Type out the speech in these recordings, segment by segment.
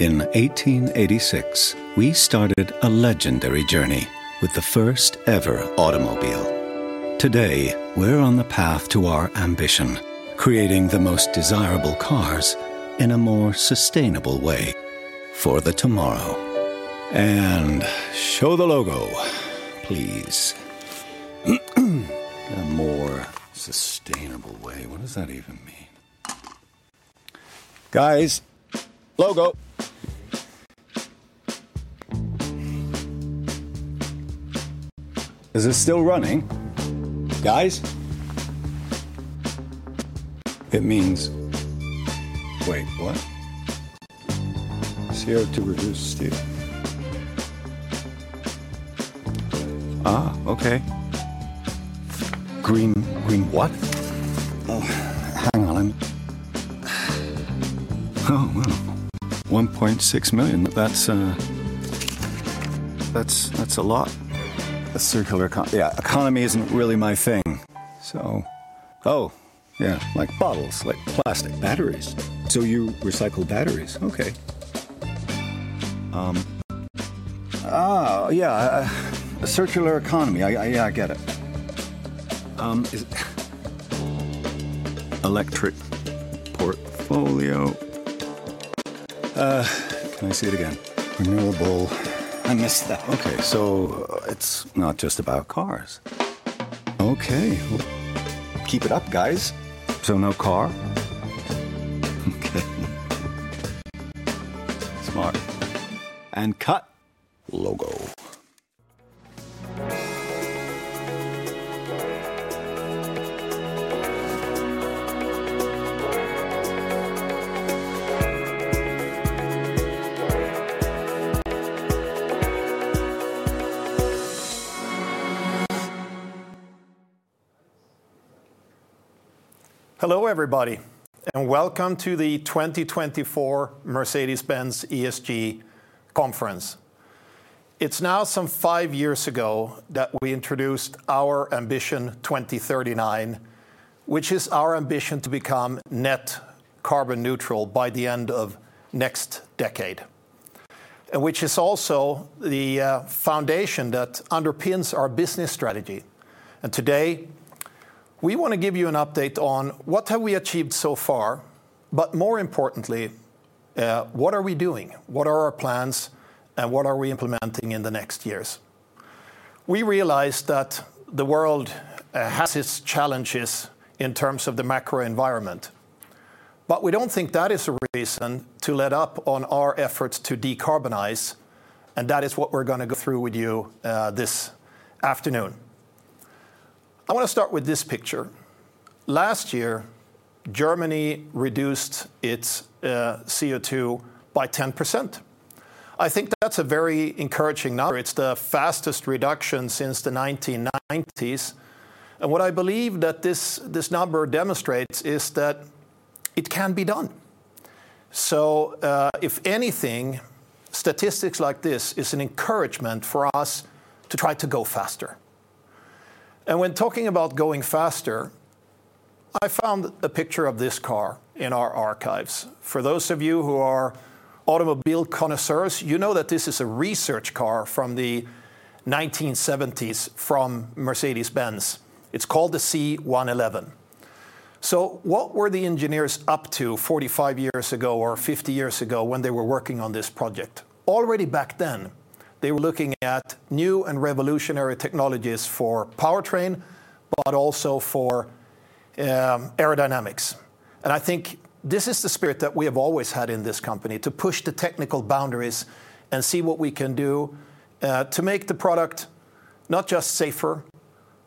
In 1886, we started a legendary journey with the first-ever automobile. Today, we're on the path to our ambition: creating the most desirable cars in a more sustainable way for the tomorrow. And show the logo, please. A more sustainable way, what does that even mean? Guys, logo. Is it still running? Guys? It means—wait, what? CO2 reduced steel. Okay. Green, green what? Oh, hang on, I'm—oh, well. 1.6 million, that's, that's a lot. A circular economy—yeah, economy isn't really my thing, so. Oh, yeah, like bottles, like plastic. Batteries. So you recycle batteries, okay. Yeah, a circular economy, I—yeah, I get it. Electric portfolio. Can I see it again? Renewable. I missed that. Okay, so it's not just about cars. Okay. Keep it up, guys. So no car? Okay. Smart. And cut. Logo. Hello everybody, and welcome to the 2024 Mercedes-Benz ESG Conference. It's now some five years ago that we introduced our Ambition 2039, which is our ambition to become net carbon-neutral by the end of next decade, and which is also the foundation that underpins our business strategy. Today, we want to give you an update on what have we achieved so far, but more importantly, what are we doing, what are our plans, and what are we implementing in the next years. We realize that the world has its challenges in terms of the macroenvironment, but we don't think that is a reason to let up on our efforts to decarbonize, and that is what we're going to go through with you this afternoon. I want to start with this picture. Last year, Germany reduced its CO2 by 10%. I think that's a very encouraging number. It's the fastest reduction since the 1990s. And what I believe that this number demonstrates is that it can be done. So if anything, statistics like this is an encouragement for us to try to go faster. And when talking about going faster, I found a picture of this car in our archives. For those of you who are automobile connoisseurs, you know that this is a research car from the 1970s from Mercedes-Benz. It's called the C 111. So what were the engineers up to 45 years ago or 50 years ago when they were working on this project? Already back then, they were looking at new and revolutionary technologies for powertrain, but also for aerodynamics. I think this is the spirit that we have always had in this company, to push the technical boundaries and see what we can do to make the product not just safer,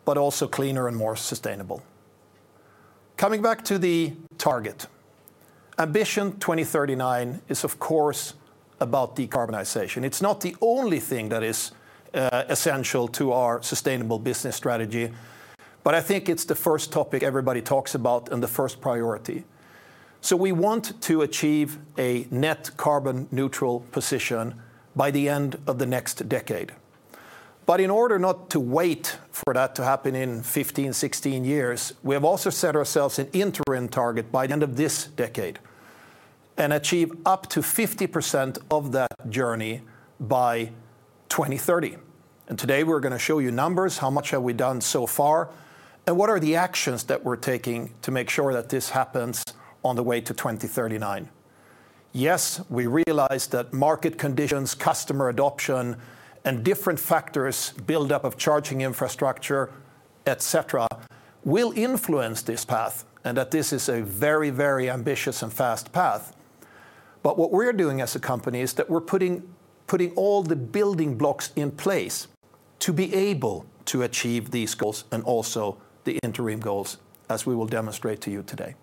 but also cleaner and more sustainable. Coming back to the target, Ambition 2039 is, of course, about decarbonization. It's not the only thing that is essential to our Sustainable Business Strategy, but I think it's the first topic everybody talks about and the first priority. We want to achieve a net carbon-neutral position by the end of the next decade. In order not to wait for that to happen in 15, 16 years, we have also set ourselves an interim target by the end of this decade and achieve up to 50% of that journey by 2030. Today, we're going to show you numbers, how much have we done so far, and what are the actions that we're taking to make sure that this happens on the way to 2039. Yes, we realize that market conditions, customer adoption, and different factors, buildup of charging infrastructure, etc., will influence this path and that this is a very, very ambitious and fast path. But what we're doing as a company is that we're putting all the building blocks in place to be able to achieve these goals and also the interim goals, as we will demonstrate to you today.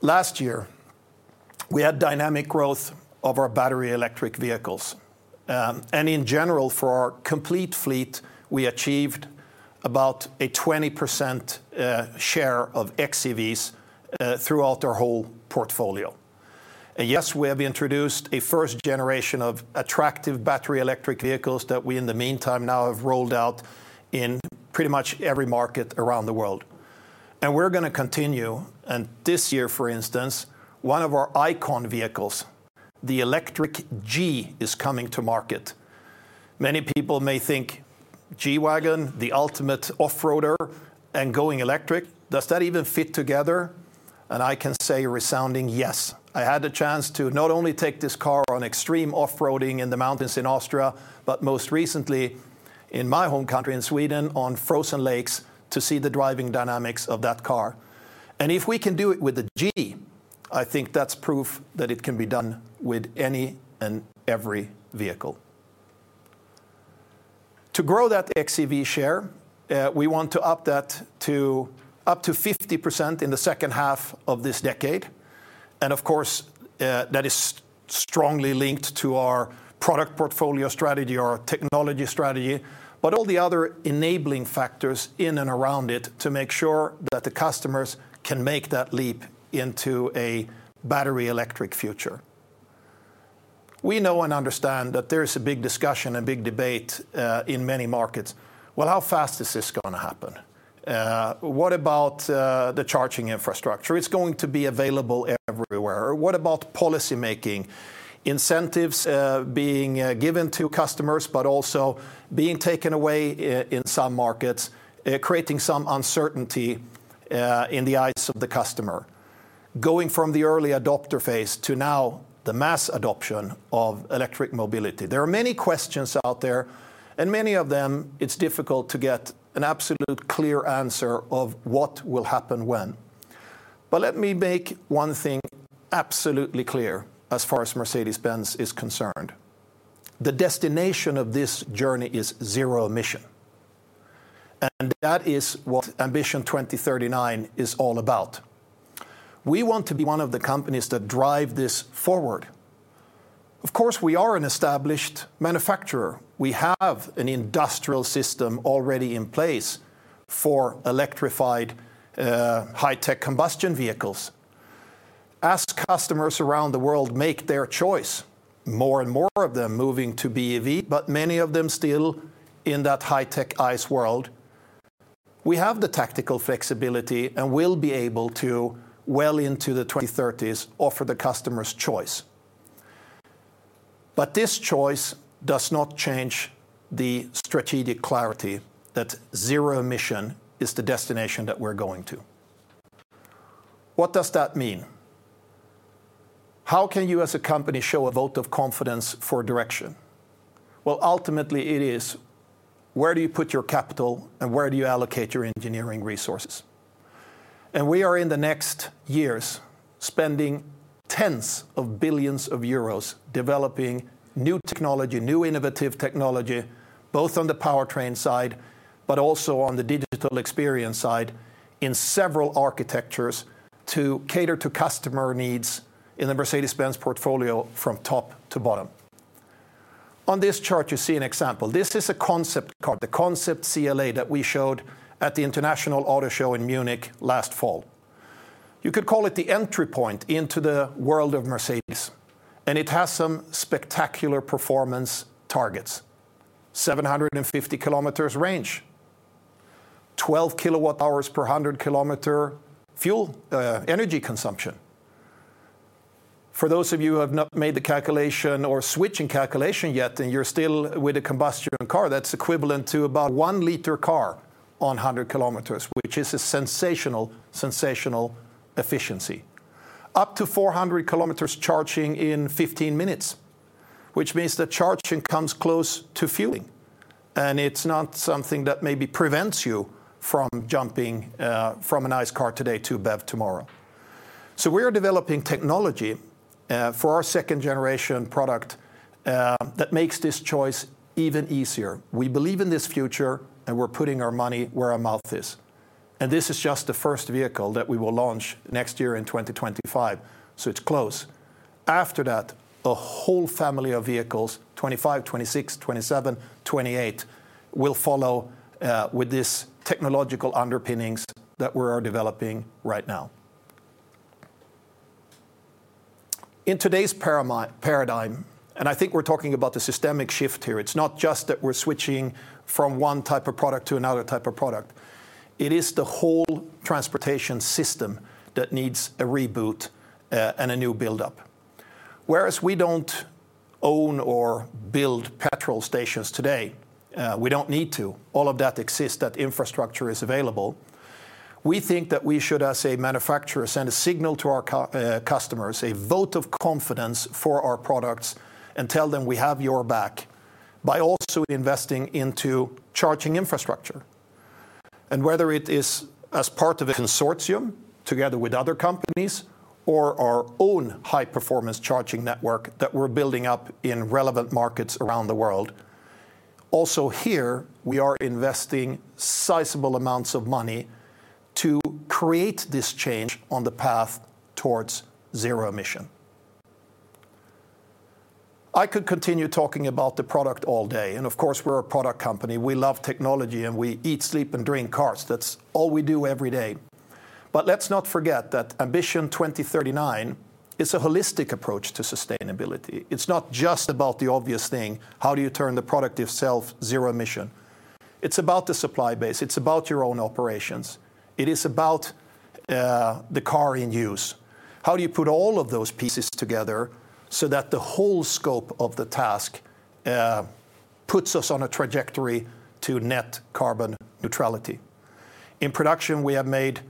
Last year, we had dynamic growth of our battery electric vehicles. In general, for our complete fleet, we achieved about a 20% share of xEVs throughout our whole portfolio. Yes, we have introduced a first generation of attractive battery electric vehicles that we, in the meantime, now have rolled out in pretty much every market around the world. We're going to continue. This year, for instance, one of our iconic vehicles, the Electric G, is coming to market. Many people may think G-Wagon, the ultimate off-roader, and going electric, does that even fit together? I can say resoundingly, yes. I had the chance to not only take this car on extreme off-roading in the mountains in Austria, but most recently in my home country, in Sweden, on frozen lakes to see the driving dynamics of that car. If we can do it with the G, I think that's proof that it can be done with any and every vehicle. To grow that xEV share, we want to up that to up to 50% in the second half of this decade. Of course, that is strongly linked to our product portfolio strategy, our technology strategy, but all the other enabling factors in and around it to make sure that the customers can make that leap into a battery electric future. We know and understand that there is a big discussion and big debate in many markets. Well, how fast is this going to happen? What about the charging infrastructure? It's going to be available everywhere. What about policymaking? Incentives being given to customers, but also being taken away in some markets, creating some uncertainty in the eyes of the customer, going from the early adopter phase to now the mass adoption of electric mobility. There are many questions out there, and many of them, it's difficult to get an absolute clear answer of what will happen when. But let me make one thing absolutely clear as far as Mercedes-Benz is concerned. The destination of this journey is zero emission. And that is what Ambition 2039 is all about. We want to be one of the companies that drive this forward. Of course, we are an established manufacturer. We have an industrial system already in place for electrified high-tech combustion vehicles. As customers around the world make their choice, more and more of them moving to BEV, but many of them still in that high-tech ICE world, we have the tactical flexibility and will be able to, well into the 2030s, offer the customer's choice. But this choice does not change the strategic clarity that zero emission is the destination that we're going to. What does that mean? How can you, as a company, show a vote of confidence for direction? Well, ultimately, it is where do you put your capital and where do you allocate your engineering resources? And we are in the next years spending tens of billions of EUR developing new technology, new innovative technology, both on the powertrain side, but also on the digital experience side in several architectures to cater to customer needs in the Mercedes-Benz portfolio from top to bottom. On this chart, you see an example. This is a concept car, the Concept CLA that we showed at the International Auto Show in Munich last fall. You could call it the entry point into the world of Mercedes. And it has some spectacular performance targets: 750 km range, 12 kWh per 100 km fuel energy consumption. For those of you who have not made the calculation or switching calculation yet and you're still with a combustion car, that's equivalent to about 1 liter car on 100 km, which is a sensational, sensational efficiency. Up to 400 km charging in 15 minutes, which means that charging comes close to fueling. And it's not something that maybe prevents you from jumping from an ICE car today to BEV tomorrow. So we are developing technology for our second generation product that makes this choice even easier. We believe in this future, and we're putting our money where our mouth is. And this is just the first vehicle that we will launch next year in 2025. So it's close. After that, a whole family of vehicles, 2025, 2026, 2027, 2028, will follow with these technological underpinnings that we are developing right now. In today's paradigm, and I think we're talking about the systemic shift here, it's not just that we're switching from one type of product to another type of product. It is the whole transportation system that needs a reboot and a new buildup. Whereas we don't own or build petrol stations today, we don't need to. All of that exists. That infrastructure is available. We think that we should, as a manufacturer, send a signal to our customers, a vote of confidence for our products, and tell them we have your back by also investing into charging infrastructure. And whether it is as part of a consortium together with other companies or our own high-performance charging network that we're building up in relevant markets around the world, also here, we are investing sizable amounts of money to create this change on the path towards zero emission. I could continue talking about the product all day. Of course, we're a product company. We love technology, and we eat, sleep, and drink cars. That's all we do every day. Let's not forget that Ambition 2039 is a holistic approach to sustainability. It's not just about the obvious thing, how do you turn the product itself zero emission? It's about the supply base. It's about your own operations. It is about the car in use. How do you put all of those pieces together so that the whole scope of the task puts us on a trajectory to net carbon neutrality? In production, we have made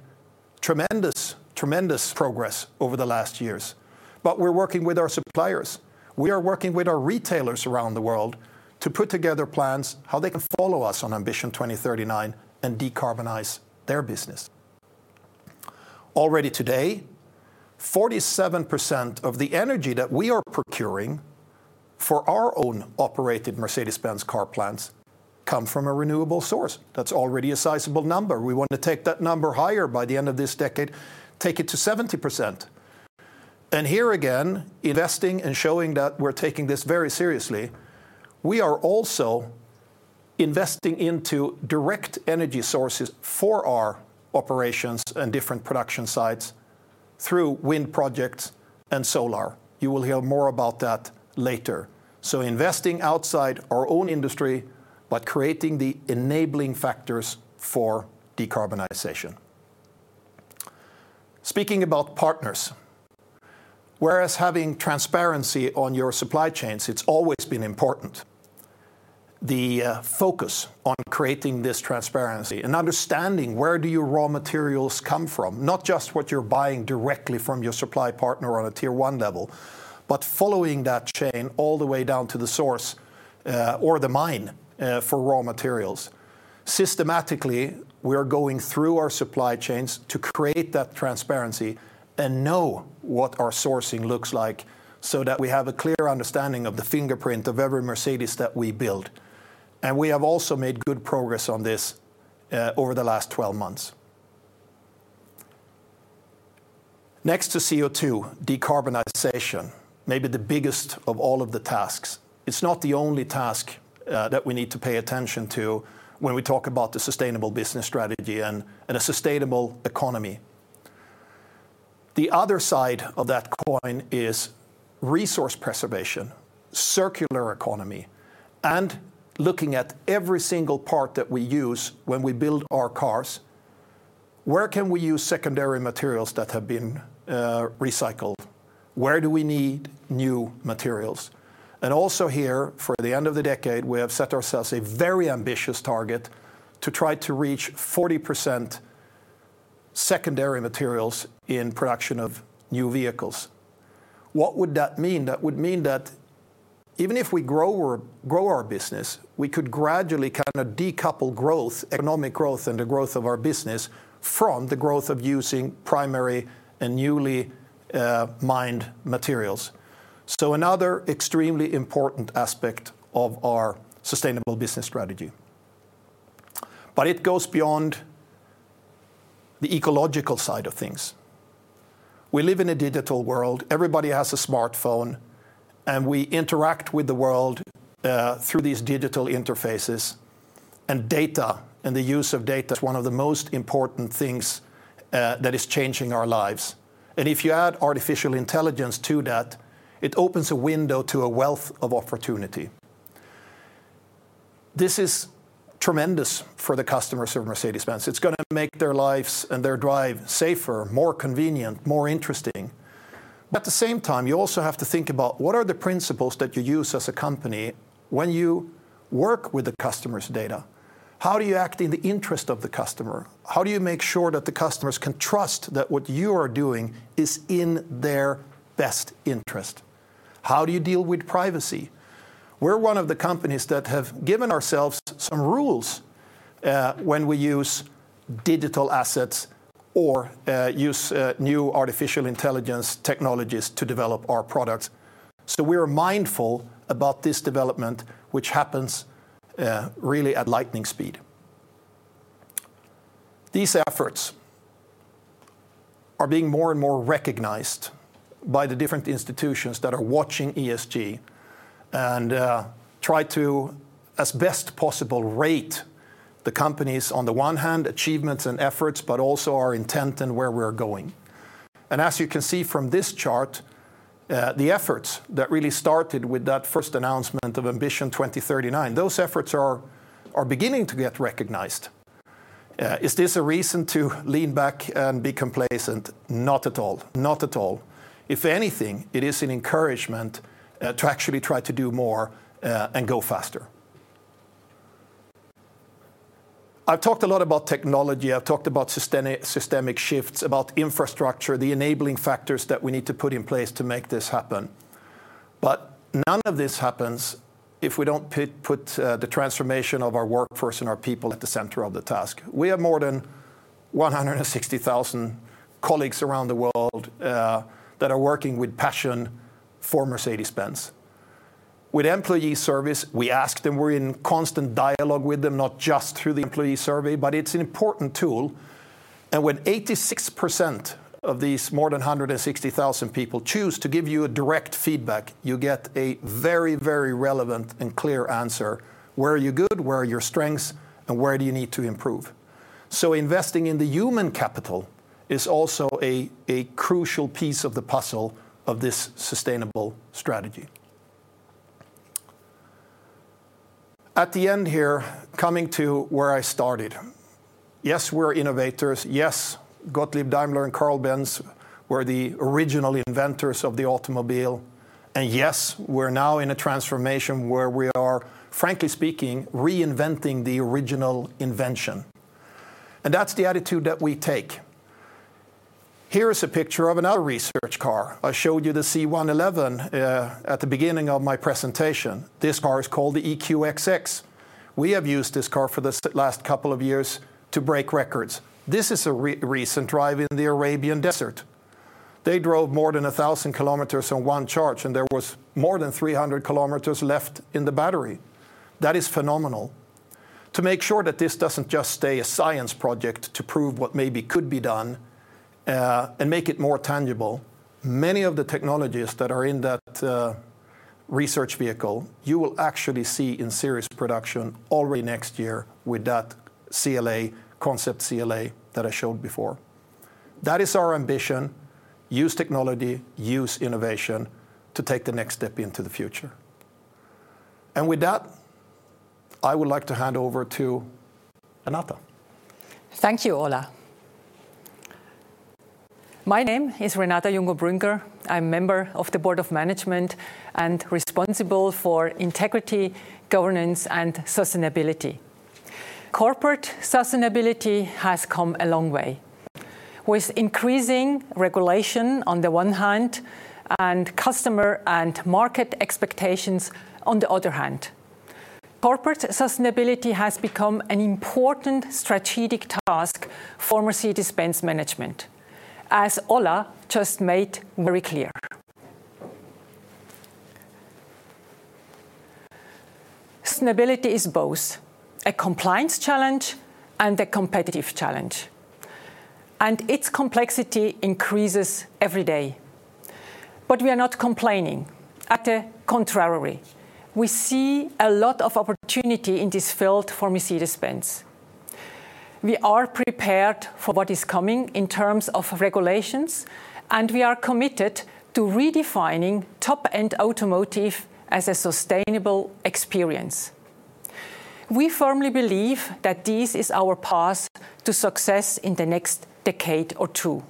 tremendous, tremendous progress over the last years. We're working with our suppliers. We are working with our retailers around the world to put together plans, how they can follow us on Ambition 2039 and decarbonize their business. Already today, 47% of the energy that we are procuring for our own operated Mercedes-Benz Cars plants come from a renewable source. That's already a sizable number. We want to take that number higher by the end of this decade, take it to 70%. And here again, investing and showing that we're taking this very seriously, we are also investing into direct energy sources for our operations and different production sites through wind projects and solar. You will hear more about that later. So investing outside our own industry, but creating the enabling factors for decarbonization. Speaking about partners, whereas having transparency on your supply chains, it's always been important, the focus on creating this transparency and understanding where do your raw materials come from, not just what you're buying directly from your supply partner on a tier one level, but following that chain all the way down to the source or the mine for raw materials. Systematically, we are going through our supply chains to create that transparency and know what our sourcing looks like so that we have a clear understanding of the fingerprint of every Mercedes that we build. We have also made good progress on this over the last 12 months. Next to CO2, decarbonization, maybe the biggest of all of the tasks. It's not the only task that we need to pay attention to when we talk about the Sustainable Business Strategy and a sustainable economy. The other side of that coin is resource preservation, circular economy, and looking at every single part that we use when we build our cars. Where can we use secondary materials that have been recycled? Where do we need new materials? And also here, for the end of the decade, we have set ourselves a very ambitious target to try to reach 40% secondary materials in production of new vehicles. What would that mean? That would mean that even if we grow our business, we could gradually kind of decouple growth, economic growth, and the growth of our business from the growth of using primary and newly mined materials. So another extremely important aspect of our Sustainable Business Strategy. But it goes beyond the ecological side of things. We live in a digital world. Everybody has a smartphone, and we interact with the world through these digital interfaces. Data and the use of data is one of the most important things that is changing our lives. If you add artificial intelligence to that, it opens a window to a wealth of opportunity. This is tremendous for the customers of Mercedes-Benz. It's going to make their lives and their drive safer, more convenient, more interesting. But at the same time, you also have to think about what are the principles that you use as a company when you work with the customer's data? How do you act in the interest of the customer? How do you make sure that the customers can trust that what you are doing is in their best interest? How do you deal with privacy? We're one of the companies that have given ourselves some rules when we use digital assets or use new artificial intelligence technologies to develop our products. So we are mindful about this development, which happens really at lightning speed. These efforts are being more and more recognized by the different institutions that are watching ESG and try to, as best possible, rate the companies on the one hand, achievements and efforts, but also our intent and where we're going. And as you can see from this chart, the efforts that really started with that first announcement of Ambition 2039, those efforts are beginning to get recognized. Is this a reason to lean back and be complacent? Not at all. Not at all. If anything, it is an encouragement to actually try to do more and go faster. I've talked a lot about technology. I've talked about systemic shifts, about infrastructure, the enabling factors that we need to put in place to make this happen. But none of this happens if we don't put the transformation of our workforce and our people at the center of the task. We have more than 160,000 colleagues around the world that are working with passion for Mercedes-Benz. With employee service, we ask them. We're in constant dialogue with them, not just through the employee survey, but it's an important tool. When 86% of these more than 160,000 people choose to give you a direct feedback, you get a very, very relevant and clear answer: where are you good, where are your strengths, and where do you need to improve? So investing in the human capital is also a crucial piece of the puzzle of this sustainable strategy. At the end here, coming to where I started, yes, we're innovators. Yes, Gottlieb Daimler and Carl Benz were the original inventors of the automobile. Yes, we're now in a transformation where we are, frankly speaking, reinventing the original invention. That's the attitude that we take. Here is a picture of another research car. I showed you the C 111 at the beginning of my presentation. This car is called the EQXX. We have used this car for the last couple of years to break records. This is a recent drive in the Arabian Desert. They drove more than 1,000 km on one charge, and there was more than 300 km left in the battery. That is phenomenal. To make sure that this doesn't just stay a science project to prove what maybe could be done and make it more tangible, many of the technologies that are in that research vehicle, you will actually see in series production already next year with that CLA, Concept CLA that I showed before. That is our ambition: use technology, use innovation to take the next step into the future. And with that, I would like to hand over to Renata. Thank you, Ola. My name is Renata Jungo Brüngger. I'm a member of the Board of Management and responsible for Integrity, Governance, and Sustainability. Corporate sustainability has come a long way with increasing regulation on the one hand and customer and market expectations on the other hand. Corporate sustainability has become an important strategic task for Mercedes-Benz management, as Ola just made very clear. Sustainability is both a compliance challenge and a competitive challenge. Its complexity increases every day. But we are not complaining. On the contrary, we see a lot of opportunity in this field for Mercedes-Benz. We are prepared for what is coming in terms of regulations, and we are committed to redefining top-end automotive as a sustainable experience. We firmly believe that this is our path to success in the next decade or two.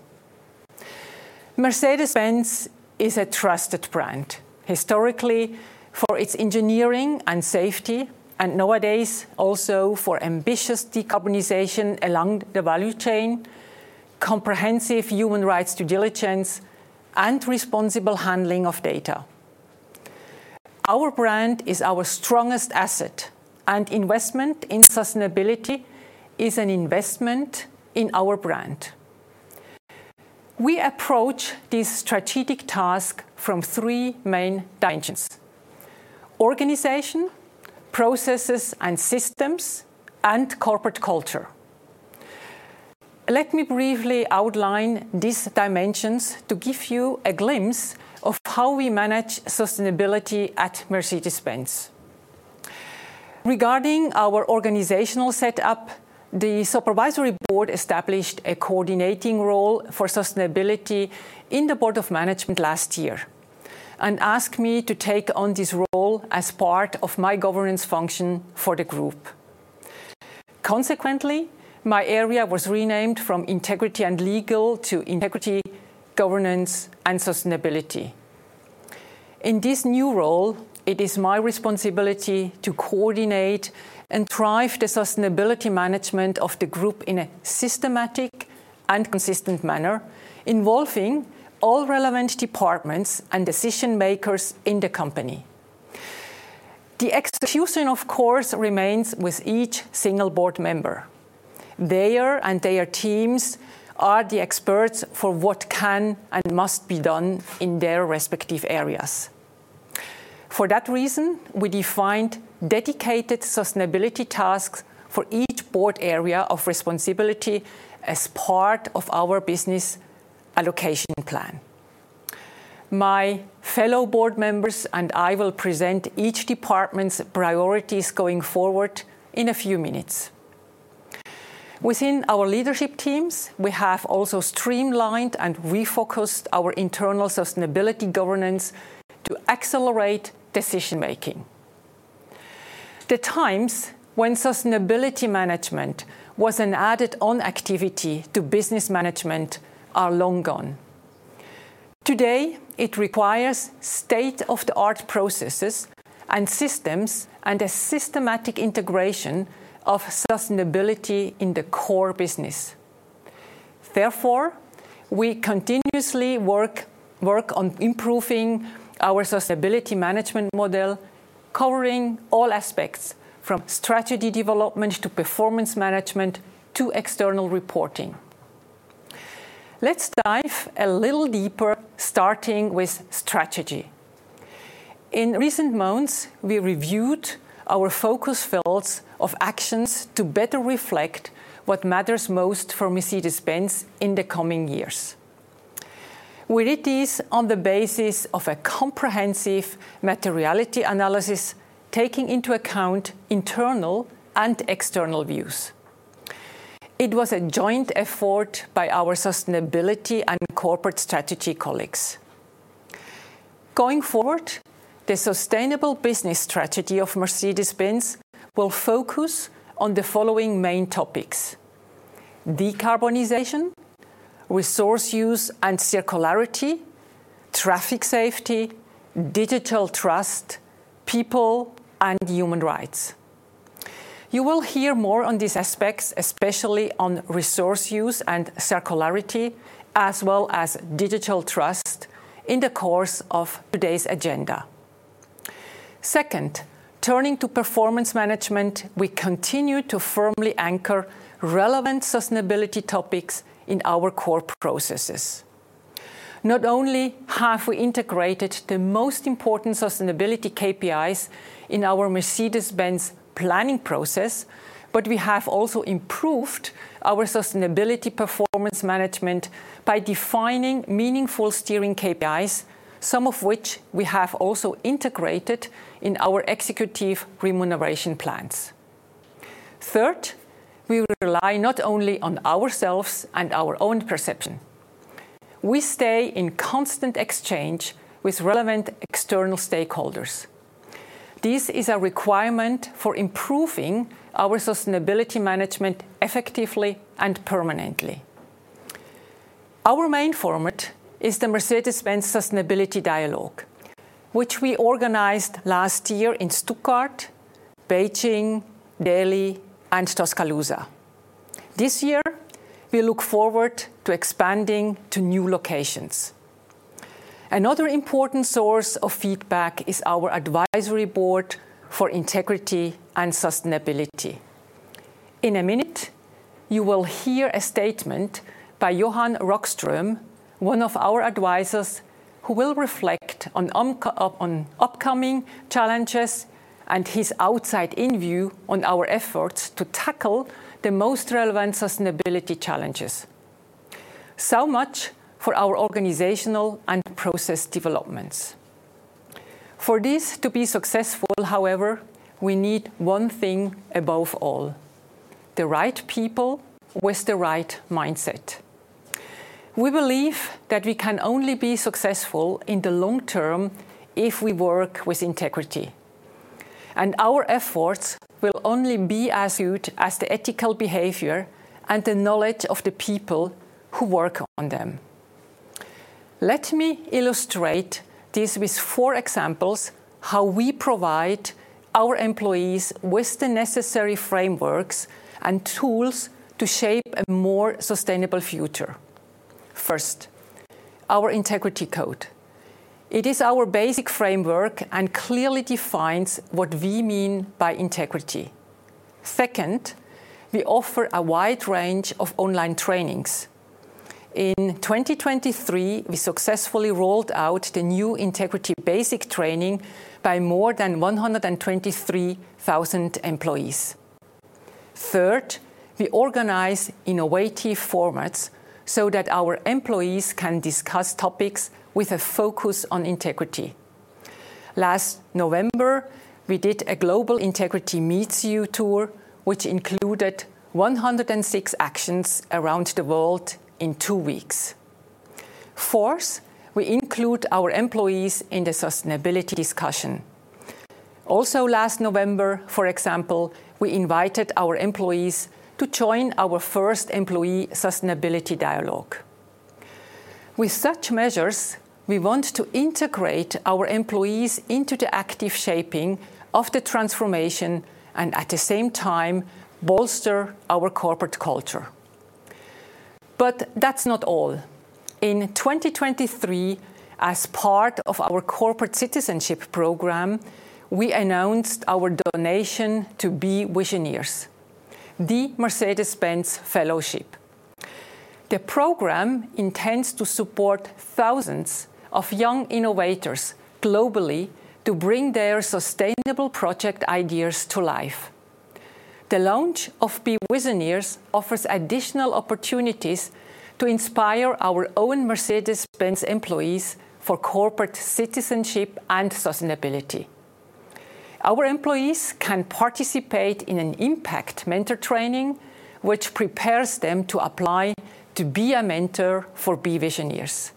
Mercedes-Benz is a trusted brand, historically for its engineering and safety, and nowadays also for ambitious decarbonization along the value chain, comprehensive human rights due diligence, and responsible handling of data. Our brand is our strongest asset, and investment in sustainability is an investment in our brand. We approach this strategic task from three main dimensions: organization, processes and systems, and corporate culture. Let me briefly outline these dimensions to give you a glimpse of how we manage sustainability at Mercedes-Benz. Regarding our organizational setup, the Supervisory Board established a coordinating role for sustainability in the Board of Management last year and asked me to take on this role as part of my governance function for the group. Consequently, my area was renamed from Integrity and Legal to Integrity, Governance, and Sustainability. In this new role, it is my responsibility to coordinate and drive the sustainability management of the group in a systematic and consistent manner, involving all relevant departments and decision-makers in the company. The execution, of course, remains with each single board member. They and their teams are the experts for what can and must be done in their respective areas. For that reason, we defined dedicated sustainability tasks for each board area of responsibility as part of our business allocation plan. My fellow board members and I will present each department's priorities going forward in a few minutes. Within our leadership teams, we have also streamlined and refocused our internal sustainability governance to accelerate decision-making. The times when sustainability management was an added on activity to business management are long gone. Today, it requires state-of-the-art processes and systems and a systematic integration of sustainability in the core business. Therefore, we continuously work on improving our sustainability management model, covering all aspects from strategy development to performance management to external reporting. Let's dive a little deeper, starting with strategy. In recent months, we reviewed our focus fields of actions to better reflect what matters most for Mercedes-Benz in the coming years. We did this on the basis of a comprehensive materiality analysis, taking into account internal and external views. It was a joint effort by our sustainability and corporate strategy colleagues. Going forward, the sustainable business strategy of Mercedes-Benz will focus on the following main topics: decarbonization, resource use and circularity, traffic safety, digital trust, people, and human rights. You will hear more on these aspects, especially on resource use and circularity, as well as digital trust, in the course of today's agenda. Second, turning to performance management, we continue to firmly anchor relevant sustainability topics in our core processes. Not only have we integrated the most important sustainability KPIs in our Mercedes-Benz planning process, but we have also improved our sustainability performance management by defining meaningful steering KPIs, some of which we have also integrated in our executive remuneration plans. Third, we rely not only on ourselves and our own perception. We stay in constant exchange with relevant external stakeholders. This is a requirement for improving our sustainability management effectively and permanently. Our main format is the Mercedes-Benz Sustainability Dialogue, which we organized last year in Stuttgart, Beijing, Delhi, and Tuscaloosa. This year, we look forward to expanding to new locations. Another important source of feedback is our Advisory Board for Integrity and Sustainability. In a minute, you will hear a statement by Johan Rockström, one of our advisors, who will reflect on upcoming challenges and his outside-in view on our efforts to tackle the most relevant sustainability challenges. So much for our organizational and process developments. For this to be successful, however, we need one thing above all: the right people with the right mindset. We believe that we can only be successful in the long term if we work with integrity. And our efforts will only be as good as the ethical behavior and the knowledge of the people who work on them. Let me illustrate this with four examples: how we provide our employees with the necessary frameworks and tools to shape a more sustainable future. First, our Integrity Code. It is our basic framework and clearly defines what we mean by integrity. Second, we offer a wide range of online trainings. In 2023, we successfully rolled out the new integrity basic training by more than 123,000 employees. Third, we organize innovative formats so that our employees can discuss topics with a focus on integrity. Last November, we did a global ''Integrity meets... YOU'' tour, which included 106 actions around the world in two weeks. Fourth, we include our employees in the sustainability discussion. Also, last November, for example, we invited our employees to join our first employee sustainability dialogue. With such measures, we want to integrate our employees into the active shaping of the transformation and, at the same time, bolster our corporate culture. But that's not all. In 2023, as part of our corporate citizenship program, we announced our donation to beVisioneers: The Mercedes-Benz Fellowship. The program intends to support thousands of young innovators globally to bring their sustainable project ideas to life. The launch of beVisioneers offers additional opportunities to inspire our own Mercedes-Benz employees for corporate citizenship and sustainability. Our employees can participate in an impact mentor training, which prepares them to apply to be a mentor for beVisioneers.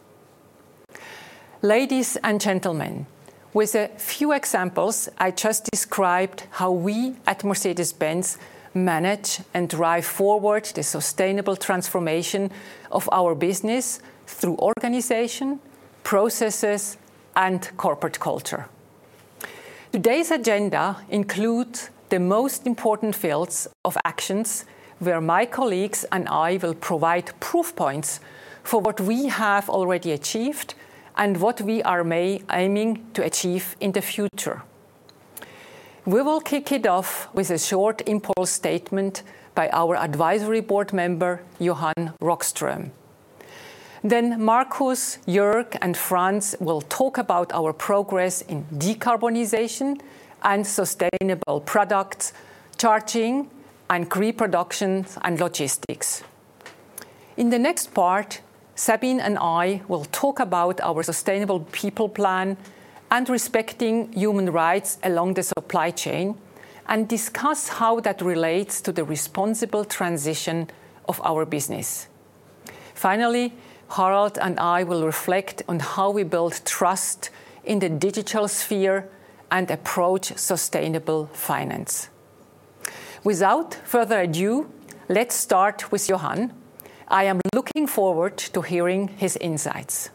Ladies and gentlemen, with a few examples, I just described how we at Mercedes-Benz manage and drive forward the sustainable transformation of our business through organization, processes, and corporate culture. Today's agenda includes the most important fields of actions where my colleagues and I will provide proof points for what we have already achieved and what we are aiming to achieve in the future. We will kick it off with a short impulse statement by our advisory board member, Johan Rockström. Then Markus, Jörg, and Franz will talk about our progress in decarbonization and sustainable products, charging and production and logistics. In the next part, Sabine and I will talk about our Sustainable People Plan and respecting human rights along the supply chain and discuss how that relates to the Just Transition of our business. Finally, Harald and I will reflect on how we build trust in the digital sphere and approach sustainable finance. Without further ado, let's start with Johan. I am looking forward to hearing his insights.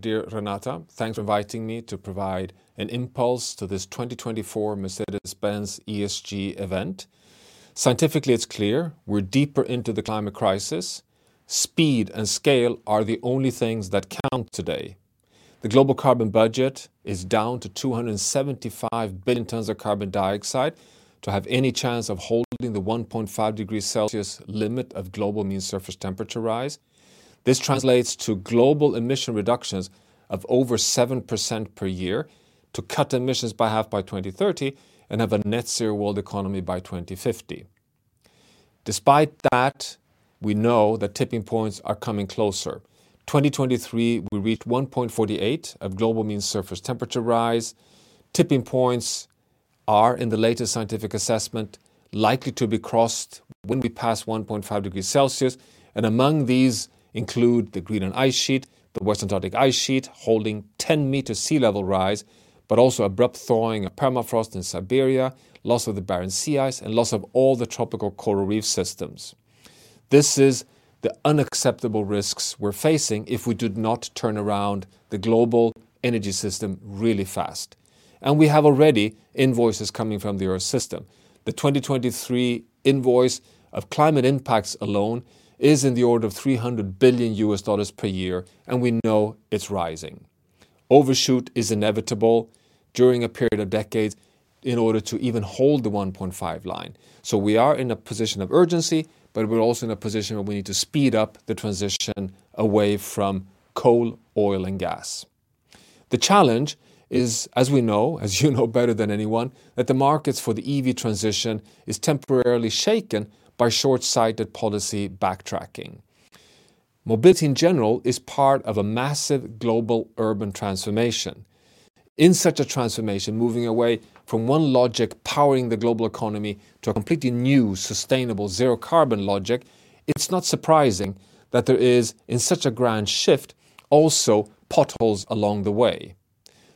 Dear Ola, dear Renata, thanks for inviting me to provide an impulse to this 2024 Mercedes-Benz ESG event. Scientifically, it's clear we're deeper into the climate crisis. Speed and scale are the only things that count today. The global carbon budget is down to 275 billion tons of carbon dioxide to have any chance of holding the 1.5 degrees Celsius limit of global mean surface temperature rise. This translates to global emission reductions of over 7% per year to cut emissions by half by 2030 and have a net zero world economy by 2050. Despite that, we know that tipping points are coming closer. In 2023, we reached 1.48 of global mean surface temperature rise. Tipping points are, in the latest scientific assessment, likely to be crossed when we pass 1.5 degrees Celsius. And among these include the Greenland Ice Sheet, the West Antarctic Ice Sheet holding 10 meters sea level rise, but also abrupt thawing of permafrost in Siberia, loss of the Barents Sea ice, and loss of all the tropical coral reef systems. This is the unacceptable risks we're facing if we do not turn around the global energy system really fast. We have already invoices coming from the Earth system. The 2023 invoice of climate impacts alone is in the order of $300 billion per year, and we know it's rising. Overshoot is inevitable during a period of decades in order to even hold the 1.5 line. We are in a position of urgency, but we're also in a position where we need to speed up the transition away from coal, oil, and gas. The challenge is, as we know, as you know better than anyone, that the markets for the EV transition are temporarily shaken by shortsighted policy backtracking. Mobility in general is part of a massive global urban transformation. In such a transformation, moving away from one logic powering the global economy to a completely new sustainable zero-carbon logic, it's not surprising that there is, in such a grand shift, also potholes along the way.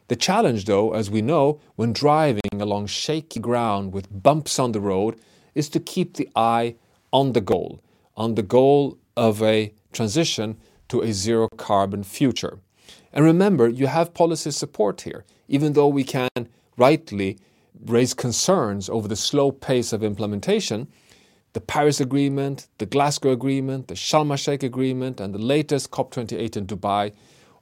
The challenge, though, as we know, when driving along shaky ground with bumps on the road, is to keep the eye on the goal, on the goal of a transition to a zero-carbon future. And remember, you have policy support here. Even though we can rightly raise concerns over the slow pace of implementation, the Paris Agreement, the Glasgow Agreement, the Sharm El-Sheikh Agreement, and the latest COP28 in Dubai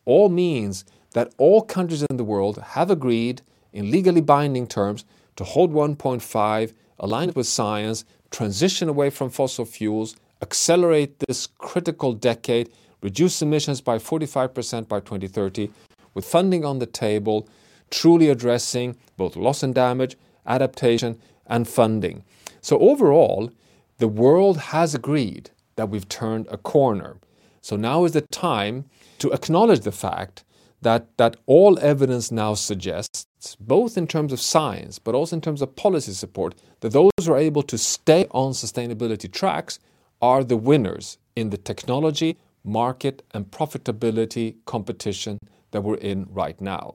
all mean that all countries in the world have agreed in legally binding terms to hold 1.5, align it with science, transition away from fossil fuels, accelerate this critical decade, reduce emissions by 45% by 2030 with funding on the table, truly addressing both loss and damage, adaptation, and funding. So overall, the world has agreed that we've turned a corner. So now is the time to acknowledge the fact that all evidence now suggests, both in terms of science but also in terms of policy support, that those who are able to stay on sustainability tracks are the winners in the technology, market, and profitability competition that we're in right now.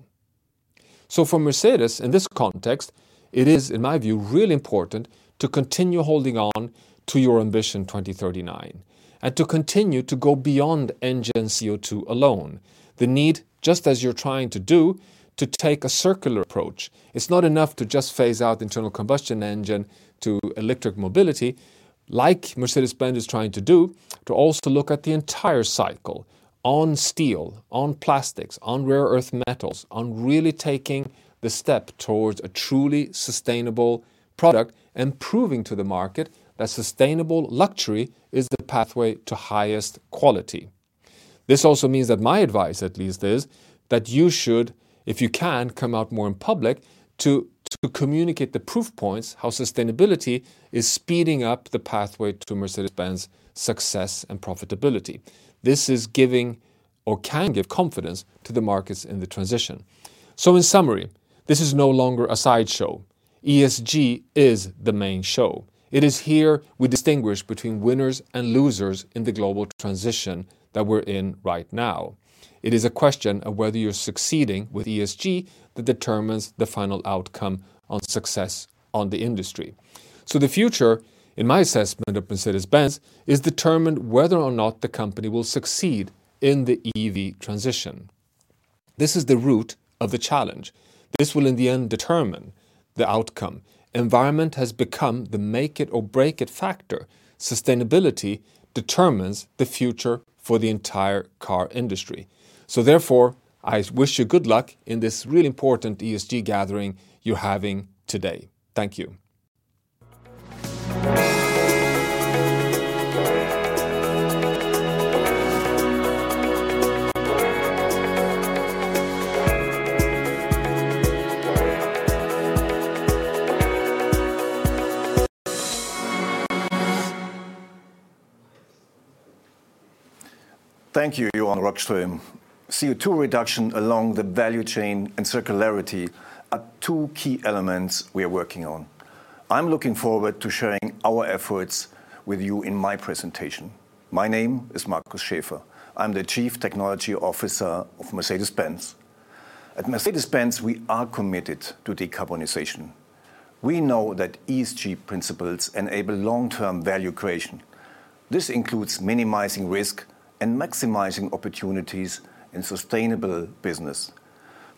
So for Mercedes, in this context, it is, in my view, really important to continue holding on to your Ambition 2039 and to continue to go beyond engine CO2 alone, the need, just as you're trying to do, to take a circular approach. It's not enough to just phase out the internal combustion engine to electric mobility, like Mercedes-Benz is trying to do, to also look at the entire cycle on steel, on plastics, on rare earth metals, on really taking the step towards a truly sustainable product and proving to the market that sustainable luxury is the pathway to highest quality. This also means that my advice, at least, is that you should, if you can, come out more in public to communicate the proof points how sustainability is speeding up the pathway to Mercedes-Benz success and profitability. This is giving or can give confidence to the markets in the transition. So in summary, this is no longer a sideshow. ESG is the main show. It is here we distinguish between winners and losers in the global transition that we're in right now. It is a question of whether you're succeeding with ESG that determines the final outcome on success on the industry. So the future, in my assessment of Mercedes-Benz, is determined whether or not the company will succeed in the EV transition. This is the root of the challenge. This will, in the end, determine the outcome. Environment has become the make-it-or-break-it factor. Sustainability determines the future for the entire car industry. So therefore, I wish you good luck in this really important ESG gathering you're having today. Thank you. Thank you, Johan Rockström. CO2 reduction along the value chain and circularity are two key elements we are working on. I'm looking forward to sharing our efforts with you in my presentation. My name is Markus Schäfer. I'm the Chief Technology Officer of Mercedes-Benz. At Mercedes-Benz, we are committed to decarbonization. We know that ESG principles enable long-term value creation. This includes minimizing risk and maximizing opportunities in sustainable business.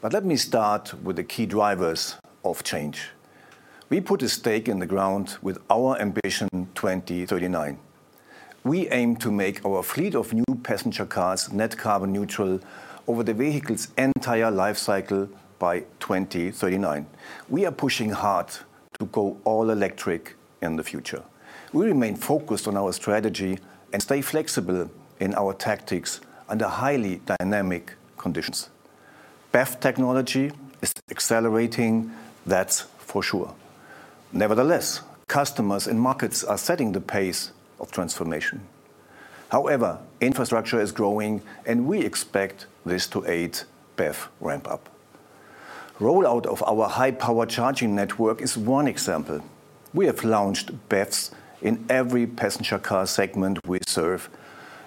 But let me start with the key drivers of change. We put a stake in the ground with our Ambition 2039. We aim to make our fleet of new passenger cars net carbon neutral over the vehicle's entire lifecycle by 2039. We are pushing hard to go all electric in the future. We remain focused on our strategy and stay flexible in our tactics under highly dynamic conditions. BEV technology is accelerating, that's for sure. Nevertheless, customers and markets are setting the pace of transformation. However, infrastructure is growing, and we expect this to aid BEV ramp-up. Rollout of our high-power charging network is one example. We have launched BEVs in every passenger car segment we serve,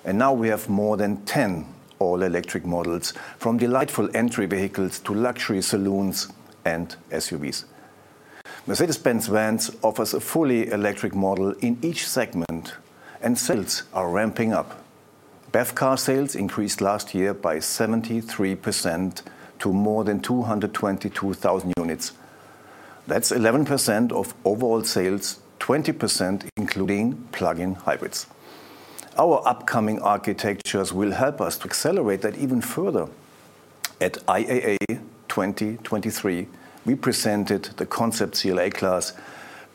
and now we have more than 10 all-electric models, from delightful entry vehicles to luxury saloons and SUVs. Mercedes-Benz Vans offers a fully electric model in each segment, and sales are ramping up. BEV car sales increased last year by 73% to more than 222,000 units. That's 11% of overall sales, 20% including plug-in hybrids. Our upcoming architectures will help us to accelerate that even further. At IAA 2023, we presented the Concept CLA Class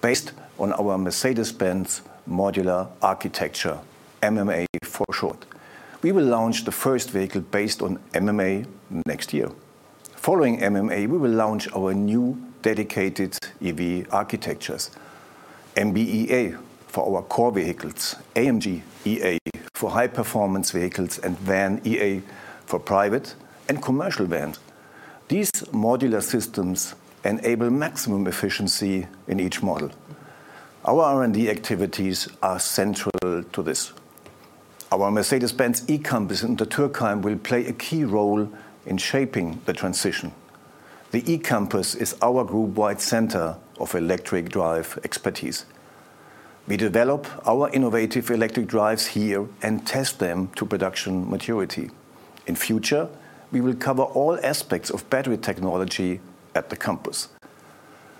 based on our Mercedes-Benz Modular Architecture, MMA for short. We will launch the first vehicle based on MMA next year. Following MMA, we will launch our new dedicated EV architectures: MB.EA for our core vehicles, AMG.EA for high-performance vehicles, and VAN.EA for private and commercial vans. These modular systems enable maximum efficiency in each model. Our R&D activities are central to this. Our Mercedes-Benz eCampus in the Untertürkheim will play a key role in shaping the transition. The eCampus is our group-wide center of electric drive expertise. We develop our innovative electric drives here and test them to production maturity. In future, we will cover all aspects of battery technology at the campus.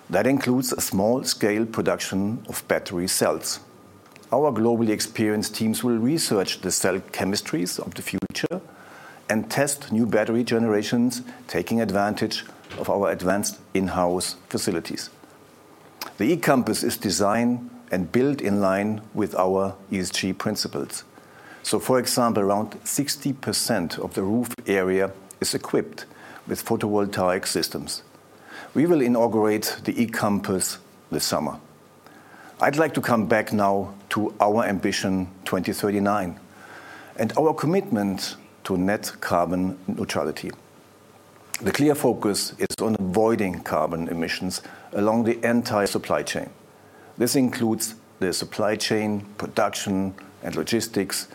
That includes a small-scale production of battery cells. Our globally experienced teams will research the cell chemistries of the future and test new battery generations, taking advantage of our advanced in-house facilities. The eCampus is designed and built in line with our ESG principles. So, for example, around 60% of the roof area is equipped with photovoltaic systems. We will inaugurate the eCampus this summer. I'd like to come back now to our Ambition 2039 and our commitment to net carbon-neutral. The clear focus is on avoiding carbon emissions along the entire supply chain. This includes the supply chain, production, and logistics,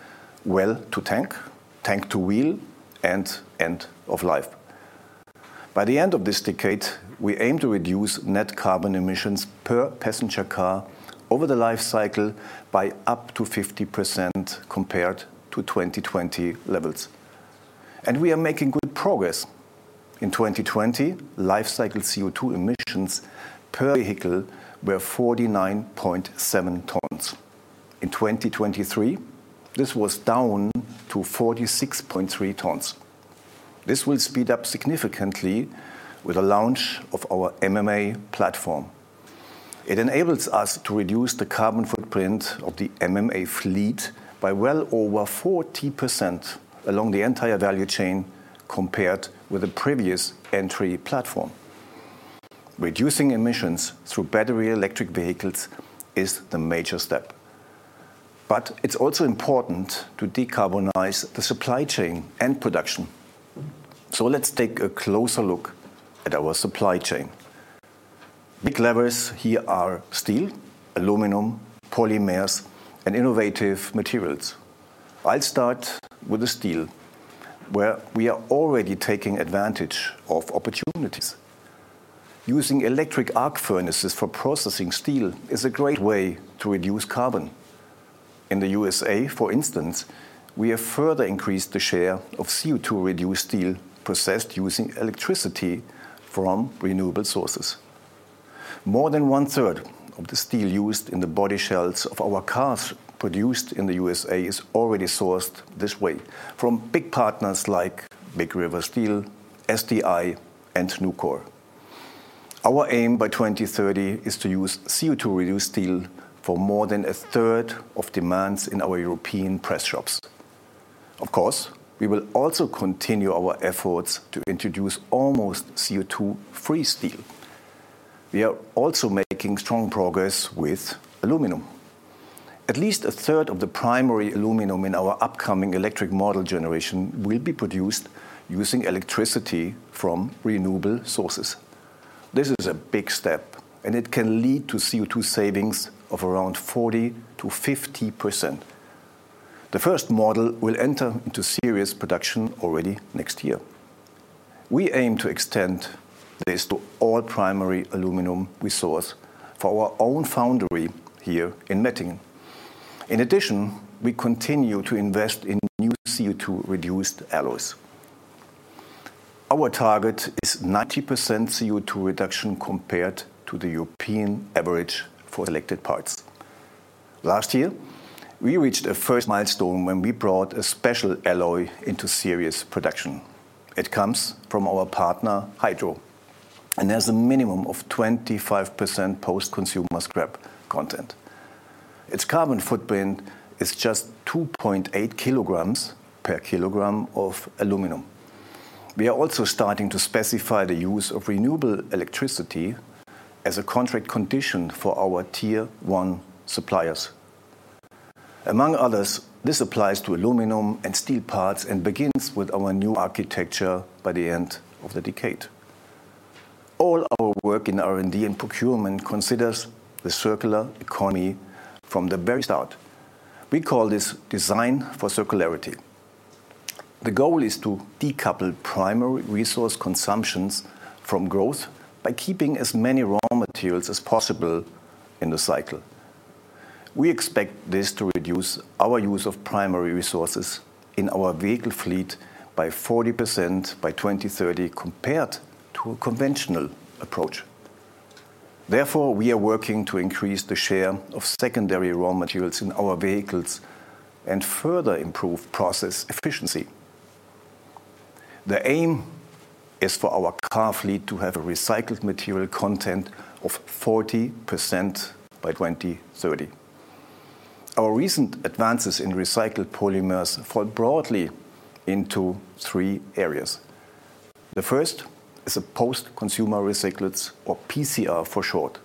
well to tank, tank to wheel, and end of life. By the end of this decade, we aim to reduce net carbon emissions per passenger car over the lifecycle by up to 50% compared to 2020 levels. And we are making good progress. In 2020, lifecycle CO2 emissions per vehicle were 49.7 tons. In 2023, this was down to 46.3 tons. This will speed up significantly with the launch of our MMA platform. It enables us to reduce the carbon footprint of the MMA fleet by well over 40% along the entire value chain compared with the previous entry platform. Reducing emissions through battery electric vehicles is the major step. But it's also important to decarbonize the supply chain and production. So let's take a closer look at our supply chain. Big levers here are steel, aluminum, polymers, and innovative materials. I'll start with the steel, where we are already taking advantage of opportunities. Using electric arc furnaces for processing steel is a great way to reduce carbon. In the USA, for instance, we have further increased the share of CO2-reduced steel processed using electricity from renewable sources. More than one-third of the steel used in the body shells of our cars produced in the USA is already sourced this way from big partners like Big River Steel, SDI, and Nucor. Our aim by 2030 is to use CO2-reduced steel for more than a third of demands in our European press shops. Of course, we will also continue our efforts to introduce almost CO2-free steel. We are also making strong progress with aluminum. At least a third of the primary aluminum in our upcoming electric model generation will be produced using electricity from renewable sources. This is a big step, and it can lead to CO2 savings of around 40%-50%. The first model will enter into serious production already next year. We aim to extend this to all primary aluminum we source for our own foundry here in Mettingen. In addition, we continue to invest in new CO2-reduced alloys. Our target is 90% CO2 reduction compared to the European average for selected parts. Last year, we reached a first milestone when we brought a special alloy into serious production. It comes from our partner Hydro and has a minimum of 25% post-consumer scrap content. Its carbon footprint is just 2.8 kg per kg of aluminum. We are also starting to specify the use of renewable electricity as a contract condition for our Tier 1 suppliers. Among others, this applies to aluminum and steel parts and begins with our new architecture by the end of the decade. All our work in R&D and procurement considers the circular economy from the very start. We call this design for circularity. The goal is to decouple primary resource consumptions from growth by keeping as many raw materials as possible in the cycle. We expect this to reduce our use of primary resources in our vehicle fleet by 40% by 2030 compared to a conventional approach. Therefore, we are working to increase the share of secondary raw materials in our vehicles and further improve process efficiency. The aim is for our car fleet to have a recycled material content of 40% by 2030. Our recent advances in recycled polymers fall broadly into three areas. The first is a post-consumer recycled, or PCR for short.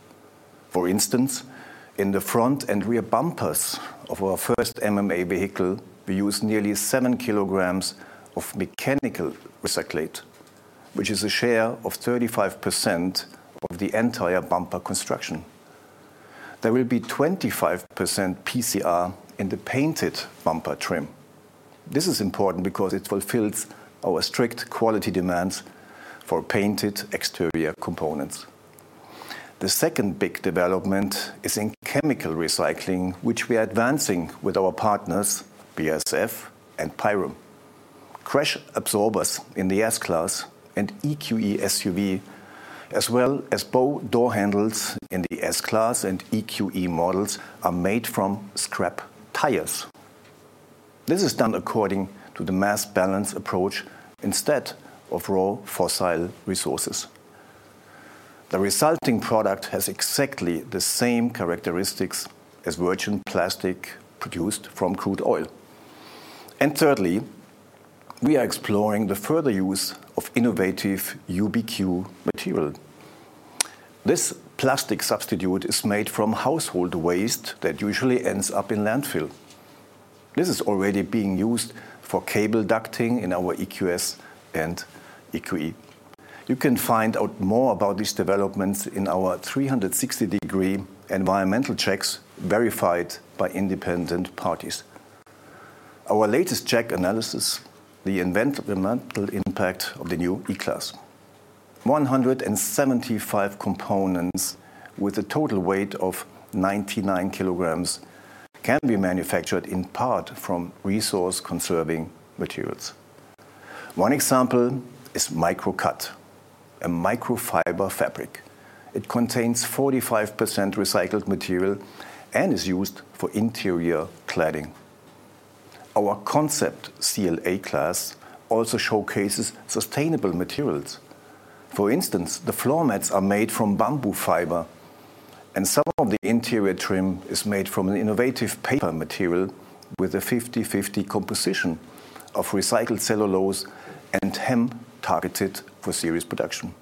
For instance, in the front and rear bumpers of our first MMA vehicle, we use nearly 7 kg of mechanical recyclate, which is a share of 35% of the entire bumper construction. There will be 25% PCR in the painted bumper trim. This is important because it fulfills our strict quality demands for painted exterior components. The second big development is in chemical recycling, which we are advancing with our partners BASF and Pyrum. Crash absorbers in the S-Class and EQE SUV, as well as bow door handles in the S-Class and EQE models, are made from scrap tires. This is done according to the mass balance approach instead of raw fossil resources. The resulting product has exactly the same characteristics as virgin plastic produced from crude oil. And thirdly, we are exploring the further use of innovative UBQ material. This plastic substitute is made from household waste that usually ends up in landfill. This is already being used for cable ducting in our EQS and EQE. You can find out more about these developments in our 360-degree environmental checks verified by independent parties. Our latest check analysis: the environmental impact of the new E-Class. 175 components with a total weight of 99 kg can be manufactured in part from resource-conserving materials. One example is MICROCUT, a microfiber fabric. It contains 45% recycled material and is used for interior cladding. Our Concept CLA Class also showcases sustainable materials. For instance, the floor mats are made from bamboo fiber, and some of the interior trim is made from an innovative paper material with a 50/50 composition of recycled cellulose and hemp targeted for series production.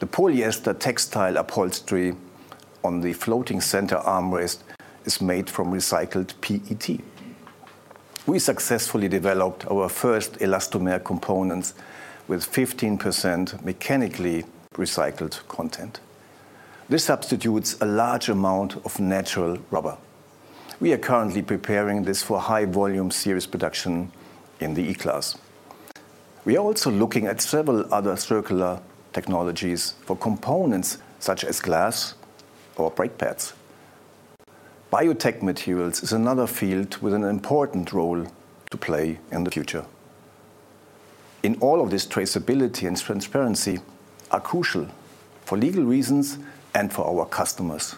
The polyester textile upholstery on the floating center armrest is made from recycled PET. We successfully developed our first elastomer components with 15% mechanically recycled content. This substitutes a large amount of natural rubber. We are currently preparing this for high-volume series production in the E-Class. We are also looking at several other circular technologies for components such as glass or brake pads. Biotech materials is another field with an important role to play in the future. In all of this, traceability and transparency are crucial for legal reasons and for our customers.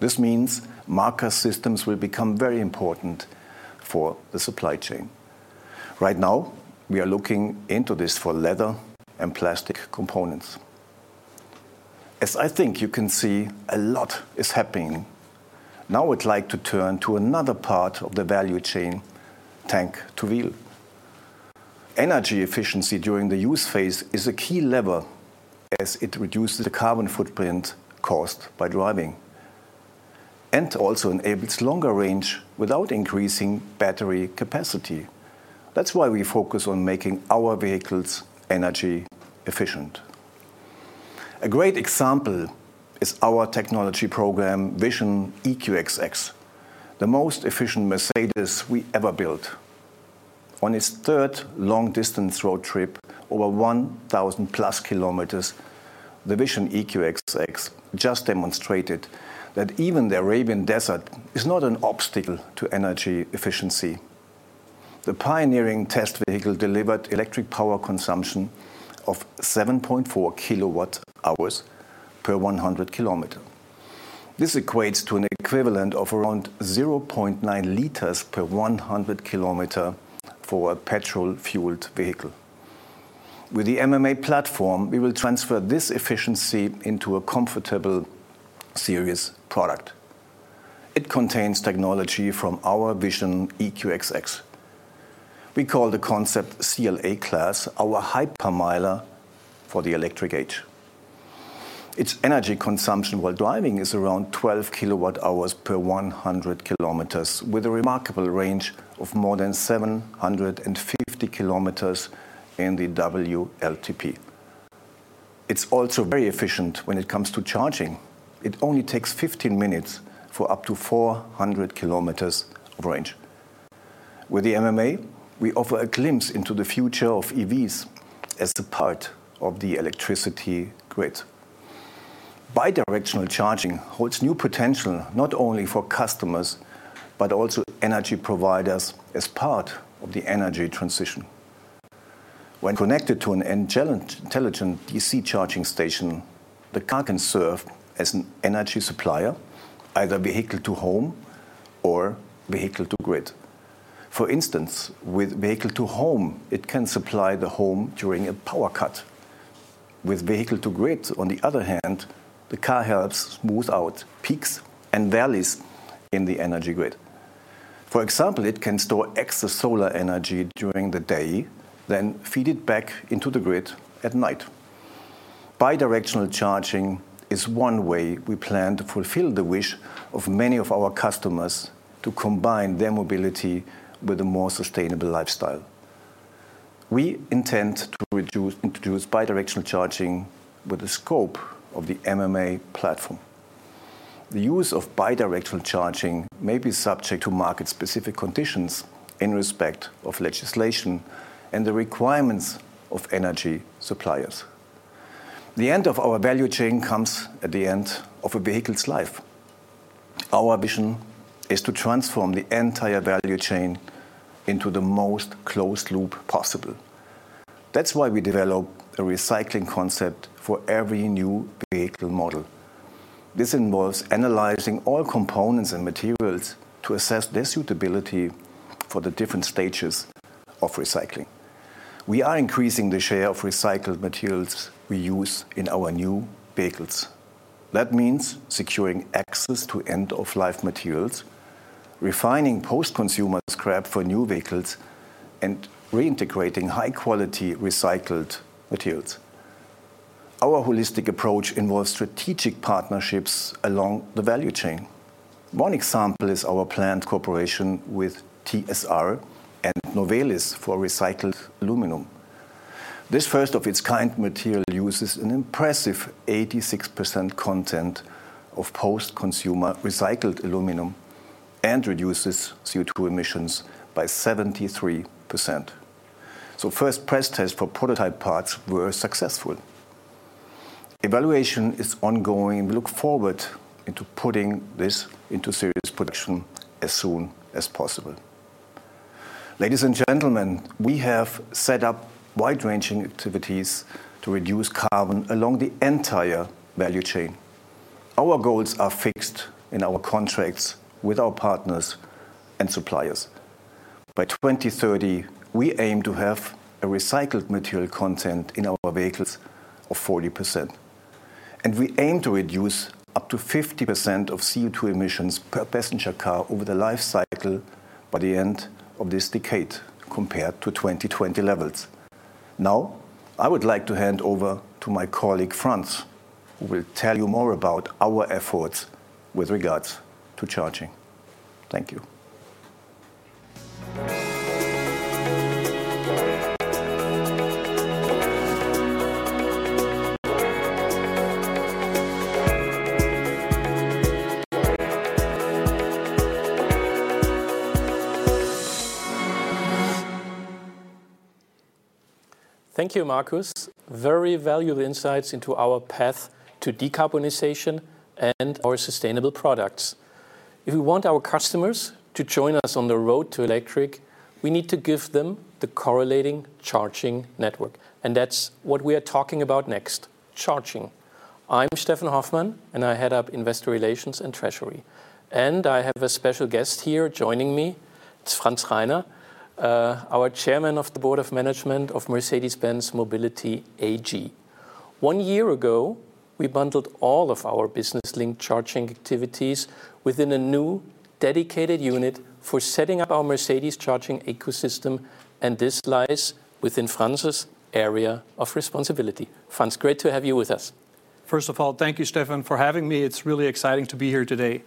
This means marker systems will become very important for the supply chain. Right now, we are looking into this for leather and plastic components. As I think you can see, a lot is happening. Now I'd like to turn to another part of the value chain: tank to wheel. Energy efficiency during the use phase is a key lever as it reduces the carbon footprint caused by driving and also enables longer range without increasing battery capacity. That's why we focus on making our vehicles energy efficient. A great example is our technology program Vision EQXX, the most efficient Mercedes we ever built. On its third long-distance road trip, over 1,000+ km, the Vision EQXX just demonstrated that even the Arabian Desert is not an obstacle to energy efficiency. The pioneering test vehicle delivered electric power consumption of 7.4 kWh per 100 km. This equates to an equivalent of around 0.9 liters per 100 km for a petrol-fueled vehicle. With the MMA platform, we will transfer this efficiency into a comfortable series product. It contains technology from our Vision EQXX. We call the Concept CLA Class our Hypermiler for the electric age. Its energy consumption while driving is around 12 kWh per 100 km, with a remarkable range of more than 750 km in the WLTP. It's also very efficient when it comes to charging. It only takes 15 minutes for up to 400 km of range. With the MMA, we offer a glimpse into the future of EVs as a part of the electricity grid. Bidirectional charging holds new potential not only for customers but also energy providers as part of the energy transition. When connected to an intelligent DC charging station, the car can serve as an energy supplier, either vehicle to home or vehicle to grid. For instance, with vehicle to home, it can supply the home during a power cut. With vehicle to grid, on the other hand, the car helps smooth out peaks and valleys in the energy grid. For example, it can store extra solar energy during the day, then feed it back into the grid at night. Bidirectional charging is one way we plan to fulfill the wish of many of our customers to combine their mobility with a more sustainable lifestyle. We intend to introduce bidirectional charging with the scope of the MMA platform. The use of bidirectional charging may be subject to market-specific conditions in respect of legislation and the requirements of energy suppliers. The end of our value chain comes at the end of a vehicle's life. Our vision is to transform the entire value chain into the most closed-loop possible. That's why we develop a recycling concept for every new vehicle model. This involves analyzing all components and materials to assess their suitability for the different stages of recycling. We are increasing the share of recycled materials we use in our new vehicles. That means securing access to end-of-life materials, refining post-consumer scrap for new vehicles, and reintegrating high-quality recycled materials. Our holistic approach involves strategic partnerships along the value chain. One example is our plant cooperation with TSR and Novelis for recycled aluminum. This first-of-its-kind material uses an impressive 86% content of post-consumer recycled aluminum and reduces CO2 emissions by 73%. So, first press tests for prototype parts were successful. Evaluation is ongoing, and we look forward to putting this into series production as soon as possible. Ladies and gentlemen, we have set up wide-ranging activities to reduce carbon along the entire value chain. Our goals are fixed in our contracts with our partners and suppliers. By 2030, we aim to have a recycled material content in our vehicles of 40%. We aim to reduce up to 50% of CO2 emissions per passenger car over the life cycle by the end of this decade compared to 2020 levels. Now, I would like to hand over to my colleague Franz, who will tell you more about our efforts with regards to charging. Thank you. Thank you, Markus. Very valuable insights into our path to decarbonization and our sustainable products. If we want our customers to join us on the road to electric, we need to give them the correlating charging network. That's what we are talking about next: charging. I'm Steffen Hoffmann, and I head up Investor Relations and Treasury. I have a special guest here joining me. It's Franz Reiner, our Chairman of the Board of Management of Mercedes-Benz Mobility AG. One year ago, we bundled all of our business-linked charging activities within a new dedicated unit for setting up our Mercedes charging ecosystem, and this lies within Franz's area of responsibility. Franz, great to have you with us. First of all, thank you, Steffen, for having me. It's really exciting to be here today.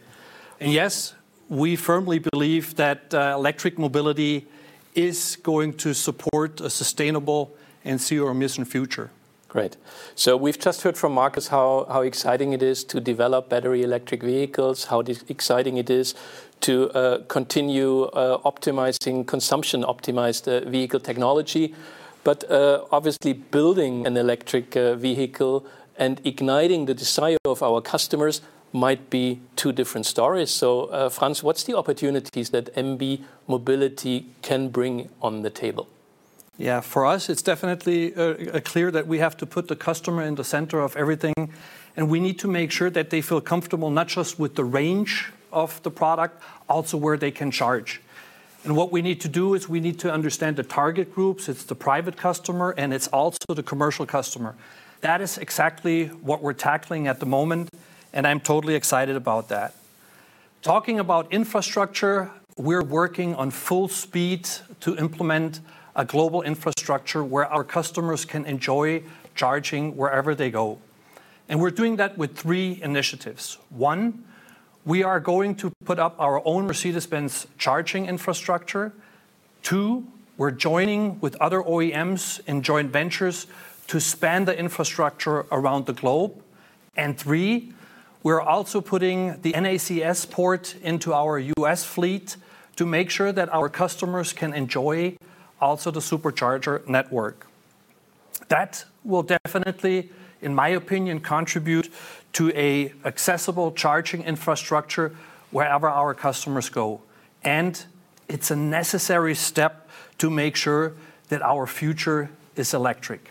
Yes, we firmly believe that electric mobility is going to support a sustainable and zero-emission future. Great. So we've just heard from Markus how exciting it is to develop battery electric vehicles, how exciting it is to continue optimizing consumption-optimized vehicle technology. But obviously, building an electric vehicle and igniting the desire of our customers might be two different stories. So, Franz, what's the opportunities that MB Mobility can bring on the table? Yeah, for us, it's definitely clear that we have to put the customer in the center of everything. And we need to make sure that they feel comfortable not just with the range of the product, also where they can charge. And what we need to do is we need to understand the target groups. It's the private customer, and it's also the commercial customer. That is exactly what we're tackling at the moment, and I'm totally excited about that. Talking about infrastructure, we're working on full speed to implement a global infrastructure where our customers can enjoy charging wherever they go. And we're doing that with three initiatives. One, we are going to put up our own Mercedes-Benz charging infrastructure. Two, we're joining with other OEMs and joint ventures to span the infrastructure around the globe. And three, we're also putting the NACS port into our U.S. fleet to make sure that our customers can enjoy also the supercharger network. That will definitely, in my opinion, contribute to an accessible charging infrastructure wherever our customers go. And it's a necessary step to make sure that our future is electric.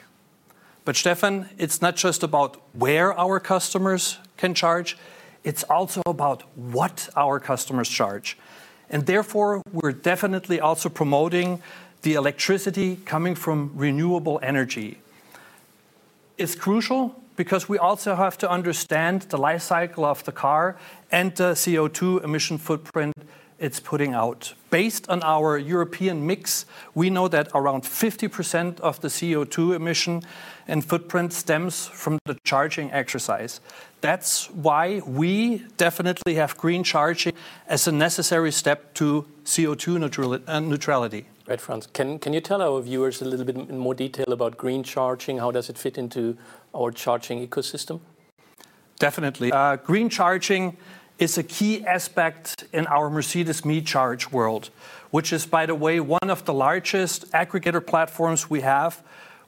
But Steffen, it's not just about where our customers can charge. It's also about what our customers charge. And therefore, we're definitely also promoting the electricity coming from renewable energy. It's crucial because we also have to understand the lifecycle of the car and the CO2 emission footprint it's putting out. Based on our European mix, we know that around 50% of the CO2 emission and footprint stems from the charging exercise. That's why we definitely have green charging as a necessary step to CO2 neutrality. Great, Franz. Can you tell our viewers a little bit in more detail about green charging? How does it fit into our charging ecosystem? Definitely. Green charging is a key aspect in our Mercedes me Charge world, which is, by the way, one of the largest aggregator platforms we have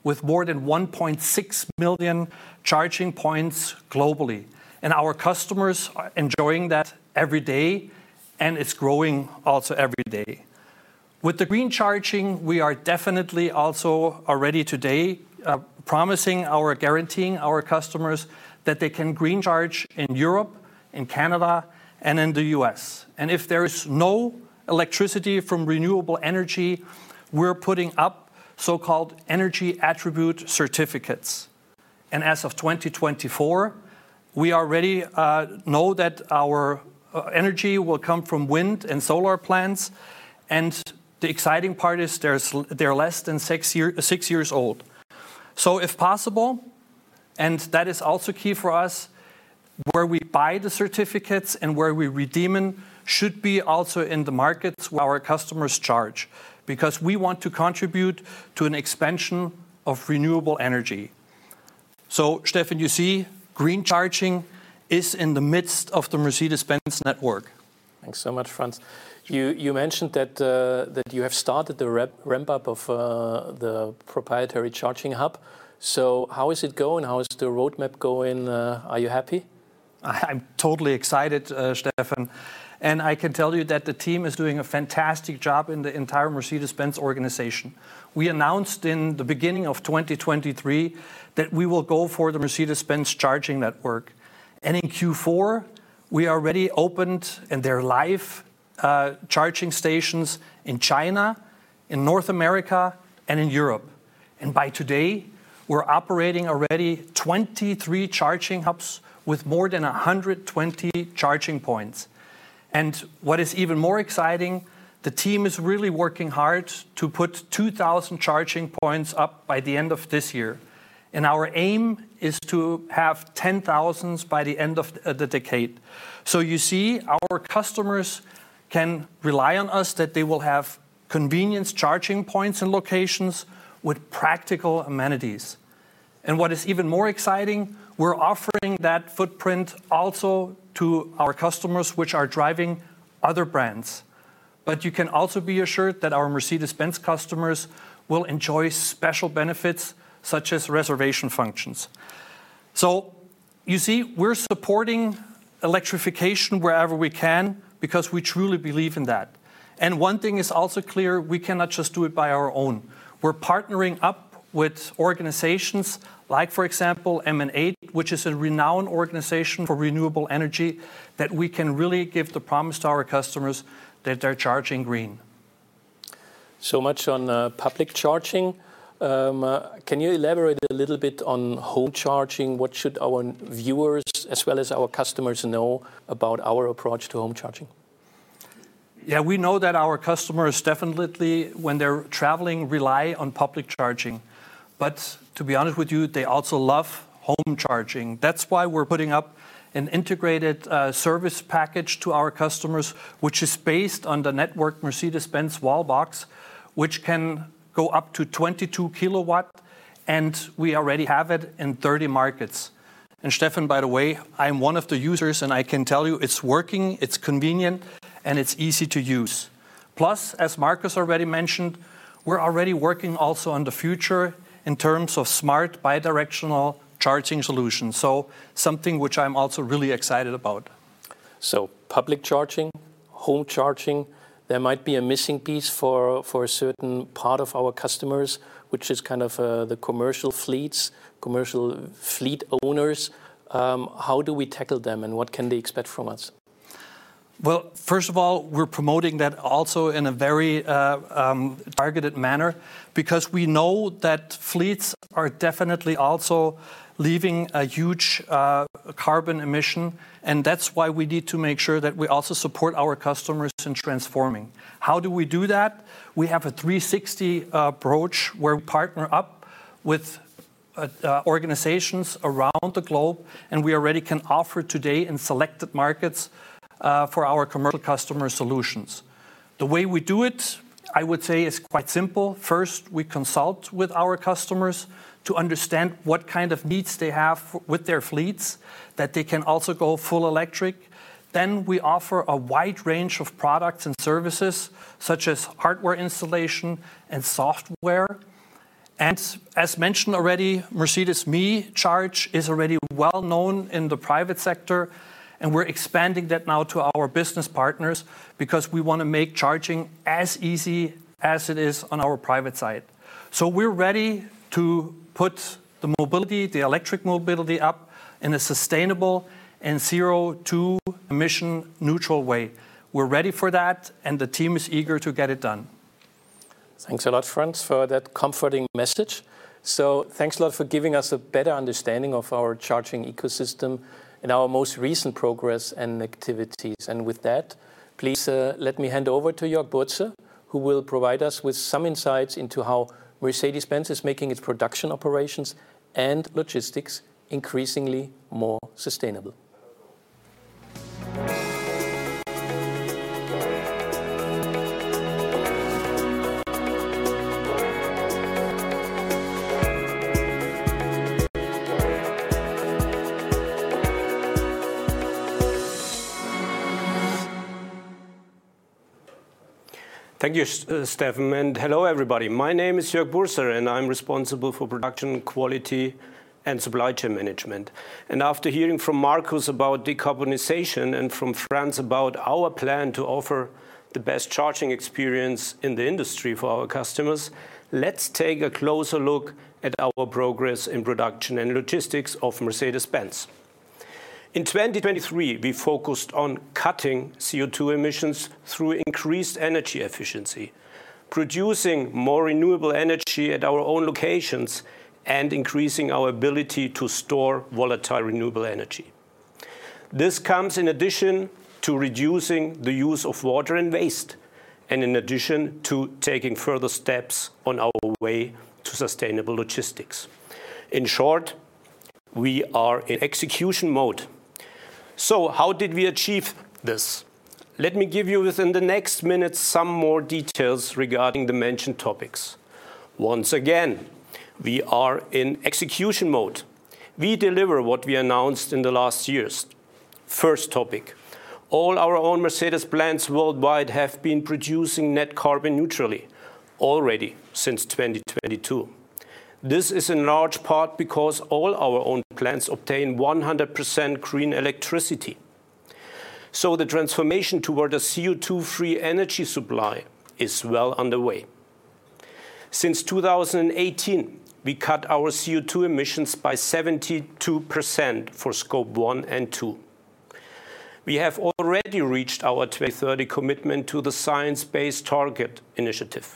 with more than 1.6 million charging points globally. And our customers are enjoying that every day, and it's growing also every day. With the green charging, we are definitely also already today promising, guaranteeing our customers that they can green charge in Europe, in Canada, and in the U.S. And if there is no electricity from renewable energy, we're putting up so-called energy attribute certificates. And as of 2024, we already know that our energy will come from wind and solar plants. And the exciting part is they're less than six years old. So if possible, and that is also key for us, where we buy the certificates and where we redeem them should be also in the markets where our customers charge because we want to contribute to an expansion of renewable energy. So, Steffen, you see, green charging is in the midst of the Mercedes-Benz network. Thanks so much, Franz. You mentioned that you have started the ramp-up of the proprietary charging hub. So how is it going? How is the roadmap going? Are you happy? I'm totally excited, Steffen. I can tell you that the team is doing a fantastic job in the entire Mercedes-Benz organization. We announced in the beginning of 2023 that we will go for the Mercedes-Benz charging network. In Q4, we already opened their live charging stations in China, in North America, and in Europe. By today, we're operating already 23 charging hubs with more than 120 charging points. What is even more exciting, the team is really working hard to put 2,000 charging points up by the end of this year. Our aim is to have 10,000 by the end of the decade. So you see, our customers can rely on us that they will have convenient charging points and locations with practical amenities. And what is even more exciting, we're offering that footprint also to our customers, which are driving other brands. But you can also be assured that our Mercedes-Benz customers will enjoy special benefits such as reservation functions. So you see, we're supporting electrification wherever we can because we truly believe in that. And one thing is also clear, we cannot just do it on our own. We're partnering up with organizations like, for example, MN8, which is a renowned organization for renewable energy, that we can really give the promise to our customers that they're charging green. So much on public charging. Can you elaborate a little bit on home charging? What should our viewers, as well as our customers, know about our approach to home charging? Yeah, we know that our customers definitely, when they're traveling, rely on public charging. But to be honest with you, they also love home charging. That's why we're putting up an integrated service package to our customers, which is based on the network Mercedes-Benz Wallbox, which can go up to 22 kW, and we already have it in 30 markets. And Steffen, by the way, I'm one of the users, and I can tell you it's working, it's convenient, and it's easy to use. Plus, as Markus already mentioned, we're already working also on the future in terms of smart bidirectional charging solutions. So something which I'm also really excited about. So public charging, home charging, there might be a missing piece for a certain part of our customers, which is kind of the commercial fleets, commercial fleet owners. How do we tackle them, and what can they expect from us? Well, first of all, we're promoting that also in a very targeted manner because we know that fleets are definitely also leaving a huge carbon emission. And that's why we need to make sure that we also support our customers in transforming. How do we do that? We have a 360 approach where we partner up with organizations around the globe, and we already can offer today in selected markets for our commercial customer solutions. The way we do it, I would say, is quite simple. First, we consult with our customers to understand what kind of needs they have with their fleets, that they can also go full electric. Then we offer a wide range of products and services such as hardware installation and software. As mentioned already, Mercedes me Charge is already well known in the private sector, and we're expanding that now to our business partners because we want to make charging as easy as it is on our private side. So we're ready to put the mobility, the electric mobility, up in a sustainable and zero-emission neutral way. We're ready for that, and the team is eager to get it done. Thanks a lot, Franz, for that comforting message. So thanks a lot for giving us a better understanding of our charging ecosystem and our most recent progress and activities. And with that, please let me hand over to Jörg Burzer, who will provide us with some insights into how Mercedes-Benz is making its production operations and logistics increasingly more sustainable. Thank you, Steffen. And hello, everybody. My name is Jörg Burzer, and I'm responsible for Production, Quality, and Supply Chain Management. After hearing from Markus about decarbonization and from Franz about our plan to offer the best charging experience in the industry for our customers, let's take a closer look at our progress in production and logistics of Mercedes-Benz. In 2023, we focused on cutting CO2 emissions through increased energy efficiency, producing more renewable energy at our own locations, and increasing our ability to store volatile renewable energy. This comes in addition to reducing the use of water and waste, and in addition to taking further steps on our way to sustainable logistics. In short, we are in execution mode. So how did we achieve this? Let me give you within the next minutes some more details regarding the mentioned topics. Once again, we are in execution mode. We deliver what we announced in the last years. First topic, all our own Mercedes-Benz worldwide have been producing net carbon neutrally already since 2022. This is in large part because all our own plants obtain 100% green electricity. So the transformation toward a CO2-free energy supply is well underway. Since 2018, we cut our CO2 emissions by 72% for Scope 1 and 2. We have already reached our 2030 commitment to the Science Based Targets initiative.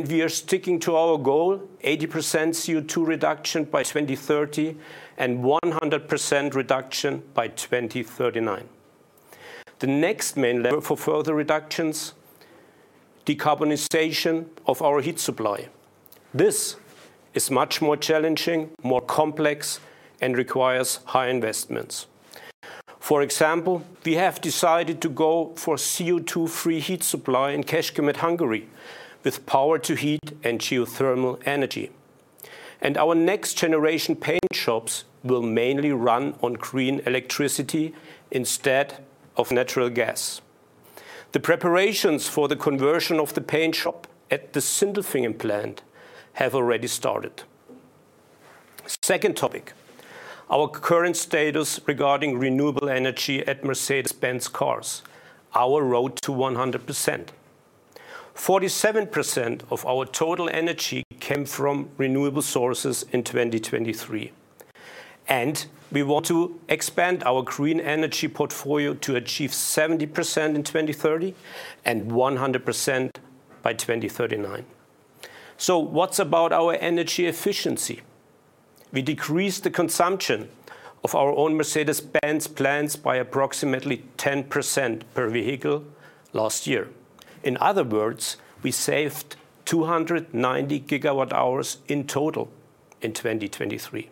We are sticking to our goal, 80% CO2 reduction by 2030 and 100% reduction by 2039. The next main level for further reductions, decarbonization of our heat supply. This is much more challenging, more complex, and requires high investments. For example, we have decided to go for CO2-free heat supply in Kecskemét, Hungary, with power-to-heat and geothermal energy. Our next-generation paint shops will mainly run on green electricity instead of natural gas. The preparations for the conversion of the paint shop at the Sindelfingen plant have already started. Second topic, our current status regarding renewable energy at Mercedes-Benz Cars, our road to 100%. 47% of our total energy came from renewable sources in 2023. We want to expand our green energy portfolio to achieve 70% in 2030 and 100% by 2039. So what about our energy efficiency? We decreased the consumption of our own Mercedes-Benz plants by approximately 10% per vehicle last year. In other words, we saved 290 GWh in total in 2023.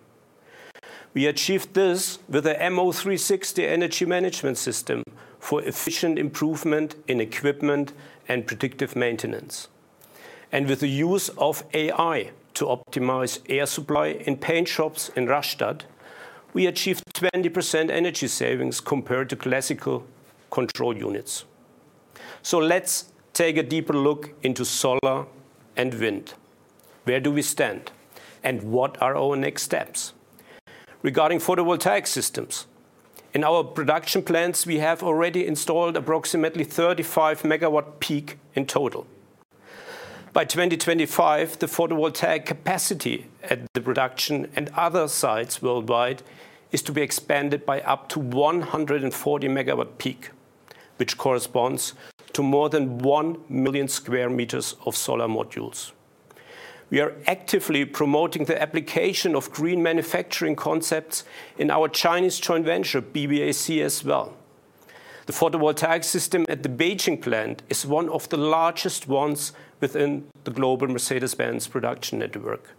We achieved this with the MO360 energy management system for efficient improvement in equipment and predictive maintenance. With the use of AI to optimize air supply in paint shops in Rastatt, we achieved 20% energy savings compared to classical control units. So let's take a deeper look into solar and wind. Where do we stand, and what are our next steps? Regarding photovoltaic systems, in our production plants, we have already installed approximately 35 MW peak in total. By 2025, the photovoltaic capacity at the production and other sites worldwide is to be expanded by up to 140 MW peak, which corresponds to more than 1 million square meters of solar modules. We are actively promoting the application of green manufacturing concepts in our Chinese joint venture, BBAC, as well. The photovoltaic system at the Beijing plant is one of the largest ones within the global Mercedes-Benz production network.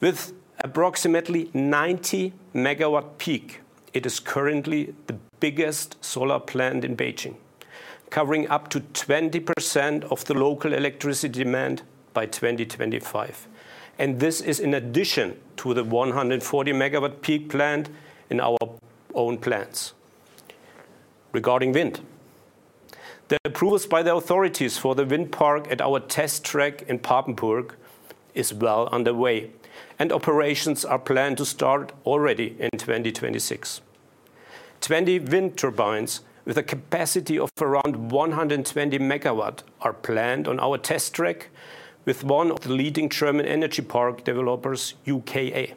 With approximately 90 MW peak, it is currently the biggest solar plant in Beijing, covering up to 20% of the local electricity demand by 2025. This is in addition to the 140 MW peak plant in our own plants. Regarding wind, the approvals by the authorities for the wind park at our test track in Papenburg are well underway, and operations are planned to start already in 2026. 20 wind turbines with a capacity of around 120 MW are planned on our test track with one of the leading German energy park developers, UKA Group.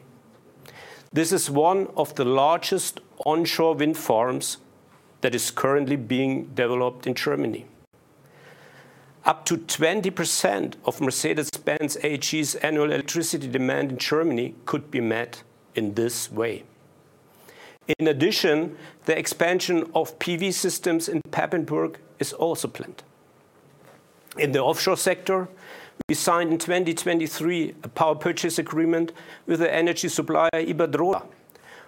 This is one of the largest onshore wind farms that is currently being developed in Germany. Up to 20% of Mercedes-Benz Group AG's annual electricity demand in Germany could be met in this way. In addition, the expansion of PV systems in Papenburg is also planned. In the offshore sector, we signed in 2023 a power purchase agreement with the energy supplier, Iberdrola,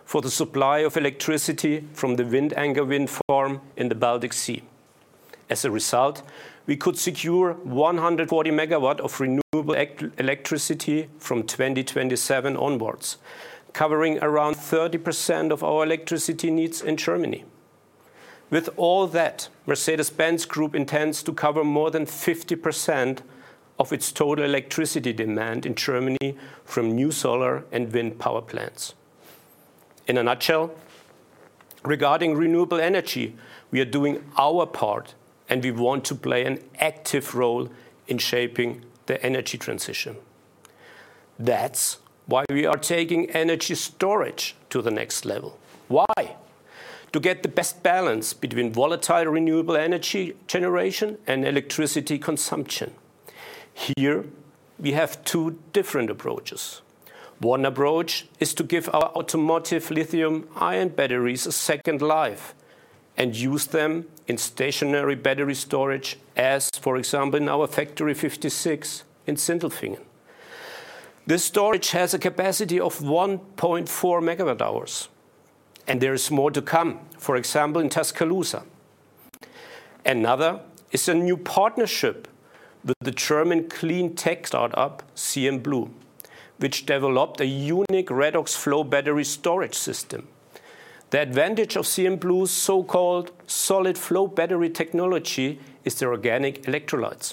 for the supply of electricity from the Windanker wind farm in the Baltic Sea. As a result, we could secure 140 MW of renewable electricity from 2027 onwards, covering around 30% of our electricity needs in Germany. With all that, Mercedes-Benz Group intends to cover more than 50% of its total electricity demand in Germany from new solar and wind power plants. In a nutshell, regarding renewable energy, we are doing our part, and we want to play an active role in shaping the energy transition. That's why we are taking energy storage to the next level. Why? To get the best balance between volatile renewable energy generation and electricity consumption. Here, we have two different approaches. One approach is to give our automotive lithium-ion batteries a second life and use them in stationary battery storage, as for example, in our Factory 56 in Sindelfingen. This storage has a capacity of 1.4 MWh. There is more to come, for example, in Tuscaloosa. Another is a new partnership with the German clean tech startup, CMBlu, which developed a unique redox flow battery storage system. The advantage of CMBlu’s so-called SolidFlow battery technology is their organic electrolytes.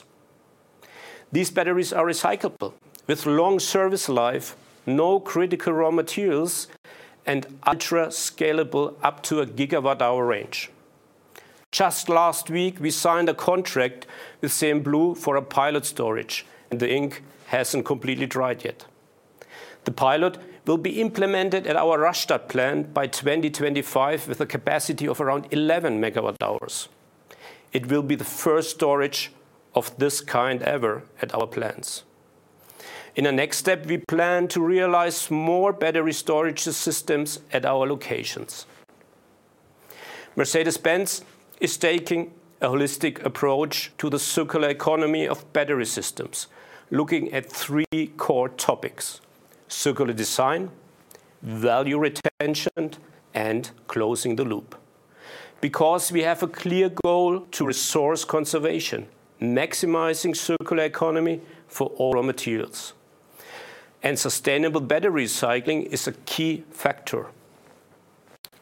These batteries are recyclable, with a long service life, no critical raw materials, and ultra-scalable up to a gigawatt-hour range. Just last week, we signed a contract with CMBlu for a PILOT storage, and the ink hasn’t completely dried yet. The PILOT will be implemented at our Rastatt plant by 2025 with a capacity of around 11 MWh. It will be the first storage of this kind ever at our plants. In a next step, we plan to realize more battery storage systems at our locations. Mercedes-Benz is taking a holistic approach to the circular economy of battery systems, looking at three core topics: circular design, value retention, and closing the loop. Because we have a clear goal to resource conservation, maximizing circular economy for all raw materials. Sustainable battery recycling is a key factor.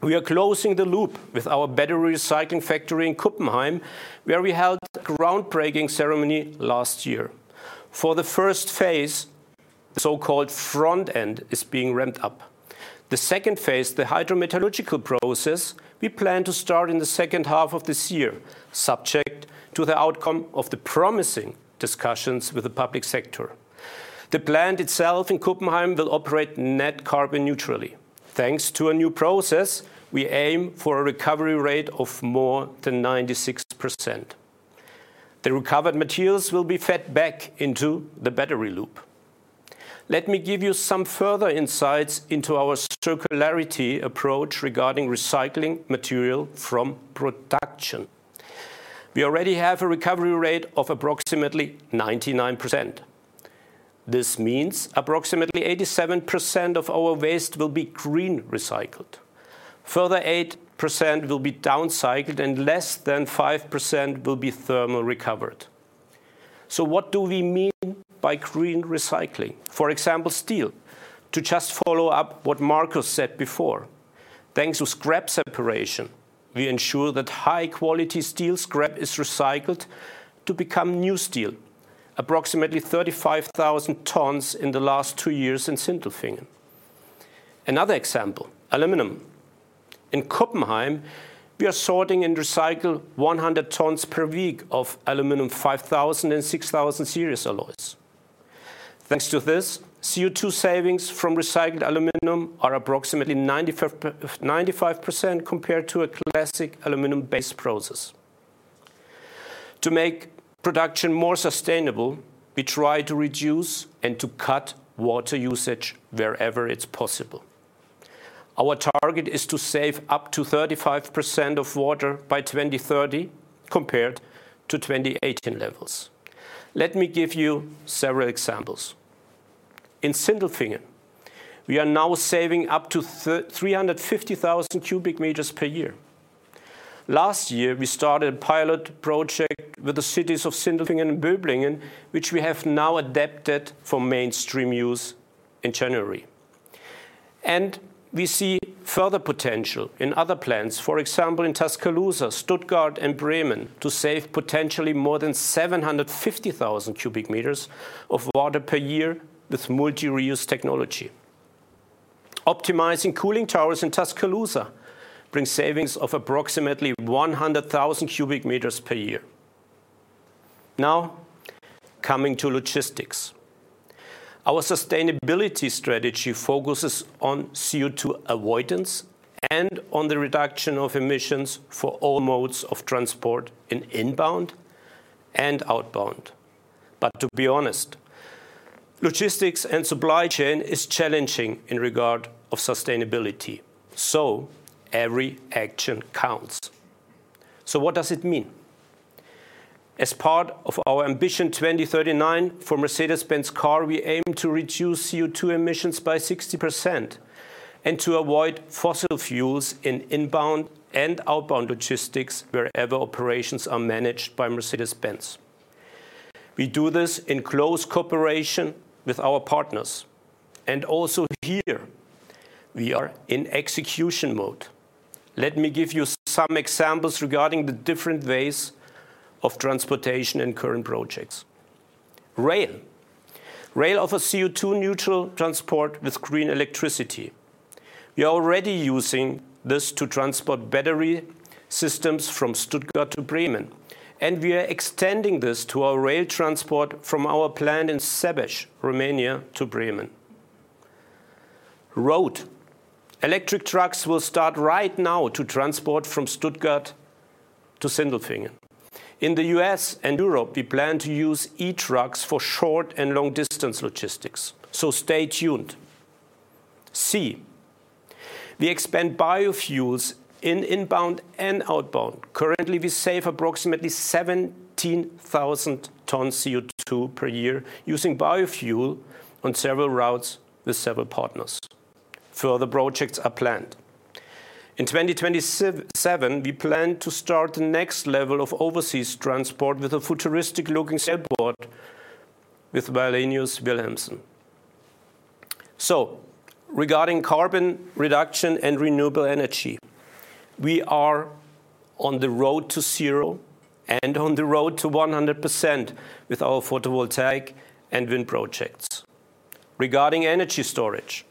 We are closing the loop with our battery recycling factory in Kuppenheim, where we held a groundbreaking ceremony last year. For the first phase, the so-called front end is being ramped up. The second phase, the hydrometallurgical process, we plan to start in the second half of this year, subject to the outcome of the promising discussions with the public sector. The plant itself in Kuppenheim will operate net carbon-neutrally. Thanks to a new process, we aim for a recovery rate of more than 96%. The recovered materials will be fed back into the battery loop. Let me give you some further insights into our circularity approach regarding recycling material from production. We already have a recovery rate of approximately 99%. This means approximately 87% of our waste will be green recycled. Further 8% will be downcycled, and less than 5% will be thermal recovered. So what do we mean by green recycling? For example, steel. To just follow up what Markus said before, thanks to scrap separation, we ensure that high-quality steel scrap is recycled to become new steel, approximately 35,000 tons in the last two years in Sindelfingen. Another example, aluminum. In Kuppenheim, we are sorting and recycling 100 tons per week of aluminum 5,000 and 6,000 series alloys. Thanks to this, CO2 savings from recycled aluminum are approximately 95% compared to a classic aluminum-based process. To make production more sustainable, we try to reduce and to cut water usage wherever it's possible. Our target is to save up to 35% of water by 2030 compared to 2018 levels. Let me give you several examples. In Sindelfingen, we are now saving up to 350,000 cubic meters per year. Last year, we started a PILOT project with the cities of Sindelfingen and Böblingen, which we have now adapted for mainstream use in January. We see further potential in other plants, for example, in Tuscaloosa, Stuttgart, and Bremen, to save potentially more than 750,000 cubic meters of water per year with multi-reuse technology. Optimizing cooling towers in Tuscaloosa brings savings of approximately 100,000 cubic meters per year. Now, coming to logistics, our sustainability strategy focuses on CO2 avoidance and on the reduction of emissions for all modes of transport in inbound and outbound. To be honest, logistics and supply chain are challenging in regard to sustainability. Every action counts. What does it mean? As part of our Ambition 2039 for Mercedes-Benz Cars, we aim to reduce CO2 emissions by 60% and to avoid fossil fuels in inbound and outbound logistics wherever operations are managed by Mercedes-Benz. We do this in close cooperation with our partners. Also here, we are in execution mode. Let me give you some examples regarding the different ways of transportation and current projects. Rail. Rail offers CO2-neutral transport with green electricity. We are already using this to transport battery systems from Stuttgart to Bremen, and we are extending this to our rail transport from our plant in Sebeș, Romania, to Bremen. Road. Electric trucks will start right now to transport from Stuttgart to Sindelfingen. In the US and Europe, we plan to use e-trucks for short and long-distance logistics. So stay tuned. Sea. We expand biofuels in inbound and outbound. Currently, we save approximately 17,000 tons CO2 per year using biofuel on several routes with several partners. Further projects are planned. In 2027, we plan to start the next level of overseas transport with a futuristic-looking sailboat with Willem Spelten. So regarding carbon reduction and renewable energy, we are on the road to zero and on the road to 100% with our photovoltaic and wind projects. Regarding energy storage,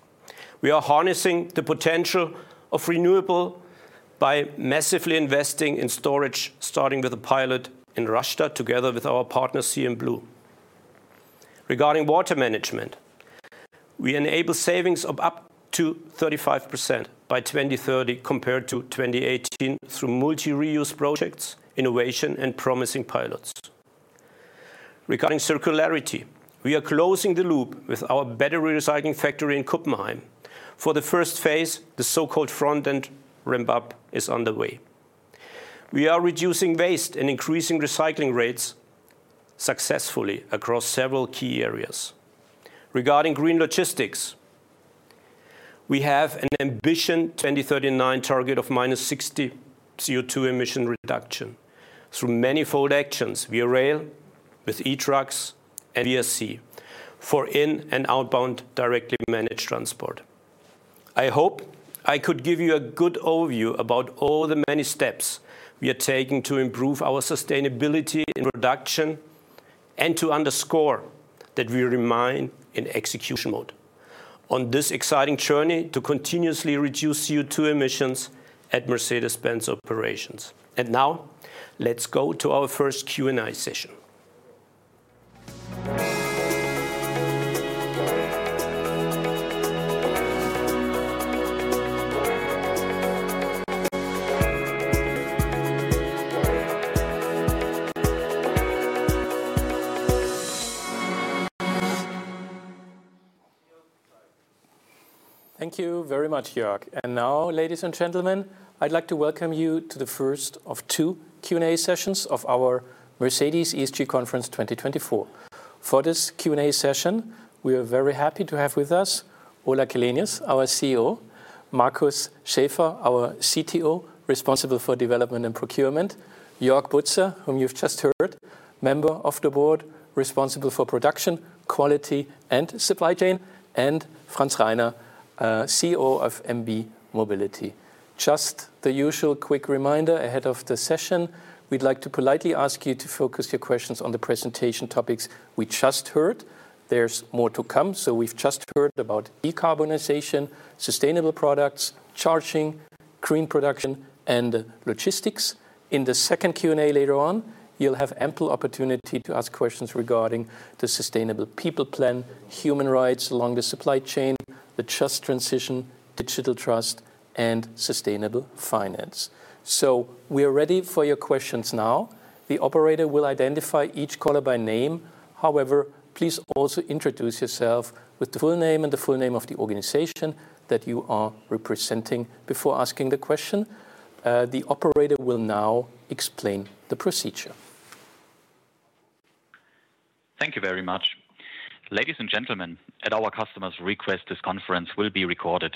we are harnessing the potential of renewable by massively investing in storage, starting with a PILOT in Rastatt together with our partner CMBlu. Regarding water management, we enable savings of up to 35% by 2030 compared to 2018 through multi-reuse projects, innovation, and promising pilots. Regarding circularity, we are closing the loop with our battery recycling factory in Kuppenheim. For the first phase, the so-called front end ramp-up is underway. We are reducing waste and increasing recycling rates successfully across several key areas. Regarding green logistics, we have an ambitious 2039 target of minus 60% CO2 emission reduction through many-fold actions via rail, with e-trucks, and via sea for in- and outbound directly managed transport. I hope I could give you a good overview about all the many steps we are taking to improve our sustainability in production and to underscore that we remain in execution mode on this exciting journey to continuously reduce CO2 emissions at Mercedes-Benz operations. And now, let's go to our first Q&A session. Thank you very much, Jörg. And now, ladies and gentlemen, I'd like to welcome you to the first of two Q&A sessions of our Mercedes ESG Conference 2024. For this Q&A session, we are very happy to have with us Ola Källenius, our CEO, Markus Schäfer, our CTO, responsible for development and procurement, Jörg Burzer, whom you've just heard, Member of the Board responsible for Production, Quality, and Supply Chain, and Franz Reiner, CEO of MB Mobility. Just the usual quick reminder ahead of the session, we'd like to politely ask you to focus your questions on the presentation topics we just heard. There's more to come. So we've just heard about decarbonization, sustainable products, charging, green production, and logistics. In the second Q&A later on, you'll have ample opportunity to ask questions regarding the Sustainable People Plan, human rights along the supply chain, the Just Transition, Digital Trust, and Sustainable Finance. So we are ready for your questions now. The operator will identify each caller by name. However, please also introduce yourself with the full name and the full name of the organization that you are representing before asking the question. The operator will now explain the procedure. Thank you very much. Ladies and gentlemen, at our customers' request, this conference will be recorded.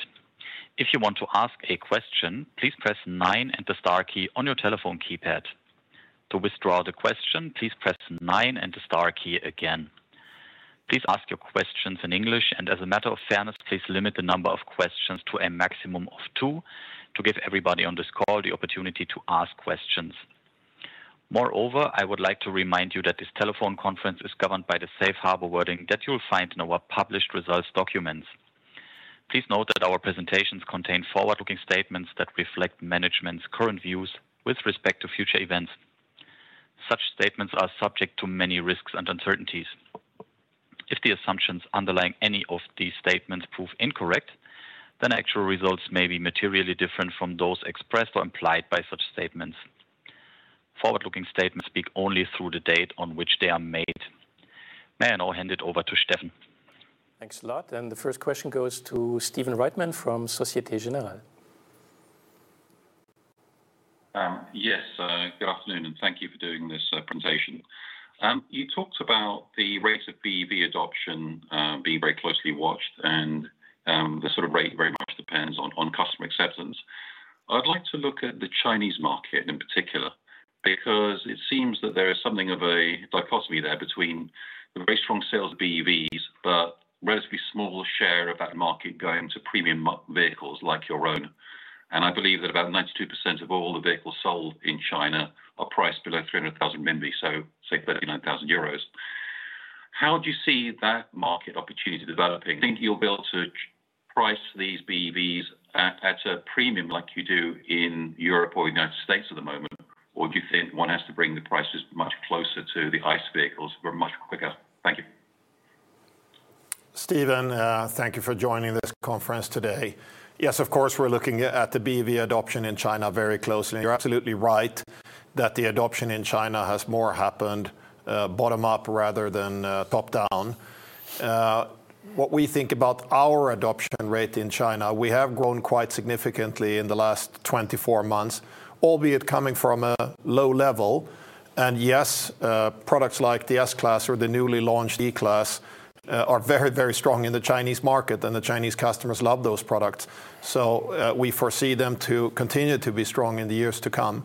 If you want to ask a question, please press nine and the star key on your telephone keypad. To withdraw the question, please press nine and the star key again. Please ask your questions in English. As a matter of fairness, please limit the number of questions to a maximum of two to give everybody on this call the opportunity to ask questions. Moreover, I would like to remind you that this telephone conference is governed by the Safe Harbor wording that you'll find in our published results documents. Please note that our presentations contain forward-looking statements that reflect management's current views with respect to future events. Such statements are subject to many risks and uncertainties. If the assumptions underlying any of these statements prove incorrect, then actual results may be materially different from those expressed or implied by such statements. Forward-looking statements speak only through the date on which they are made. May I now hand it over to Steffen? Thanks a lot. And the first question goes to Stephen Reitman from Société Générale. Yes. Good afternoon, and thank you for doing this presentation. You talked about the rate of BEV adoption being very closely watched and the sort of rate very much depends on customer acceptance. I'd like to look at the Chinese market in particular because it seems that there is something of a dichotomy there between very strong sales of BEVs but a relatively small share of that market going to premium vehicles like your own. I believe that about 92% of all the vehicles sold in China are priced below 300,000 RMB, so say 39,000 euros. How do you see that market opportunity developing? Think you'll be able to price these BEVs at a premium like you do in Europe or the United States at the moment? Or do you think one has to bring the prices much closer to the ICE vehicles for much quicker? Thank you. Stephen, thank you for joining this conference today. Yes, of course, we're looking at the BEV adoption in China very closely. You're absolutely right that the adoption in China has more happened bottom-up rather than top-down. What we think about our adoption rate in China, we have grown quite significantly in the last 24 months, albeit coming from a low level. And yes, products like the S-Class or the newly launched E-Class are very, very strong in the Chinese market, and the Chinese customers love those products. So we foresee them to continue to be strong in the years to come.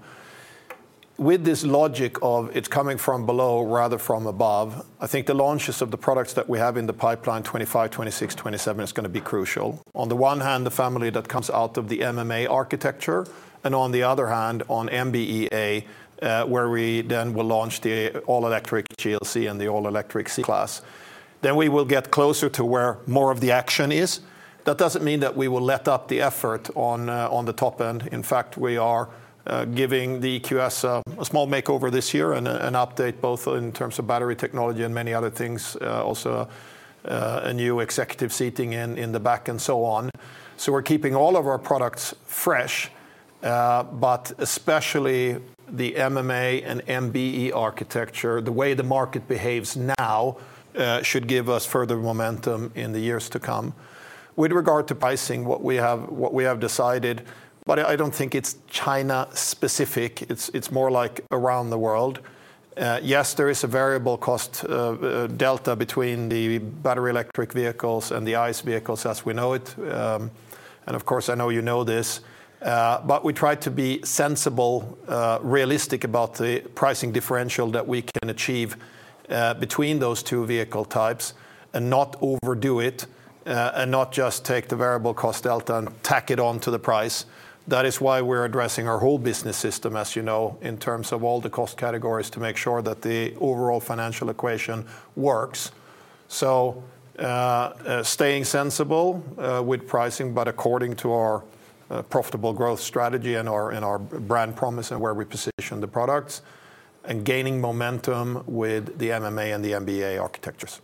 With this logic of it's coming from below rather from above, I think the launches of the products that we have in the pipeline 2025, 2026, 2027 is going to be crucial. On the one hand, the family that comes out of the MMA architecture. On the other hand, on MB.EA, where we then will launch the all-electric GLC and the all-electric C-Class, then we will get closer to where more of the action is. That doesn't mean that we will let up the effort on the top end. In fact, we are giving the EQS a small makeover this year and an update both in terms of battery technology and many other things, also a new executive seating in the back and so on. So we're keeping all of our products fresh, but especially the MMA and MB.EA architecture, the way the market behaves now should give us further momentum in the years to come. With regard to pricing, what we have decided, but I don't think it's China-specific. It's more like around the world. Yes, there is a variable cost delta between the battery electric vehicles and the ICE vehicles as we know it. Of course, I know you know this. We try to be sensible, realistic about the pricing differential that we can achieve between those two vehicle types and not overdo it and not just take the variable cost delta and tack it onto the price. That is why we're addressing our whole business system, as you know, in terms of all the cost categories to make sure that the overall financial equation works. Staying sensible with pricing, but according to our profitable growth strategy and our brand promise and where we position the products and gaining momentum with the MMA and the MB.EA architectures.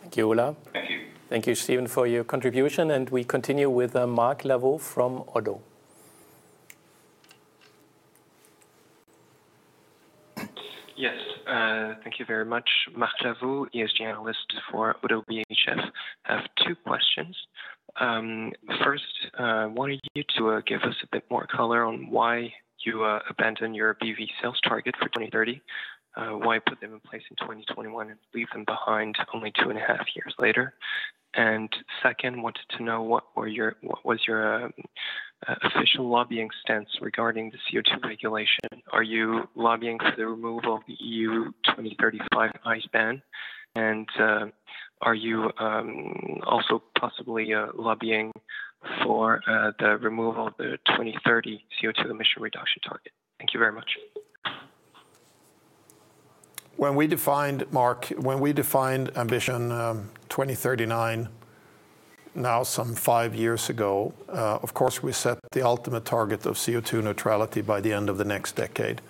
Thank you, Ola. Thank you. Thank you, Stephen, for your contribution. We continue with Marc Lavaud from ODDO BHF. Yes. Thank you very much. Marc Lavaud, ESG analyst for ODDO BHF, have two questions. First, wanted you to give us a bit more color on why you abandoned your BEV sales target for 2030, why put them in place in 2021 and leave them behind only 2.5 years later. And second, wanted to know what was your official lobbying stance regarding the CO2 regulation. Are you lobbying for the removal of the EU 2035 ICE ban? And are you also possibly lobbying for the removal of the 2030 CO2 emission reduction target? Thank you very much. When we defined, Marc, Ambition 2039, five years ago, of course, we set the ultimate target of CO2 neutrality by the end of the next decade.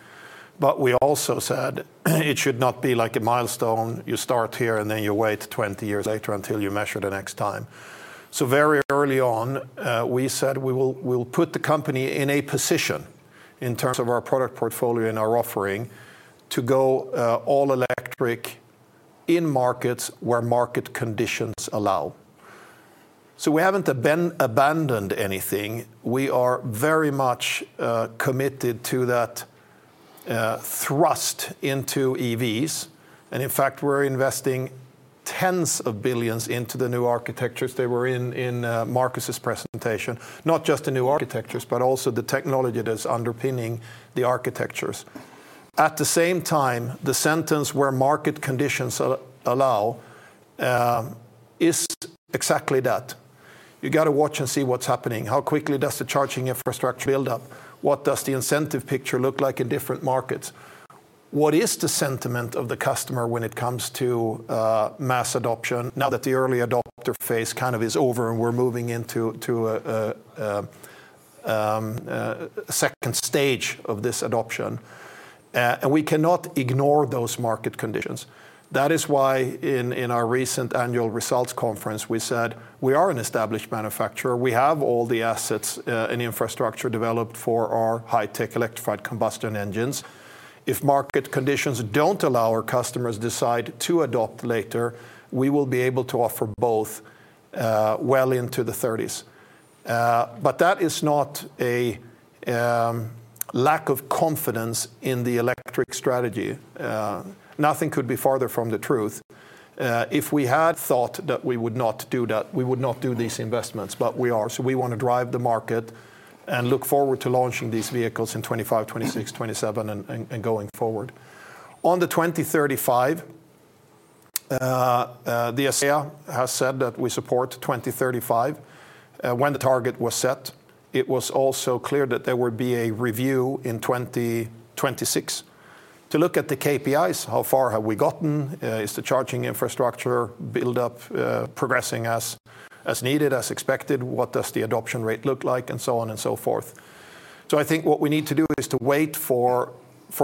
But we also said it should not be like a milestone. You start here and then you wait 20 years later until you measure the next time. So very early on, we said we will put the company in a position in terms of our product portfolio and our offering to go all-electric in markets where market conditions allow. So we haven't abandoned anything. We are very much committed to that thrust into EVs. And in fact, we're investing EUR tens of billions into the new architectures that were in Markus' presentation, not just the new architectures, but also the technology that's underpinning the architectures. At the same time, the sentence, "Where market conditions allow," is exactly that. You got to watch and see what's happening. How quickly does the charging infrastructure build up? What does the incentive picture look like in different markets? What is the sentiment of the customer when it comes to mass adoption now that the early adopter phase kind of is over and we're moving into a second stage of this adoption? We cannot ignore those market conditions. That is why in our recent annual results conference, we said we are an established manufacturer. We have all the assets and infrastructure developed for our high-tech electrified combustion engines. If market conditions don't allow our customers to decide to adopt later, we will be able to offer both well into the 2030s. That is not a lack of confidence in the electric strategy. Nothing could be farther from the truth. If we had thought that we would not do that, we would not do these investments. We are. So we want to drive the market and look forward to launching these vehicles in 2025, 2026, 2027, and going forward. On the 2035, the ICE has said that we support 2035. When the target was set, it was also clear that there would be a review in 2026 to look at the KPIs. How far have we gotten? Is the charging infrastructure buildup progressing as needed, as expected? What does the adoption rate look like? And so on and so forth. So I think what we need to do is to wait for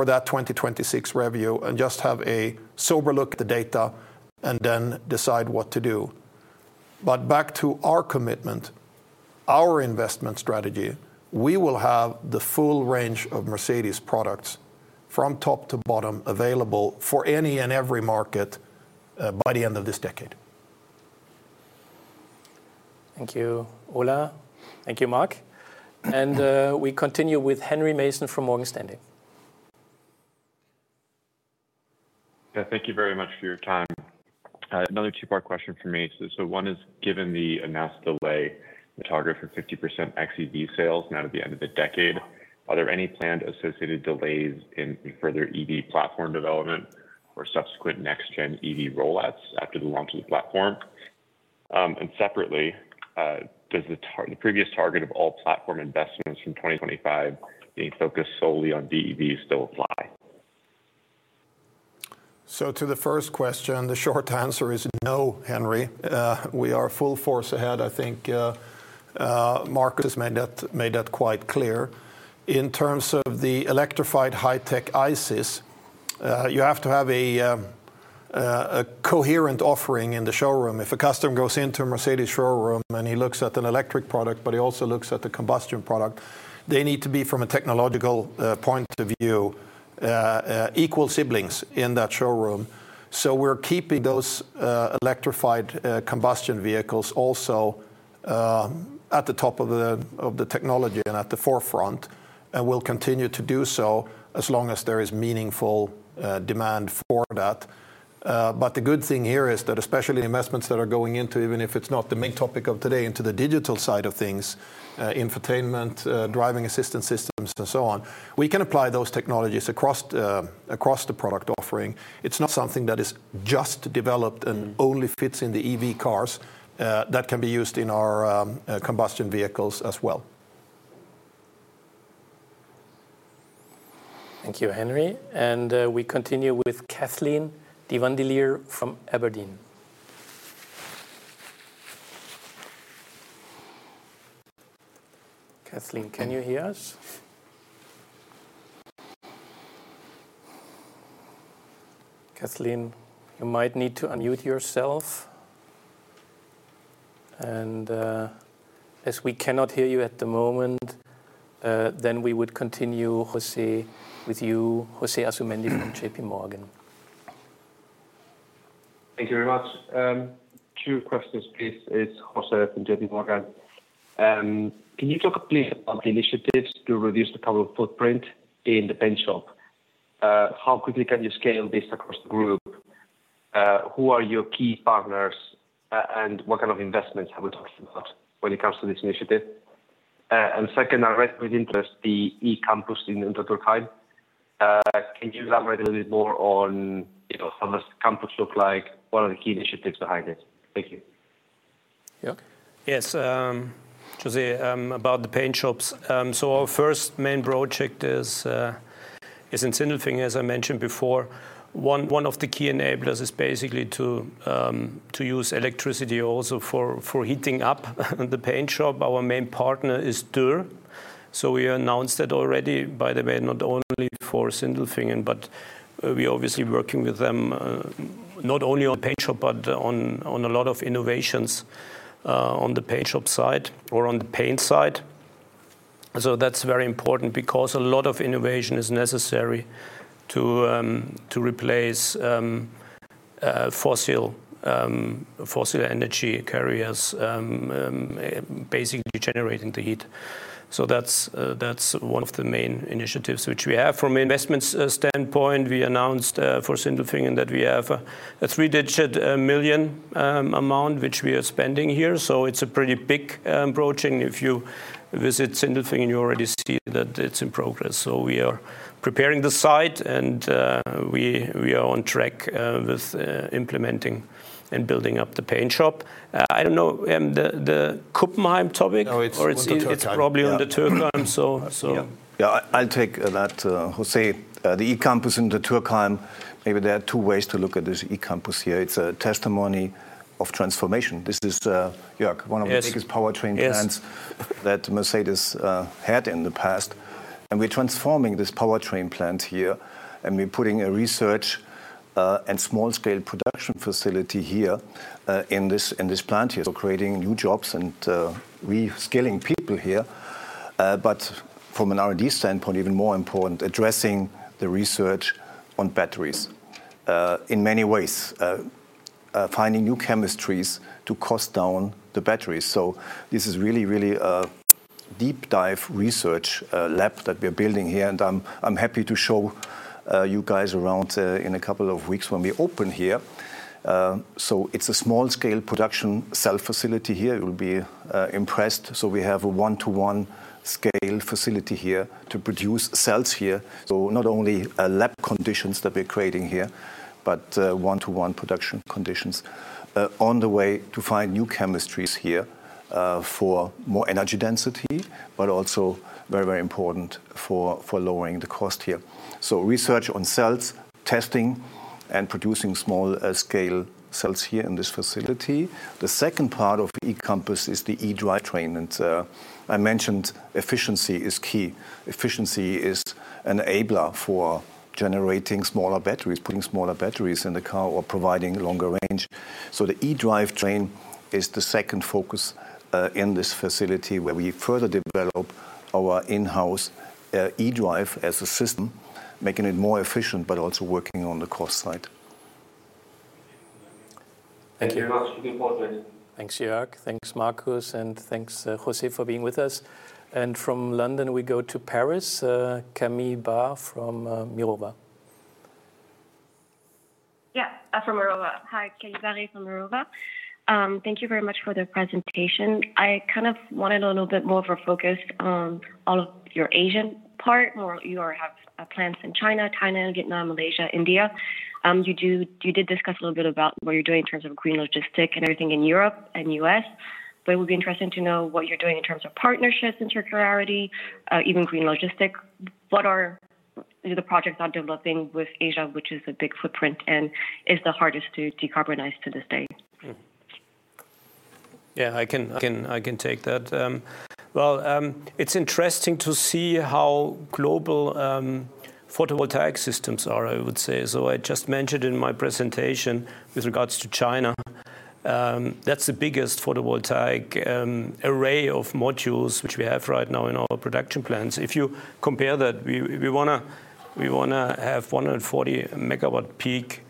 that 2026 review and just have a sober look at the data and then decide what to do. But back to our commitment, our investment strategy, we will have the full range of Mercedes products from top to bottom available for any and every market by the end of this decade. Thank you, Ola. Thank you, Marc. We continue with Henry Mason from Morgan Stanley. Yeah. Thank you very much for your time. Another two-part question from me. So one is, given the announced delay, the target for 50% xEV sales now at the end of the decade, are there any planned associated delays in further EV platform development or subsequent next-gen EV rollouts after the launch of the platform? And separately, does the previous target of all platform investments from 2025 being focused solely on BEVs still apply? So to the first question, the short answer is no, Henry. We are full force ahead. I think Markus has made that quite clear. In terms of the electrified high-tech ICEs, you have to have a coherent offering in the showroom. If a customer goes into a Mercedes showroom and he looks at an electric product, but he also looks at the combustion product, they need to be, from a technological point of view, equal siblings in that showroom. So we're keeping those electrified combustion vehicles also at the top of the technology and at the forefront. And we'll continue to do so as long as there is meaningful demand for that. But the good thing here is that especially investments that are going into, even if it's not the main topic of today, into the digital side of things, infotainment, driving assistance systems, and so on, we can apply those technologies across the product offering. It's not something that is just developed and only fits in the EV cars. That can be used in our combustion vehicles as well. Thank you, Henry. And we continue with Kathleen Dewandeleer from Aberdeen. Kathleen, can you hear us? Kathleen, you might need to unmute yourself. As we cannot hear you at the moment, then we would continue with you, José Asumendi from JPMorgan. Thank you very much. Two questions, please. It's José from JPMorgan. Can you talk, please, about the initiatives to reduce the carbon footprint in the paint shop? How quickly can you scale this across the group? Who are your key partners, and what kind of investments are we talking about when it comes to this initiative? And second, I'm very interested in the eCampus in Untertürkheim. Can you elaborate a little bit more on how does the campus look like? What are the key initiatives behind it? Thank you. Yes. José, about the paint shops. So our first main project is in Sindelfingen, as I mentioned before. One of the key enablers is basically to use electricity also for heating up the paint shop. Our main partner is Dürr. So we announced that already, by the way, not only for Sindelfingen, but we're obviously working with them not only on the paint shop but on a lot of innovations on the paint shop side or on the paint side. So that's very important because a lot of innovation is necessary to replace fossil energy carriers, basically generating the heat. So that's one of the main initiatives which we have. From an investment standpoint, we announced for Sindelfingen that we have a three-digit million EUR amount which we are spending here. So it's a pretty big approach. And if you visit Sindelfingen, you already see that it's in progress. So we are preparing the site, and we are on track with implementing and building up the paint shop. I don't know, the Kuppenheim topic? No, it's probably Untertürkheim. So yeah. Yeah. I'll take that, José. The eCampus in Untertürkheim, maybe there are two ways to look at this eCampus here. It's a testimony of transformation. This is, Jörg, one of the biggest powertrain plants that Mercedes had in the past. And we're transforming this powertrain plant here. And we're putting a research and small-scale production facility here in this plant here, creating new jobs and reskilling people here. But from an R&D standpoint, even more important, addressing the research on batteries in many ways, finding new chemistries to cost down the batteries. So this is really, really a deep-dive research lab that we're building here. And I'm happy to show you guys around in a couple of weeks when we open here. So it's a small-scale production cell facility here. You'll be impressed. So we have a one-to-one-scale facility here to produce cells here. So not only lab conditions that we're creating here, but one-to-one production conditions on the way to find new chemistries here for more energy density, but also very, very important for lowering the cost here. So research on cells, testing, and producing small-scale cells here in this facility. The second part of the eCampus is the e-drivetrain. And I mentioned efficiency is key. Efficiency is an enabler for generating smaller batteries, putting smaller batteries in the car, or providing longer range. So the e-drivetrain is the second focus in this facility where we further develop our in-house e-drive as a system, making it more efficient but also working on the cost side. Thank you very much. You can pause. Thanks, Jörg. Thanks, Markus. And thanks, José, for being with us. From London, we go to Paris, Camille Barré from Mirova. Yeah. From Mirova. Hi, Camille Barré from Mirova. Thank you very much for the presentation. I kind of wanted a little bit more of a focus on all of your Asian part. You have plants in China, Thailand, Vietnam, Malaysia, India. You did discuss a little bit about what you're doing in terms of green logistics and everything in Europe and U.S. But it would be interesting to know what you're doing in terms of partnerships and circularity, even green logistics. What are the projects you're developing with Asia, which is a big footprint and is the hardest to decarbonize to this day? Yeah. I can take that. Well, it's interesting to see how global photovoltaic systems are, I would say. So I just mentioned in my presentation with regards to China, that's the biggest photovoltaic array of modules which we have right now in our production plants. If you compare that, we want to have 140 MW peak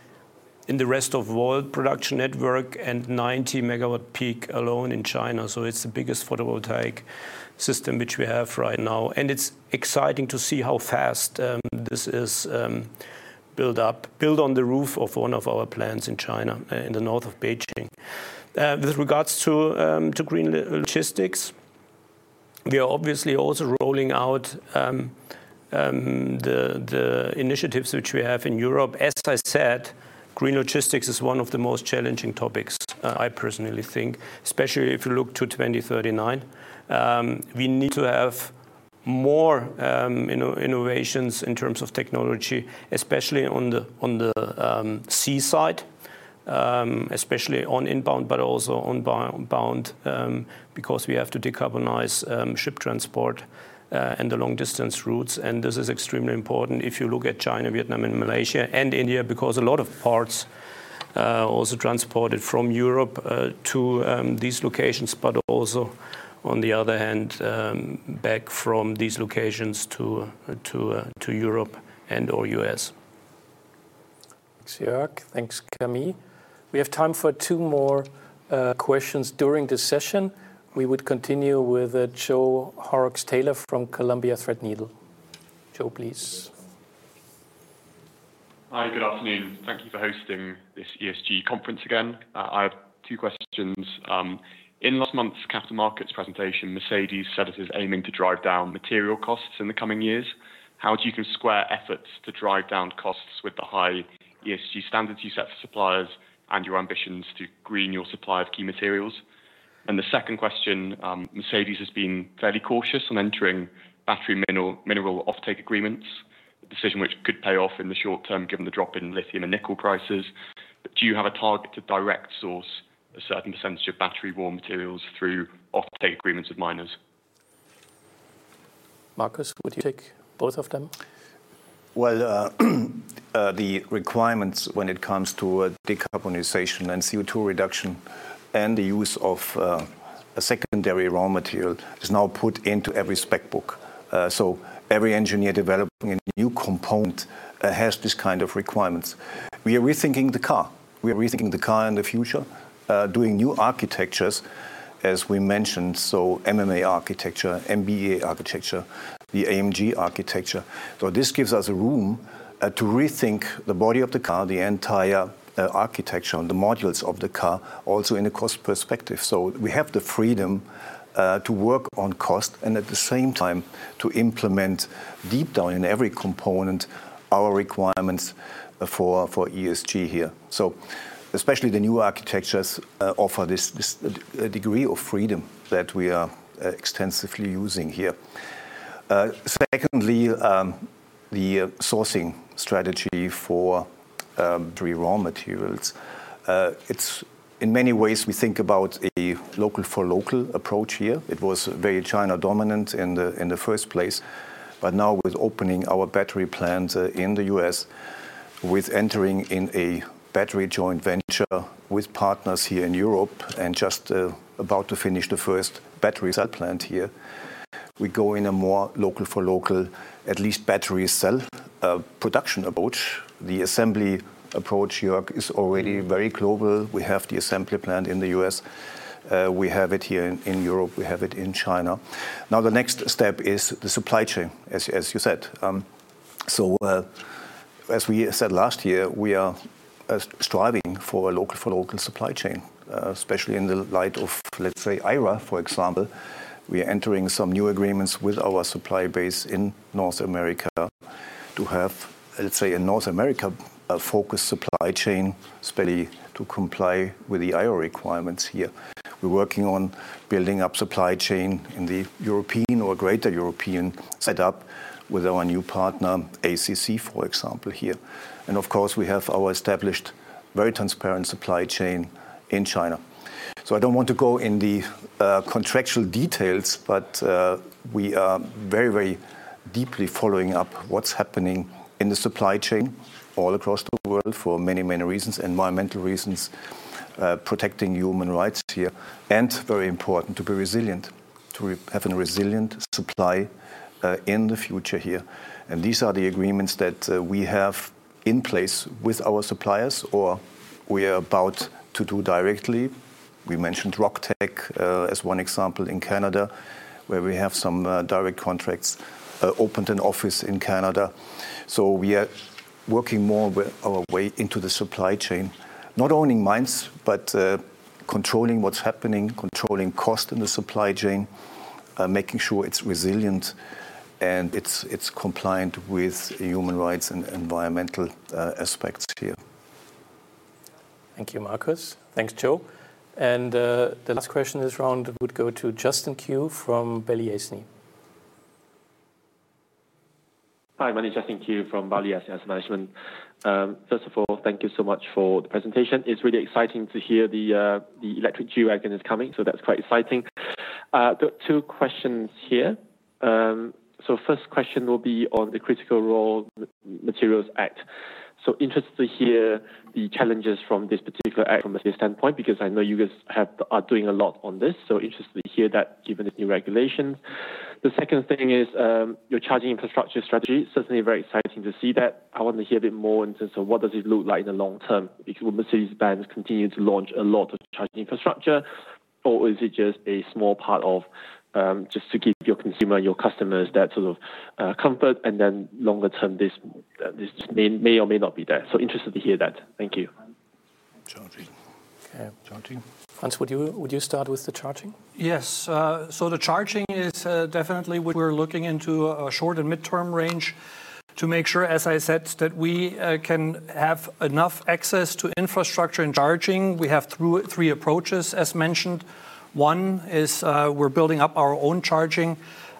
in the rest of the world production network and 90 MW peak alone in China. So it's the biggest photovoltaic system which we have right now. And it's exciting to see how fast this is built up, built on the roof of one of our plants in China, in the north of Beijing. With regards to green logistics, we are obviously also rolling out the initiatives which we have in Europe. As I said, green logistics is one of the most challenging topics, I personally think, especially if you look to 2039. We need to have more innovations in terms of technology, especially on the seaside, especially on inbound but also outbound because we have to decarbonize ship transport and the long-distance routes. This is extremely important if you look at China, Vietnam, and Malaysia, and India because a lot of parts are also transported from Europe to these locations, but also, on the other hand, back from these locations to Europe and/or U.S. Thanks, Jörg. Thanks, Camille. We have time for two more questions during this session. We would continue with Joe Horrocks-Taylor from Columbia Threadneedle. Joe, please. Hi. Good afternoon. Thank you for hosting this ESG conference again. I have two questions. In last month's capital markets presentation, Mercedes said it is aiming to drive down material costs in the coming years. How do you square efforts to drive down costs with the high ESG standards you set for suppliers and your ambitions to green your supply of key materials? The second question: Mercedes has been fairly cautious on entering battery mineral offtake agreements, a decision which could pay off in the short term given the drop in lithium and nickel prices. But do you have a target to direct source a certain percentage of battery raw materials through offtake agreements with miners? Markus, would you take both of them? Well, the requirements when it comes to decarbonization and CO2 reduction and the use of a secondary raw material is now put into every spec book. So every engineer developing a new component has this kind of requirements. We are rethinking the car. We are rethinking the car in the future, doing new architectures, as we mentioned. MMA architecture, MB.EA architecture, the AMG.EA architecture. This gives us a room to rethink the body of the car, the entire architecture, and the modules of the car also in a cost perspective. We have the freedom to work on cost and, at the same time, to implement deep down in every component our requirements for ESG here. Especially the new architectures offer this degree of freedom that we are extensively using here. Secondly, the sourcing strategy for battery raw materials, in many ways, we think about a local-for-local approach here. It was very China-dominant in the first place. But now, with opening our battery plant in the U.S., with entering in a battery joint venture with partners here in Europe and just about to finish the first battery cell plant here, we go in a more local-for-local, at least battery cell production approach. The assembly approach, Joe, is already very global. We have the assembly plant in the U.S. We have it here in Europe. We have it in China. Now, the next step is the supply chain, as you said. So, as we said last year, we are striving for a local-for-local supply chain, especially in the light of, let's say, IRA, for example. We are entering some new agreements with our supply base in North America to have, let's say, a North America-focused supply chain, especially to comply with the IRA requirements here. We're working on building up a supply chain in the European or greater European setup with our new partner, ACC, for example, here. And, of course, we have our established, very transparent supply chain in China. So I don't want to go in the contractual details, but we are very, very deeply following up what's happening in the supply chain all across the world for many, many reasons, environmental reasons, protecting human rights here, and, very important, to be resilient, to have a resilient supply in the future here. And these are the agreements that we have in place with our suppliers or we are about to do directly. We mentioned Rock Tech as one example in Canada, where we have some direct contracts, opened an office in Canada. So we are working more our way into the supply chain, not owning mines but controlling what's happening, controlling cost in the supply chain, making sure it's resilient and it's compliant with human rights and environmental aspects here. Thank you, Markus. Thanks, Joe. And the last question in this round would go to Justin Kew from Balyasny. Hi. My name is Justin Kew from Balyasny Asset Management. First of all, thank you so much for the presentation. It's really exciting to hear the electric G-Wagon is coming. So that's quite exciting. Two questions here. So first question will be on the Critical Raw Materials Act. So interested to hear the challenges from this particular act from a standpoint because I know you guys are doing a lot on this. So interested to hear that given the new regulations. The second thing is your charging infrastructure strategy. Certainly, very exciting to see that. I want to hear a bit more in terms of what does it look like in the long term when Mercedes-Benz continues to launch a lot of charging infrastructure, or is it just a small part of just to give your consumer, your customers, that sort of comfort? Then, longer term, this may or may not be there. So interested to hear that. Thank you. Charging. Okay. Charging. Franz, would you start with the charging? Yes. So the charging is definitely what we're looking into a short and mid-term range to make sure, as I said, that we can have enough access to infrastructure and charging. We have three approaches, as mentioned. One is we're building up our own charging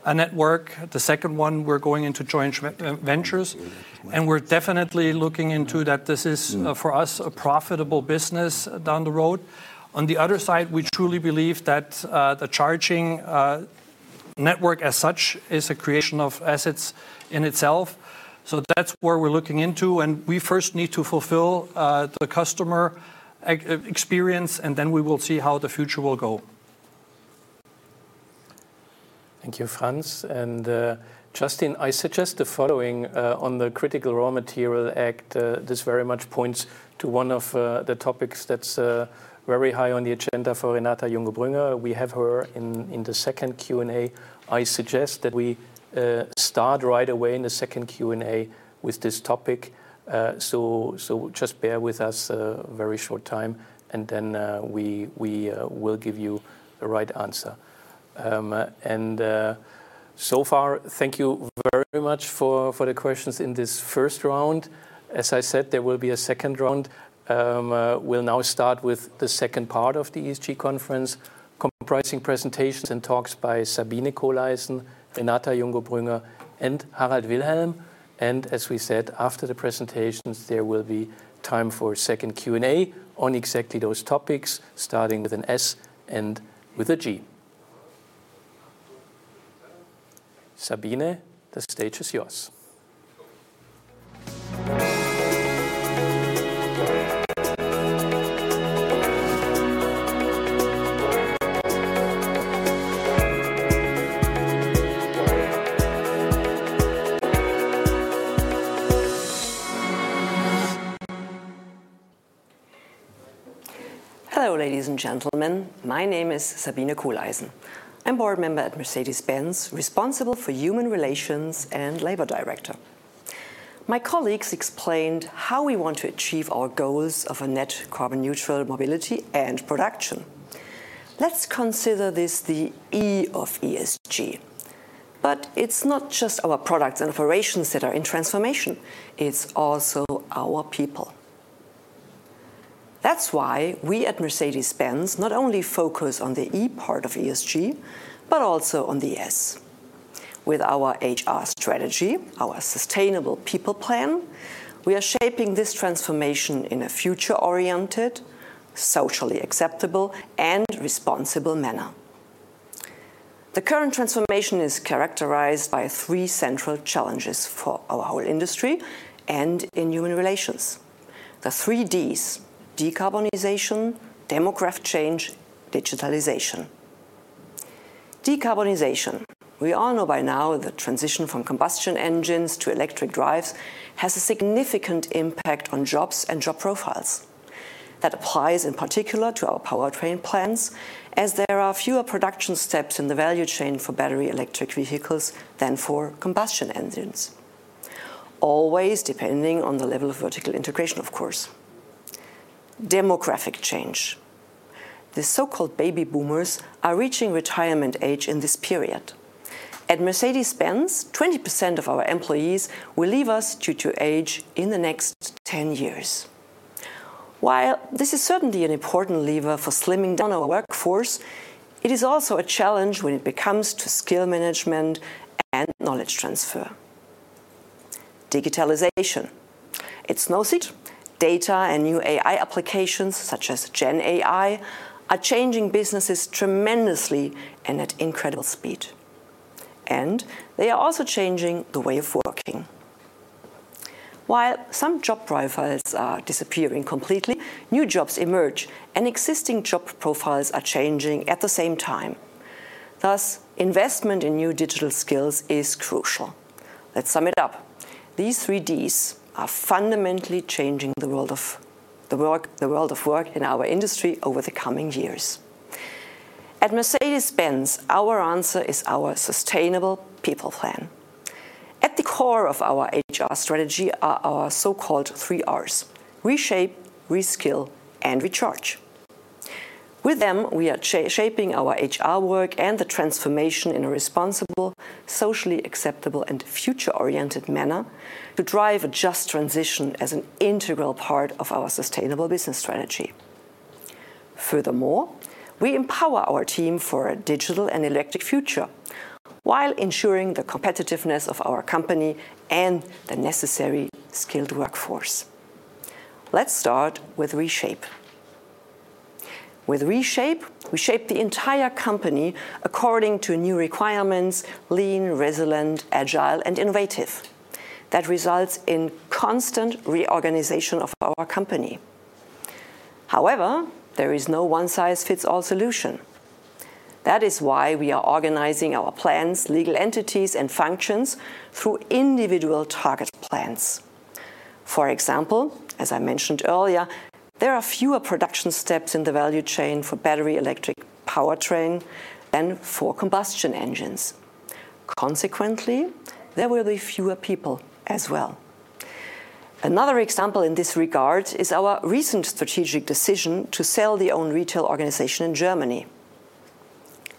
network. The second one, we're going into joint ventures. And we're definitely looking into that this is, for us, a profitable business down the road. On the other side, we truly believe that the charging network as such is a creation of assets in itself. So that's where we're looking into. And we first need to fulfill the customer experience, and then we will see how the future will go. Thank you, Franz. Justin, I suggest the following on the Critical Raw Materials Act. This very much points to one of the topics that's very high on the agenda for Renata Jungo Brüngger. We have her in the second Q&A. I suggest that we start right away in the second Q&A with this topic. So just bear with us a very short time, and then we will give you the right answer. So far, thank you very much for the questions in this first round. As I said, there will be a second round. We'll now start with the second part of the ESG conference, comprising presentations and talks by Sabine Kohleisen, Renata Jungo Brüngger, and Harald Wilhelm. As we said, after the presentations, there will be time for a second Q&A on exactly those topics, starting with an S and with a G. Sabine, the stage is yours. Hello, ladies and gentlemen. My name is Sabine Kohleisen. I'm Board Member at Mercedes-Benz, responsible for Human Relations and Labor Director. My colleagues explained how we want to achieve our goals of a net carbon-neutral mobility and production. Let's consider this the E of ESG. But it's not just our products and operations that are in transformation. It's also our people. That's why we at Mercedes-Benz not only focus on the E part of ESG but also on the S. With our HR strategy, our Sustainable People Plan, we are shaping this transformation in a future-oriented, socially acceptable, and responsible manner. The current transformation is characterized by three central challenges for our whole industry and in human relations: the three Ds, decarbonization, demographic change, and digitalization. Decarbonization, we all know by now, the transition from combustion engines to electric drives has a significant impact on jobs and job profiles. That applies, in particular, to our powertrain plants as there are fewer production steps in the value chain for battery electric vehicles than for combustion engines, always depending on the level of vertical integration, of course. Demographic change. The so-called baby boomers are reaching retirement age in this period. At Mercedes-Benz, 20% of our employees will leave us due to age in the next 10 years. While this is certainly an important lever for slimming down our workforce, it is also a challenge when it comes to skill management and knowledge transfer. Digitalization. It's no secret. Data and new AI applications, such as GenAI, are changing businesses tremendously and at incredible speed. They are also changing the way of working. While some job profiles are disappearing completely, new jobs emerge, and existing job profiles are changing at the same time. Thus, investment in new digital skills is crucial. Let's sum it up. These three Ds are fundamentally changing the world of work in our industry over the coming years. At Mercedes-Benz, our answer is our Sustainable People Plan. At the core of our HR strategy are our so-called three Rs: Reshape, Reskill, and Recharge. With them, we are shaping our HR work and the transformation in a responsible, socially acceptable, and future-oriented manner to drive a Just Transition as an integral part of our sustainable business strategy. Furthermore, we empower our team for a digital and electric future while ensuring the competitiveness of our company and the necessary skilled workforce. Let's start with reshape. With reshape, we shape the entire company according to new requirements: lean, resilient, agile, and innovative. That results in constant reorganization of our company. However, there is no one-size-fits-all solution. That is why we are organizing our plans, legal entities, and functions through individual target plans. For example, as I mentioned earlier, there are fewer production steps in the value chain for battery electric powertrain than for combustion engines. Consequently, there will be fewer people as well. Another example in this regard is our recent strategic decision to sell our own retail organization in Germany.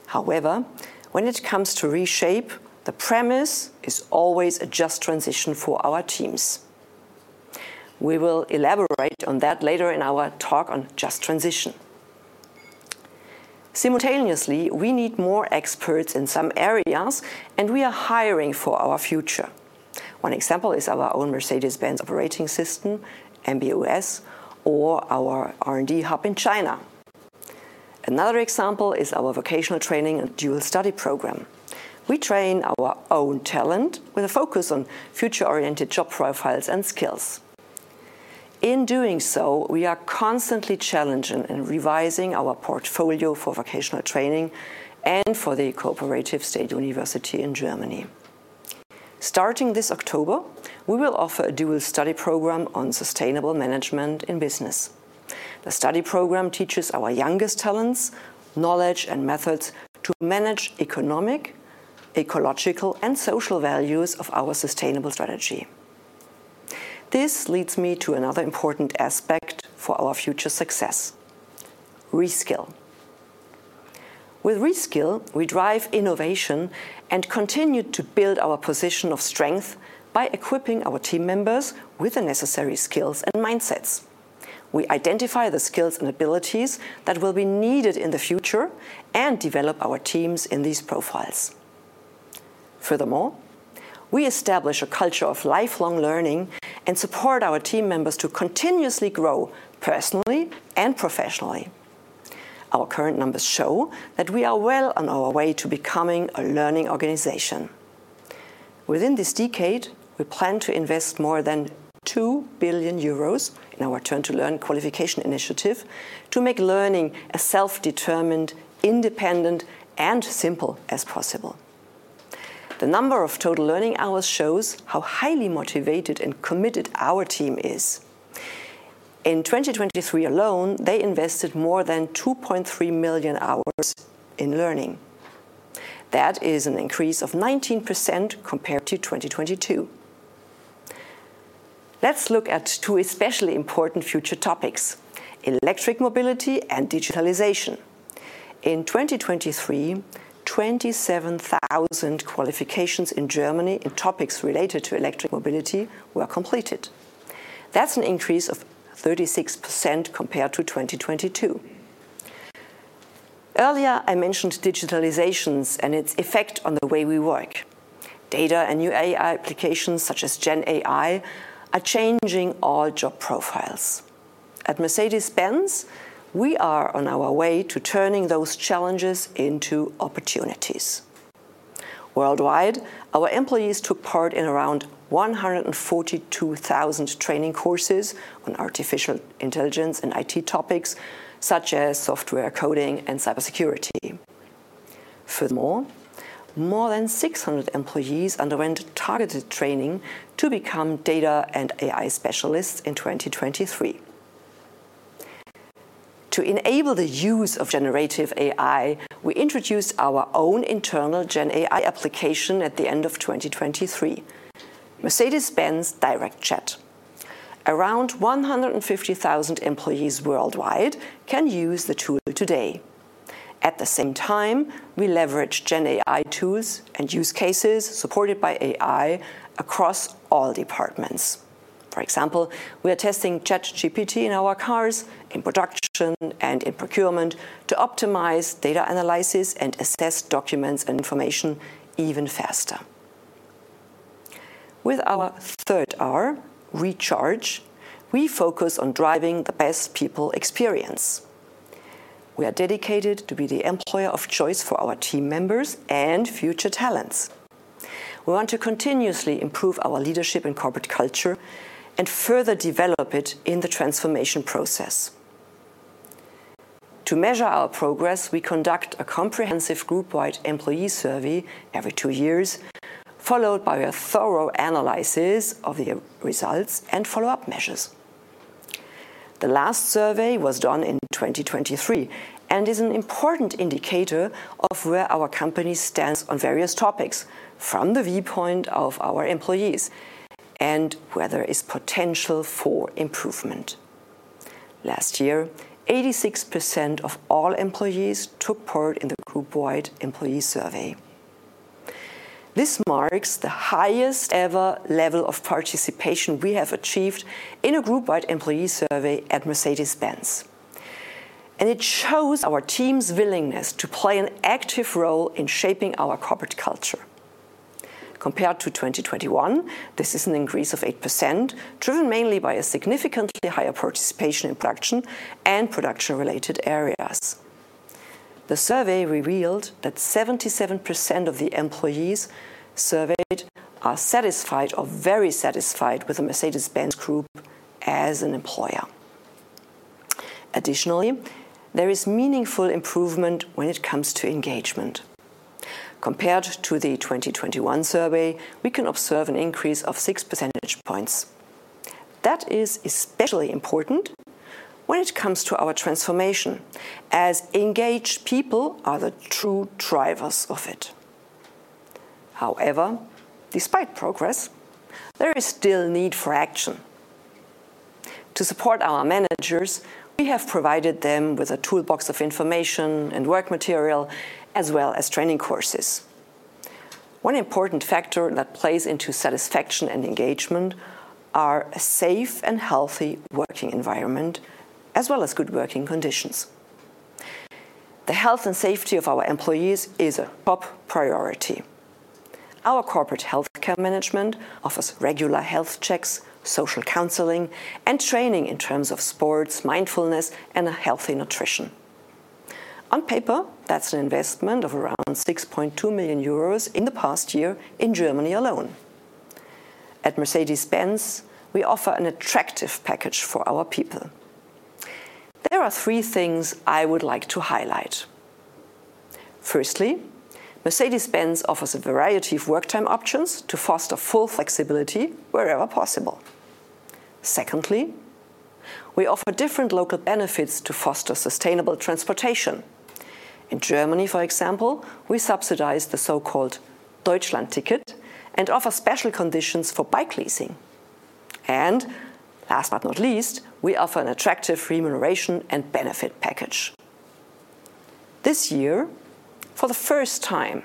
However, when it comes to reshape, the premise is always a Just Transition for our teams. We will elaborate on that later in our talk on Just Transition. Simultaneously, we need more experts in some areas, and we are hiring for our future. One example is our own Mercedes-Benz Operating System, MBUX, or our R&D hub in China. Another example is our vocational training and dual study program. We train our own talent with a focus on future-oriented job profiles and skills. In doing so, we are constantly challenging and revising our portfolio for vocational training and for the Cooperative State University in Germany. Starting this October, we will offer a dual study program on sustainable management in business. The study program teaches our youngest talents knowledge and methods to manage economic, ecological, and social values of our sustainable strategy. This leads me to another important aspect for our future success: reskill. With reskill, we drive innovation and continue to build our position of strength by equipping our team members with the necessary skills and mindsets. We identify the skills and abilities that will be needed in the future and develop our teams in these profiles. Furthermore, we establish a culture of lifelong learning and support our team members to continuously grow personally and professionally. Our current numbers show that we are well on our way to becoming a learning organization. Within this decade, we plan to invest more than 2 billion euros in our Turn2Learn qualification initiative to make learning a self-determined, independent, and as simple as possible. The number of total learning hours shows how highly motivated and committed our team is. In 2023 alone, they invested more than 2.3 million hours in learning. That is an increase of 19% compared to 2022. Let's look at two especially important future topics: electric mobility and digitalization. In 2023, 27,000 qualifications in Germany in topics related to electric mobility were completed. That's an increase of 36% compared to 2022. Earlier, I mentioned digitalization and its effect on the way we work. Data and new AI applications, such as Gen AI, are changing all job profiles. At Mercedes-Benz, we are on our way to turning those challenges into opportunities. Worldwide, our employees took part in around 142,000 training courses on artificial intelligence and IT topics, such as software coding and cybersecurity. Furthermore, more than 600 employees underwent targeted training to become data and AI specialists in 2023. To enable the use of generative AI, we introduced our own internal Gen AI application at the end of 2023: Mercedes-Benz Direct Chat. Around 150,000 employees worldwide can use the tool today. At the same time, we leverage Gen AI tools and use cases supported by AI across all departments. For example, we are testing ChatGPT in our cars, in production, and in procurement to optimize data analysis and assess documents and information even faster. With our third R, recharge, we focus on driving the best people experience. We are dedicated to be the employer of choice for our team members and future talents. We want to continuously improve our leadership and corporate culture and further develop it in the transformation process. To measure our progress, we conduct a comprehensive group-wide employee survey every two years, followed by a thorough analysis of the results and follow-up measures. The last survey was done in 2023 and is an important indicator of where our company stands on various topics from the viewpoint of our employees and where there is potential for improvement. Last year, 86% of all employees took part in the group-wide employee survey. This marks the highest-ever level of participation we have achieved in a group-wide employee survey at Mercedes-Benz. It shows our team's willingness to play an active role in shaping our corporate culture. Compared to 2021, this is an increase of 8%, driven mainly by a significantly higher participation in production and production-related areas. The survey revealed that 77% of the employees surveyed are satisfied or very satisfied with the Mercedes-Benz Group as an employer. Additionally, there is meaningful improvement when it comes to engagement. Compared to the 2021 survey, we can observe an increase of 6 percentage points. That is especially important when it comes to our transformation, as engaged people are the true drivers of it. However, despite progress, there is still a need for action. To support our managers, we have provided them with a toolbox of information and work material, as well as training courses. One important factor that plays into satisfaction and engagement is a safe and healthy working environment, as well as good working conditions. The health and safety of our employees is a top priority. Our corporate healthcare management offers regular health checks, social counseling, and training in terms of sports, mindfulness, and healthy nutrition. On paper, that's an investment of around 6.2 million euros in the past year in Germany alone. At Mercedes-Benz, we offer an attractive package for our people. There are three things I would like to highlight. Firstly, Mercedes-Benz offers a variety of worktime options to foster full flexibility wherever possible. Secondly, we offer different local benefits to foster sustainable transportation. In Germany, for example, we subsidize the so-called Deutschlandticket and offer special conditions for bike leasing. And last but not least, we offer an attractive remuneration and benefit package. This year, for the first time,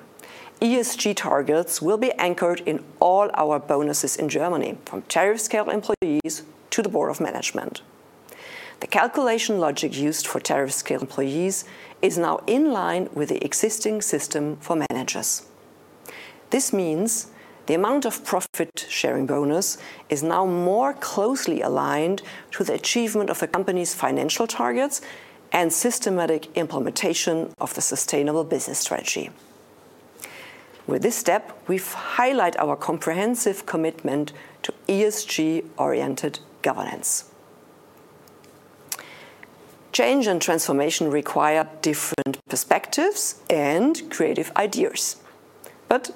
ESG targets will be anchored in all our bonuses in Germany, from tariff-scale employees to the Board of Management. The calculation logic used for tariff-scale employees is now in line with the existing system for managers. This means the amount of profit-sharing bonus is now more closely aligned to the achievement of the company's financial targets and systematic implementation of the Sustainable Business Strategy. With this step, we highlight our comprehensive commitment to ESG-oriented governance. Change and transformation require different perspectives and creative ideas. But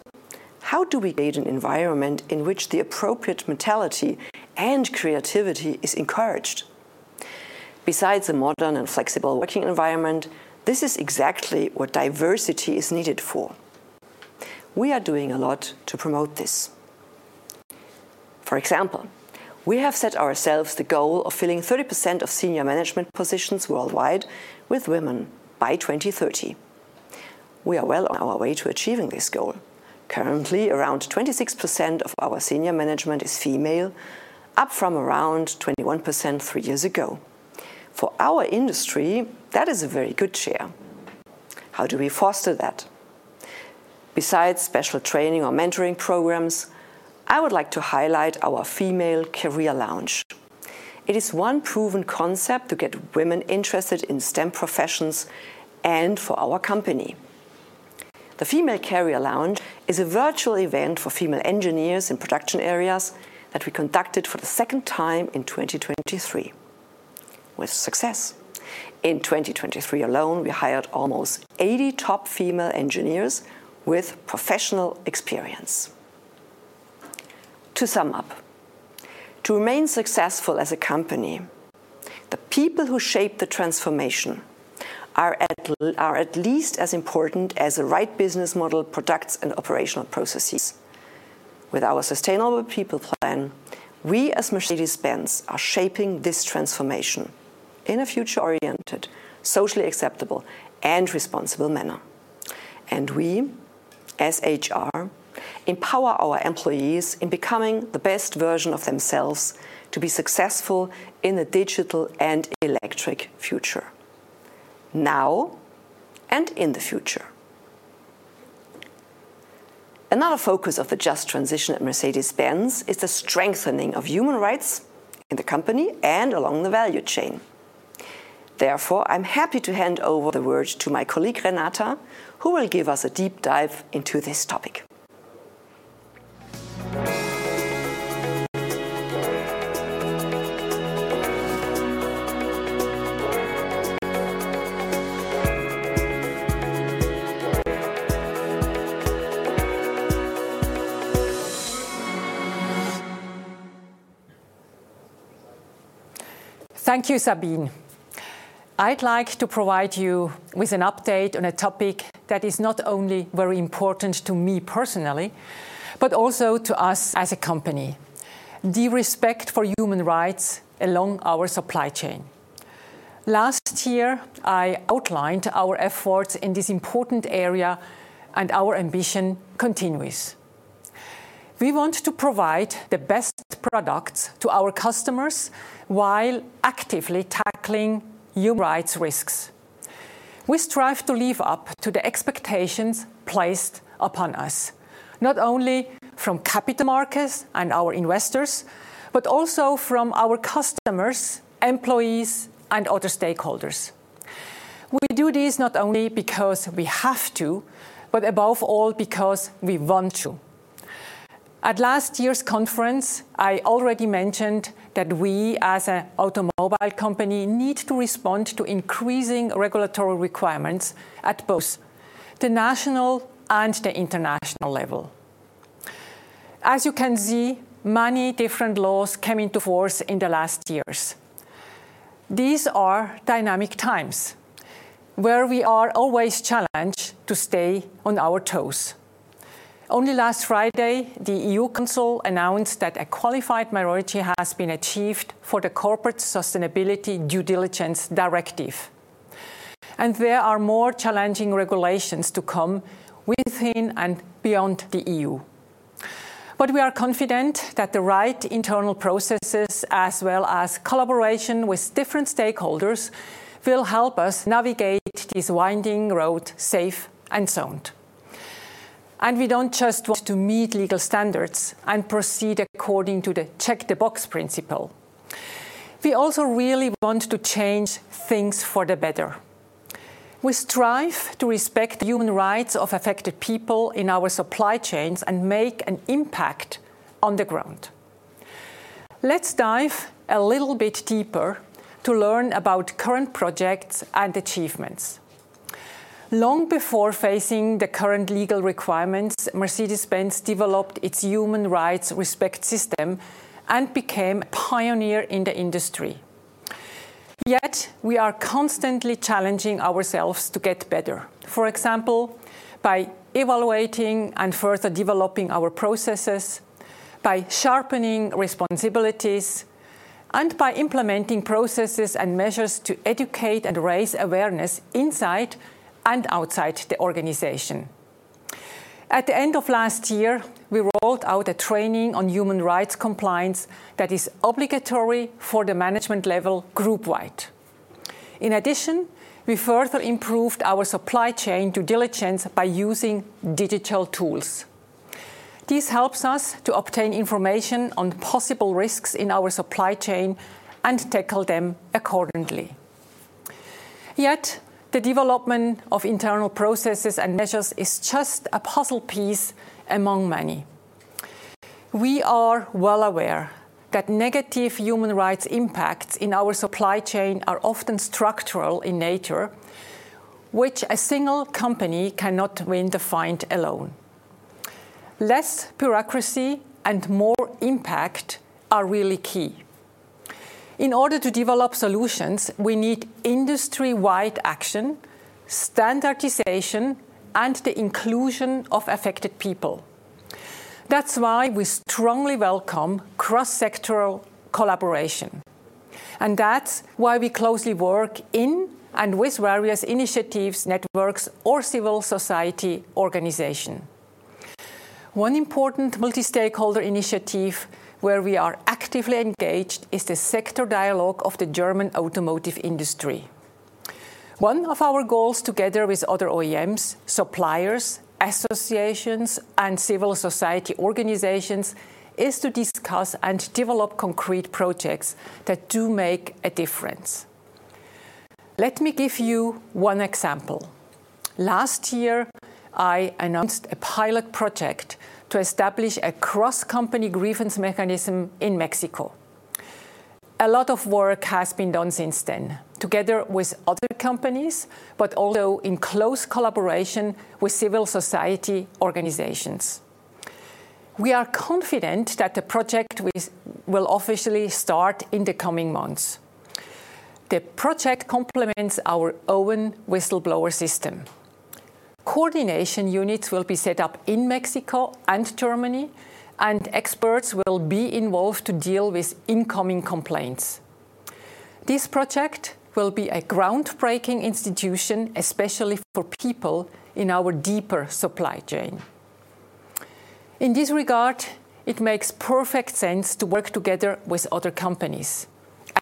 how do we create an environment in which the appropriate mentality and creativity are encouraged? Besides a modern and flexible working environment, this is exactly what diversity is needed for. We are doing a lot to promote this. For example, we have set ourselves the goal of filling 30% of senior management positions worldwide with women by 2030. We are well on our way to achieving this goal. Currently, around 26% of our senior management is female, up from around 21% three years ago. For our industry, that is a very good share. How do we foster that? Besides special training or mentoring programs, I would like to highlight our Female Career Lounge. It is one proven concept to get women interested in STEM professions and for our company. The Female Career Lounge is a virtual event for female engineers in production areas that we conducted for the second time in 2023 with success. In 2023 alone, we hired almost 80 top female engineers with professional experience. To sum up, to remain successful as a company, the people who shape the transformation are at least as important as the right business model, products, and operational processes. With our Sustainable People Plan, we as Mercedes-Benz are shaping this transformation in a future-oriented, socially acceptable, and responsible manner. We as HR empower our employees in becoming the best version of themselves to be successful in a digital and electric future, now and in the future. Another focus of the Just Transition at Mercedes-Benz is the strengthening of human rights in the company and along the value chain. Therefore, I'm happy to hand over the word to my colleague Renata, who will give us a deep dive into this topic. Thank you, Sabine. I'd like to provide you with an update on a topic that is not only very important to me personally, but also to us as a company: the respect for human rights along our supply chain. Last year, I outlined our efforts in this important area, and our ambition continues. We want to provide the best products to our customers while actively tackling human rights risks. We strive to live up to the expectations placed upon us, not only from capital markets and our investors, but also from our customers, employees, and other stakeholders. We do this not only because we have to, but above all because we want to. At last year's conference, I already mentioned that we as an automobile company need to respond to increasing regulatory requirements at both the national and the international level. As you can see, many different laws came into force in the last years. These are dynamic times where we are always challenged to stay on our toes. Only last Friday, the EU Council announced that a qualified majority has been achieved for the Corporate Sustainability Due Diligence Directive. And there are more challenging regulations to come within and beyond the EU. But we are confident that the right internal processes, as well as collaboration with different stakeholders, will help us navigate this winding road safe and sound. And we don't just want to meet legal standards and proceed according to the check-the-box principle. We also really want to change things for the better. We strive to respect the human rights of affected people in our supply chains and make an impact on the ground. Let's dive a little bit deeper to learn about current projects and achievements. Long before facing the current legal requirements, Mercedes-Benz developed its Human Rights Respect System and became a pioneer in the industry. Yet, we are constantly challenging ourselves to get better, for example, by evaluating and further developing our processes, by sharpening responsibilities, and by implementing processes and measures to educate and raise awareness inside and outside the organization. At the end of last year, we rolled out a training on human rights compliance that is obligatory for the management level group-wide. In addition, we further improved our supply chain due diligence by using digital tools. This helps us to obtain information on possible risks in our supply chain and tackle them accordingly. Yet, the development of internal processes and measures is just a puzzle piece among many. We are well aware that negative human rights impacts in our supply chain are often structural in nature, which a single company cannot redefine alone. Less bureaucracy and more impact are really key. In order to develop solutions, we need industry-wide action, standardization, and the inclusion of affected people. That's why we strongly welcome cross-sectoral collaboration. That's why we closely work in and with various initiatives, networks, or civil society organizations. One important multi-stakeholder initiative where we are actively engaged is the sector dialogue of the German automotive industry. One of our goals, together with other OEMs, suppliers, associations, and civil society organizations, is to discuss and develop concrete projects that do make a difference. Let me give you one example. Last year, I announced a PILOT project to establish a cross-company grievance mechanism in Mexico. A lot of work has been done since then, together with other companies, but also in close collaboration with civil society organizations. We are confident that the project will officially start in the coming months. The project complements our own whistleblower system. Coordination units will be set up in Mexico and Germany, and experts will be involved to deal with incoming complaints. This project will be a groundbreaking institution, especially for people in our deeper supply chain. In this regard, it makes perfect sense to work together with other companies.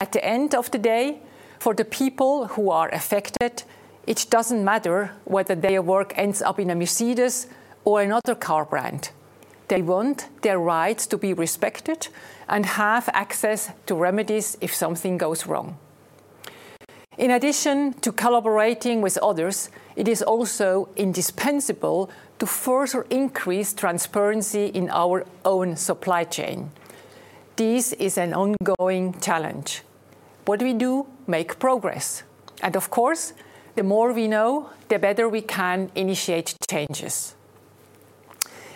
At the end of the day, for the people who are affected, it doesn't matter whether their work ends up in a Mercedes or another car brand. They want their rights to be respected and have access to remedies if something goes wrong. In addition to collaborating with others, it is also indispensable to further increase transparency in our own supply chain. This is an ongoing challenge. What we do makes progress. And of course, the more we know, the better we can initiate changes.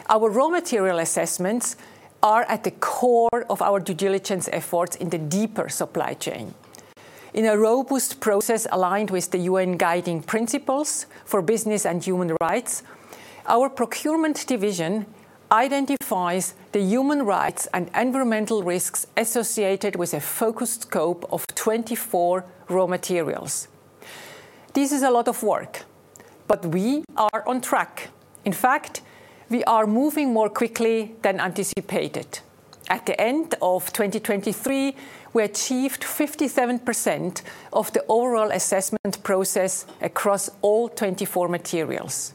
Our raw material assessments are at the core of our due diligence efforts in the deeper supply chain. In a robust process aligned with the UN Guiding Principles for Business and Human Rights, our procurement division identifies the human rights and environmental risks associated with a focused scope of 24 raw materials. This is a lot of work, but we are on track. In fact, we are moving more quickly than anticipated. At the end of 2023, we achieved 57% of the overall assessment process across all 24 materials.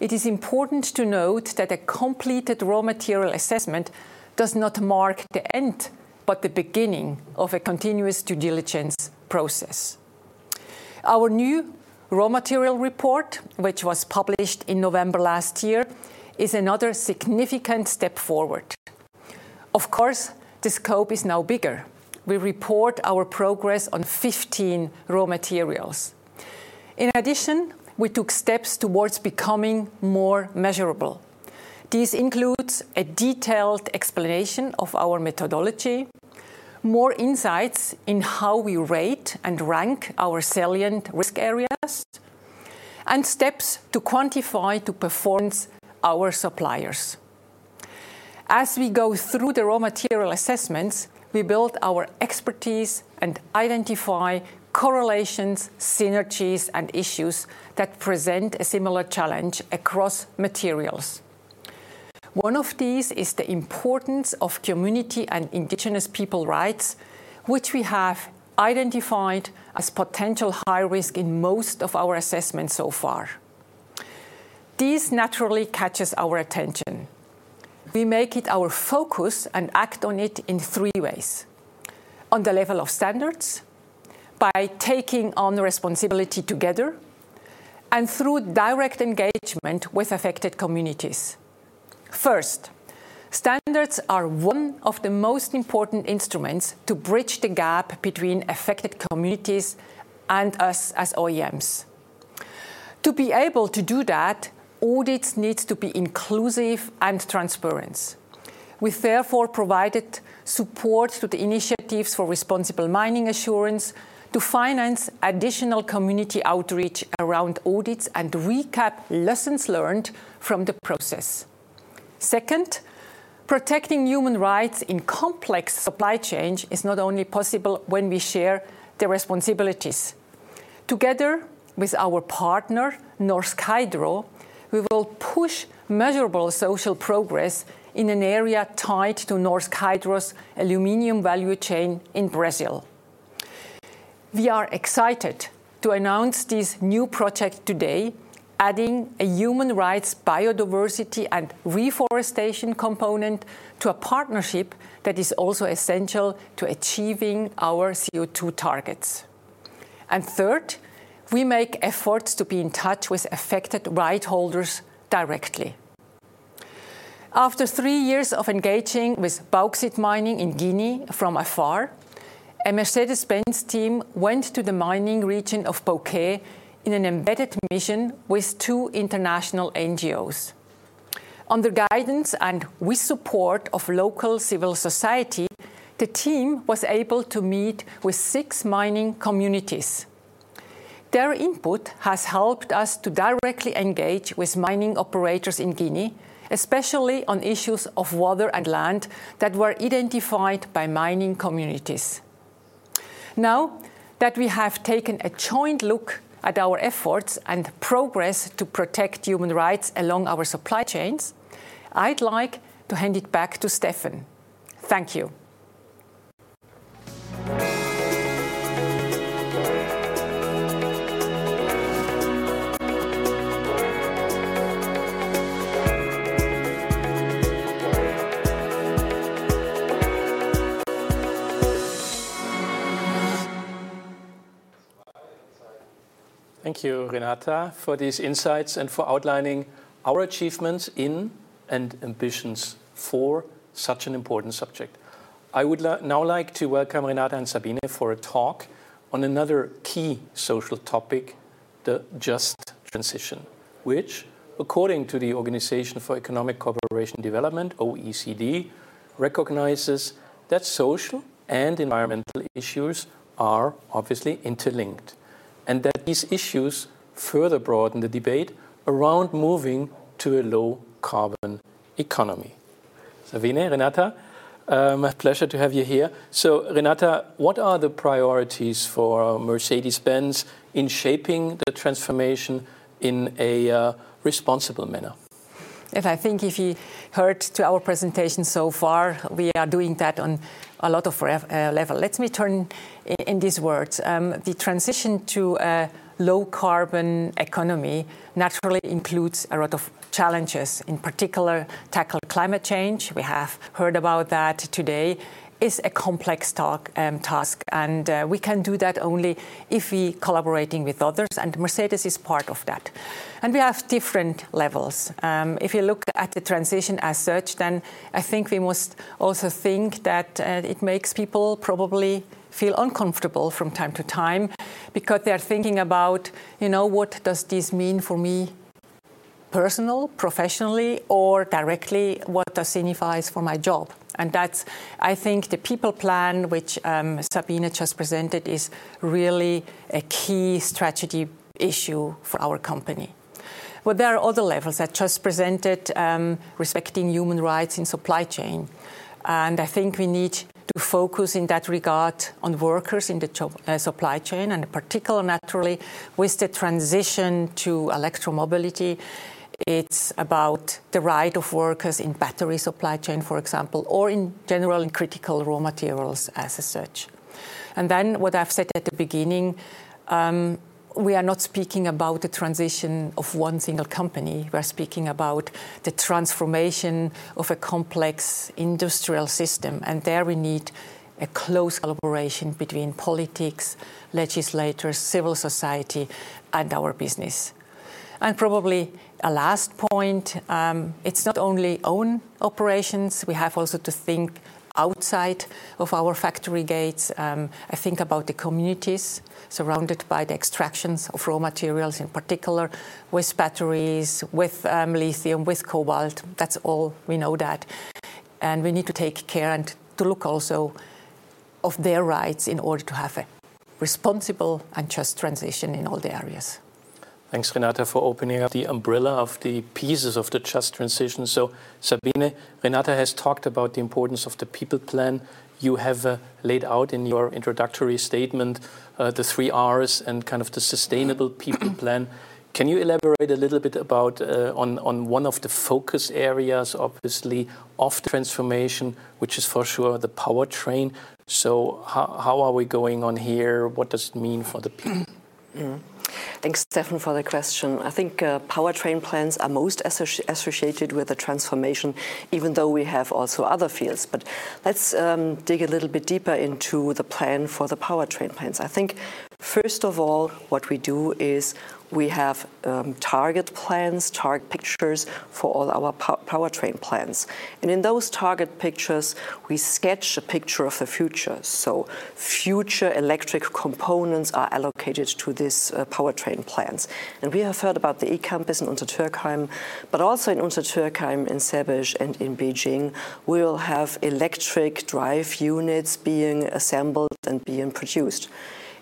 It is important to note that a completed raw material assessment does not mark the end, but the beginning of a continuous due diligence process. Our new raw material report, which was published in November last year, is another significant step forward. Of course, the scope is now bigger. We report our progress on 15 raw materials. In addition, we took steps towards becoming more measurable. This includes a detailed explanation of our methodology, more insights in how we rate and rank our salient risk areas, and steps to quantify the performance of our suppliers. As we go through the raw material assessments, we build our expertise and identify correlations, synergies, and issues that present a similar challenge across materials. One of these is the importance of community and Indigenous people rights, which we have identified as potential high risk in most of our assessments so far. This naturally catches our attention. We make it our focus and act on it in three ways: on the level of standards, by taking on responsibility together, and through direct engagement with affected communities. First, standards are one of the most important instruments to bridge the gap between affected communities and us as OEMs. To be able to do that, audits need to be inclusive and transparent. We therefore provided support to the Initiative for Responsible Mining Assurance to finance additional community outreach around audits and recap lessons learned from the process. Second, protecting human rights in complex supply chains is not only possible when we share the responsibilities. Together with our partner, Norsk Hydro, we will push measurable social progress in an area tied to Norsk Hydro's aluminum value chain in Brazil. We are excited to announce this new project today, adding a human rights, biodiversity, and reforestation component to a partnership that is also essential to achieving our CO2 targets. Third, we make efforts to be in touch with affected rights holders directly. After three years of engaging with bauxite mining in Guinea from afar, a Mercedes-Benz team went to the mining region of Boké in an embedded mission with two international NGOs. Under guidance and with support of local civil society, the team was able to meet with six mining communities. Their input has helped us to directly engage with mining operators in Guinea, especially on issues of water and land that were identified by mining communities. Now that we have taken a joint look at our efforts and progress to protect human rights along our supply chains, I'd like to hand it back to Steffen. Thank you. Thank you, Renata, for these insights and for outlining our achievements in and ambitions for such an important subject. I would now like to welcome Renata and Sabine for a talk on another key social topic, the Just Transition, which, according to the Organization for Economic Cooperation and Development, OECD, recognizes that social and environmental issues are obviously interlinked and that these issues further broaden the debate around moving to a low-carbon economy. Sabine, Renata, pleasure to have you here. So, Renata, what are the priorities for Mercedes-Benz in shaping the transformation in a responsible manner? If, I think, if you heard our presentation so far, we are doing that on a lot of levels. Let me put it in these words. The transition to a low-carbon economy naturally includes a lot of challenges. In particular, tackle climate change. We have heard about that today. It's a complex task. We can do that only if we are collaborating with others. Mercedes is part of that. We have different levels. If you look at the transition as such, then I think we must also think that it makes people probably feel uncomfortable from time to time because they are thinking about, you know, what does this mean for me personally, professionally, or directly what does it signify for my job? That's, I think, the people plan, which Sabine just presented, is really a key strategy issue for our company. But there are other levels that are just presented, respecting human rights in the supply chain. I think we need to focus in that regard on workers in the supply chain. In particular, naturally, with the transition to electromobility, it's about the right of workers in the battery supply chain, for example, or in general, in critical raw materials as such. Then what I've said at the beginning, we are not speaking about the transition of one single company. We are speaking about the transformation of a complex industrial system. There we need a close collaboration between politics, legislators, civil society, and our business. Probably a last point. It's not only our own operations. We have also to think outside of our factory gates. I think about the communities surrounded by the extractions of raw materials in particular, with batteries, with lithium, with cobalt. That's all we know, that. And we need to take care and to look also at their rights in order to have a responsible and Just Transition in all the areas. Thanks, Renata, for opening up the umbrella of the pieces of the Just Transition. So, Sabine, Renata has talked about the importance of the People Plan you have laid out in your introductory statement, the three R's and kind of the Sustainable People Plan. Can you elaborate a little bit about one of the focus areas, obviously, of the transformation, which is for sure the powertrain? So how are we going on here? What does it mean for the people? Thanks, Steffen for the question. I think powertrain plants are most associated with the transformation, even though we have also other fields. Let's dig a little bit deeper into the plan for the powertrain plants. I think, first of all, what we do is we have target plans, target pictures for all our powertrain plants. In those target pictures, we sketch a picture of the future. Future electric components are allocated to these powertrain plants. We have heard about the eCampus in Untertürkheim. Also in Untertürkheim, in Sebeș, and in Beijing, we will have electric drive units being assembled and being produced.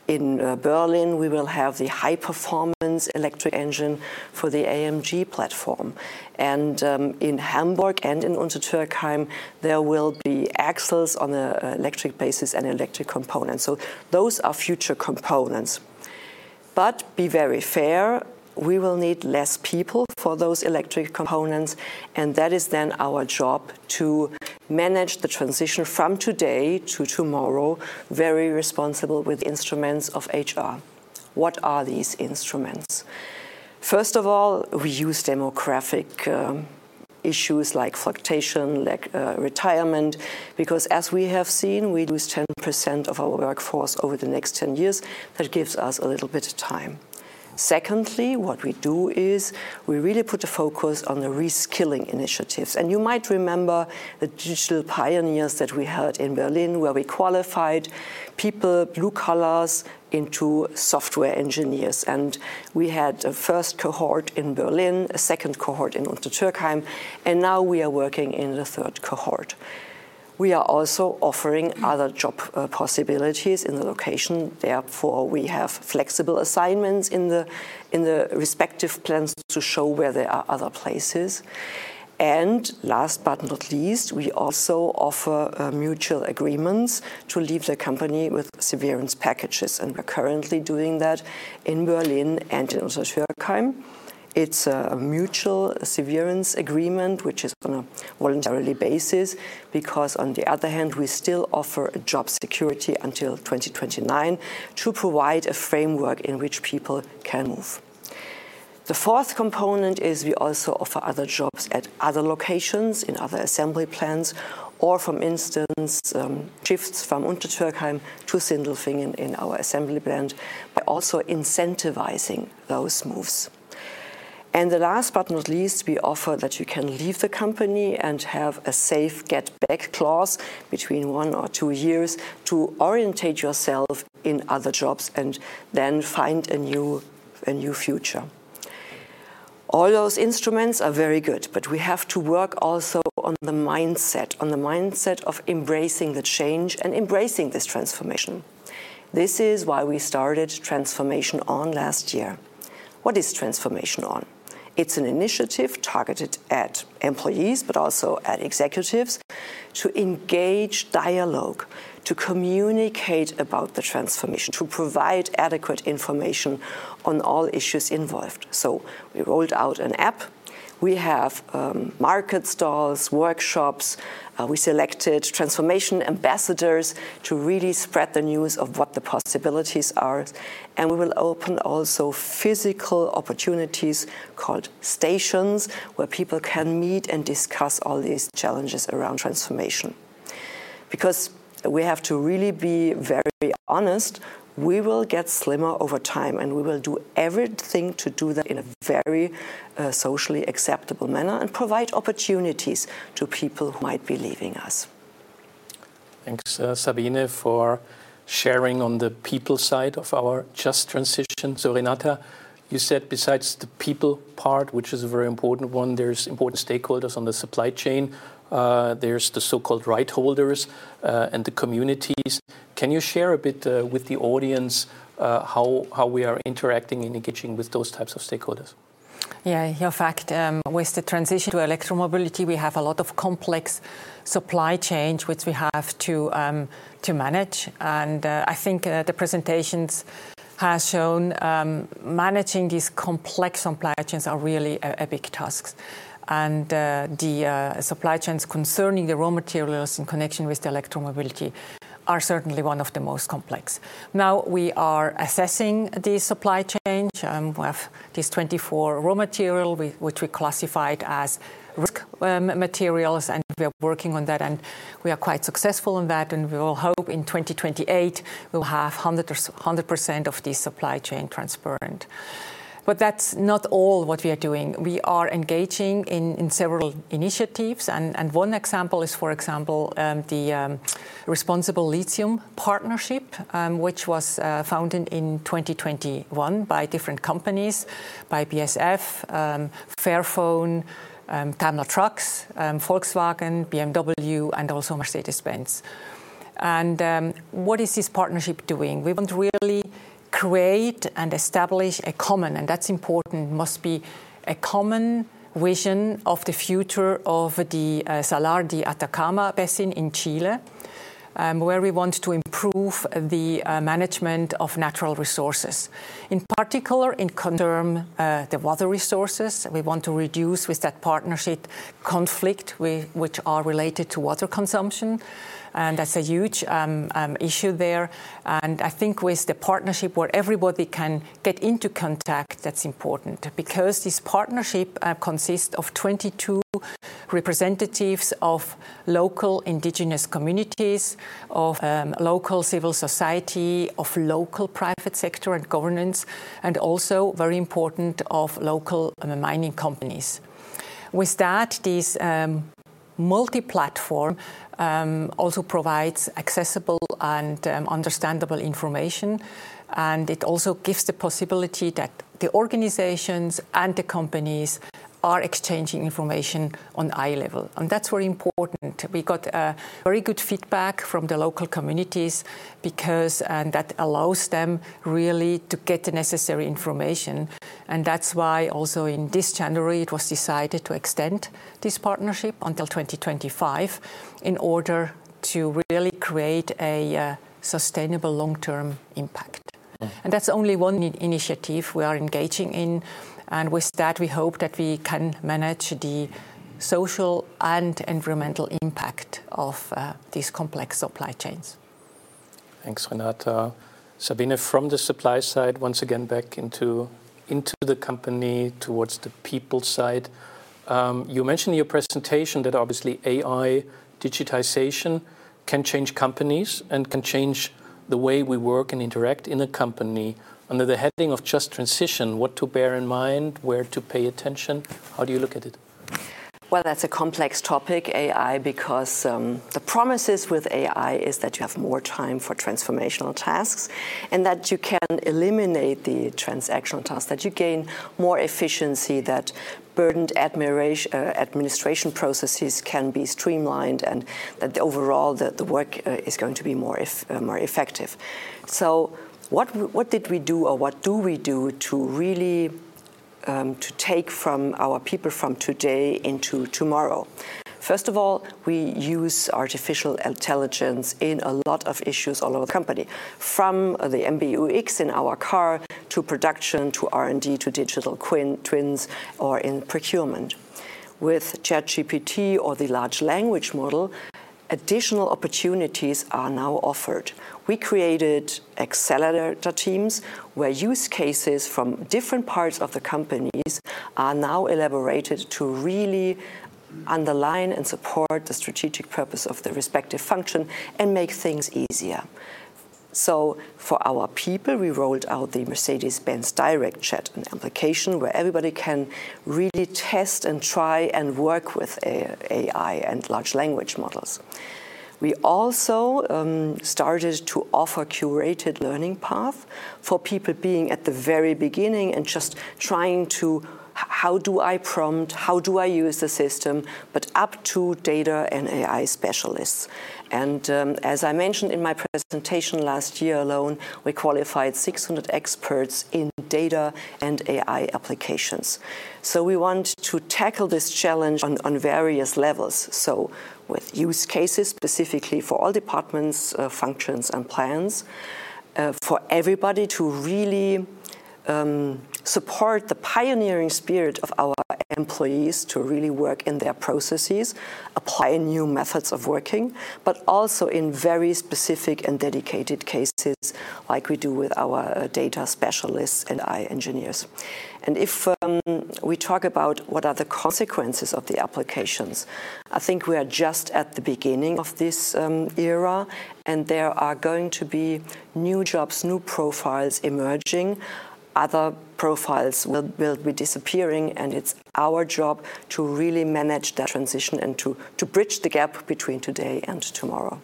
In Berlin, we will have the high-performance electric engine for the AMG platform. In Hamburg and in Untertürkheim, there will be axles on an electric basis and electric components. Those are future components. But be very fair, we will need fewer people for those electric components. And that is then our job to manage the transition from today to tomorrow very responsibly with the instruments of HR. What are these instruments? First of all, we use demographic issues like fluctuation, like retirement, because as we have seen, we lose 10% of our workforce over the next 10 years. That gives us a little bit of time. Secondly, what we do is we really put the focus on the reskilling initiatives. And you might remember the Digital Pioneers that we had in Berlin, where we qualified people, blue-collar, into software engineers. And we had a first cohort in Berlin, a second cohort in Untertürkheim. And now we are working in the third cohort. We are also offering other job possibilities in the location. Therefore, we have flexible assignments in the respective plans to show where there are other places. And last but not least, we also offer mutual agreements to leave the company with severance packages. And we're currently doing that in Berlin and in Untertürkheim. It's a mutual severance agreement, which is on a voluntary basis, because on the other hand, we still offer job security until 2029 to provide a framework in which people can move. The fourth component is we also offer other jobs at other locations, in other assembly plants, or, for instance, shifts from Untertürkheim to Sindelfingen in our assembly plant by also incentivizing those moves. And the last but not least, we offer that you can leave the company and have a safe get-back clause between one or two years to orientate yourself in other jobs and then find a new future. All those instruments are very good. But we have to work also on the mindset, on the mindset of embracing the change and embracing this transformation. This is why we started Transformation On last year. What is Transformation On? It's an initiative targeted at employees, but also at executives, to engage dialogue, to communicate about the transformation, to provide adequate information on all issues involved. So we rolled out an app. We have market stalls, workshops. We selected transformation ambassadors to really spread the news of what the possibilities are. And we will open also physical opportunities called stations where people can meet and discuss all these challenges around transformation. Because we have to really be very honest, we will get slimmer over time. And we will do everything to do that in a very socially acceptable manner and provide opportunities to people who might be leaving us. Thanks, Sabine, for sharing on the people side of our Just Transition. So, Renata, you said besides the people part, which is a very important one, there are important stakeholders on the supply chain. There are the so-called rights holders and the communities. Can you share a bit with the audience how we are interacting and engaging with those types of stakeholders? Yeah. In fact, with the transition to electromobility, we have a lot of complex supply chains, which we have to manage. And I think the presentations have shown managing these complex supply chains are really big tasks. And the supply chains concerning the raw materials in connection with electromobility are certainly one of the most complex. Now we are assessing this supply chain. We have these 24 raw materials, which we classified as materials. And we are working on that. And we are quite successful in that. And we will hope in 2028, we will have 100% of this supply chain transparent. But that's not all what we are doing. We are engaging in several initiatives. And one example is, for example, the Responsible Lithium Partnership, which was founded in 2021 by different companies, by BASF, Fairphone, Daimler Trucks, Volkswagen, BMW, and also Mercedes-Benz. And what is this partnership doing? We want to really create and establish a common, and that's important, must be a common vision of the future of the Salar de Atacama Basin in Chile, where we want to improve the management of natural resources. In particular, in terms of the water resources, we want to reduce, with that partnership, conflicts which are related to water consumption. That's a huge issue there. I think with the partnership, where everybody can get into contact, that's important. Because this partnership consists of 22 representatives of local Indigenous communities, of local civil society, of local private sector and governance, and also, very important, of local mining companies. With that, this multi-platform also provides accessible and understandable information. It also gives the possibility that the organizations and the companies are exchanging information on a high level. That's very important. We got very good feedback from the local communities because that allows them really to get the necessary information. And that's why also in this January, it was decided to extend this partnership until 2025 in order to really create a sustainable long-term impact. And that's only one initiative we are engaging in. And with that, we hope that we can manage the social and environmental impact of these complex supply chains. Thanks, Renata. Sabine, from the supply side, once again back into the company, towards the people side. You mentioned in your presentation that, obviously, AI, digitization, can change companies and can change the way we work and interact in a company. Under the heading of Just Transition, what to bear in mind, where to pay attention, how do you look at it? Well, that's a complex topic, AI, because the promises with AI are that you have more time for transformational tasks and that you can eliminate the transactional tasks, that you gain more efficiency, that burdened administration processes can be streamlined, and that overall, the work is going to be more effective. So what did we do or what do we do to really take our people from today into tomorrow? First of all, we use artificial intelligence in a lot of issues all over the company, from the MBUX in our car to production to R&D to digital twins or in procurement. With ChatGPT or the large language model, additional opportunities are now offered. We created accelerator teams where use cases from different parts of the companies are now elaborated to really underline and support the strategic purpose of the respective function and make things easier. So for our people, we rolled out the Mercedes-Benz Direct Chat application, where everybody can really test and try and work with AI and large language models. We also started to offer a curated learning path for people being at the very beginning and just trying to, how do I prompt? How do I use the system? But up to data and AI specialists. And as I mentioned in my presentation last year alone, we qualified 600 experts in data and AI applications. So we want to tackle this challenge on various levels, so with use cases specifically for all departments, functions, and plans, for everybody to really support the pioneering spirit of our employees to really work in their processes, apply new methods of working, but also in very specific and dedicated cases, like we do with our data specialists and AI engineers. If we talk about what are the consequences of the applications, I think we are just at the beginning of this era. There are going to be new jobs, new profiles emerging. Other profiles will be disappearing. It's our job to really manage that transition and to bridge the gap between today and tomorrow.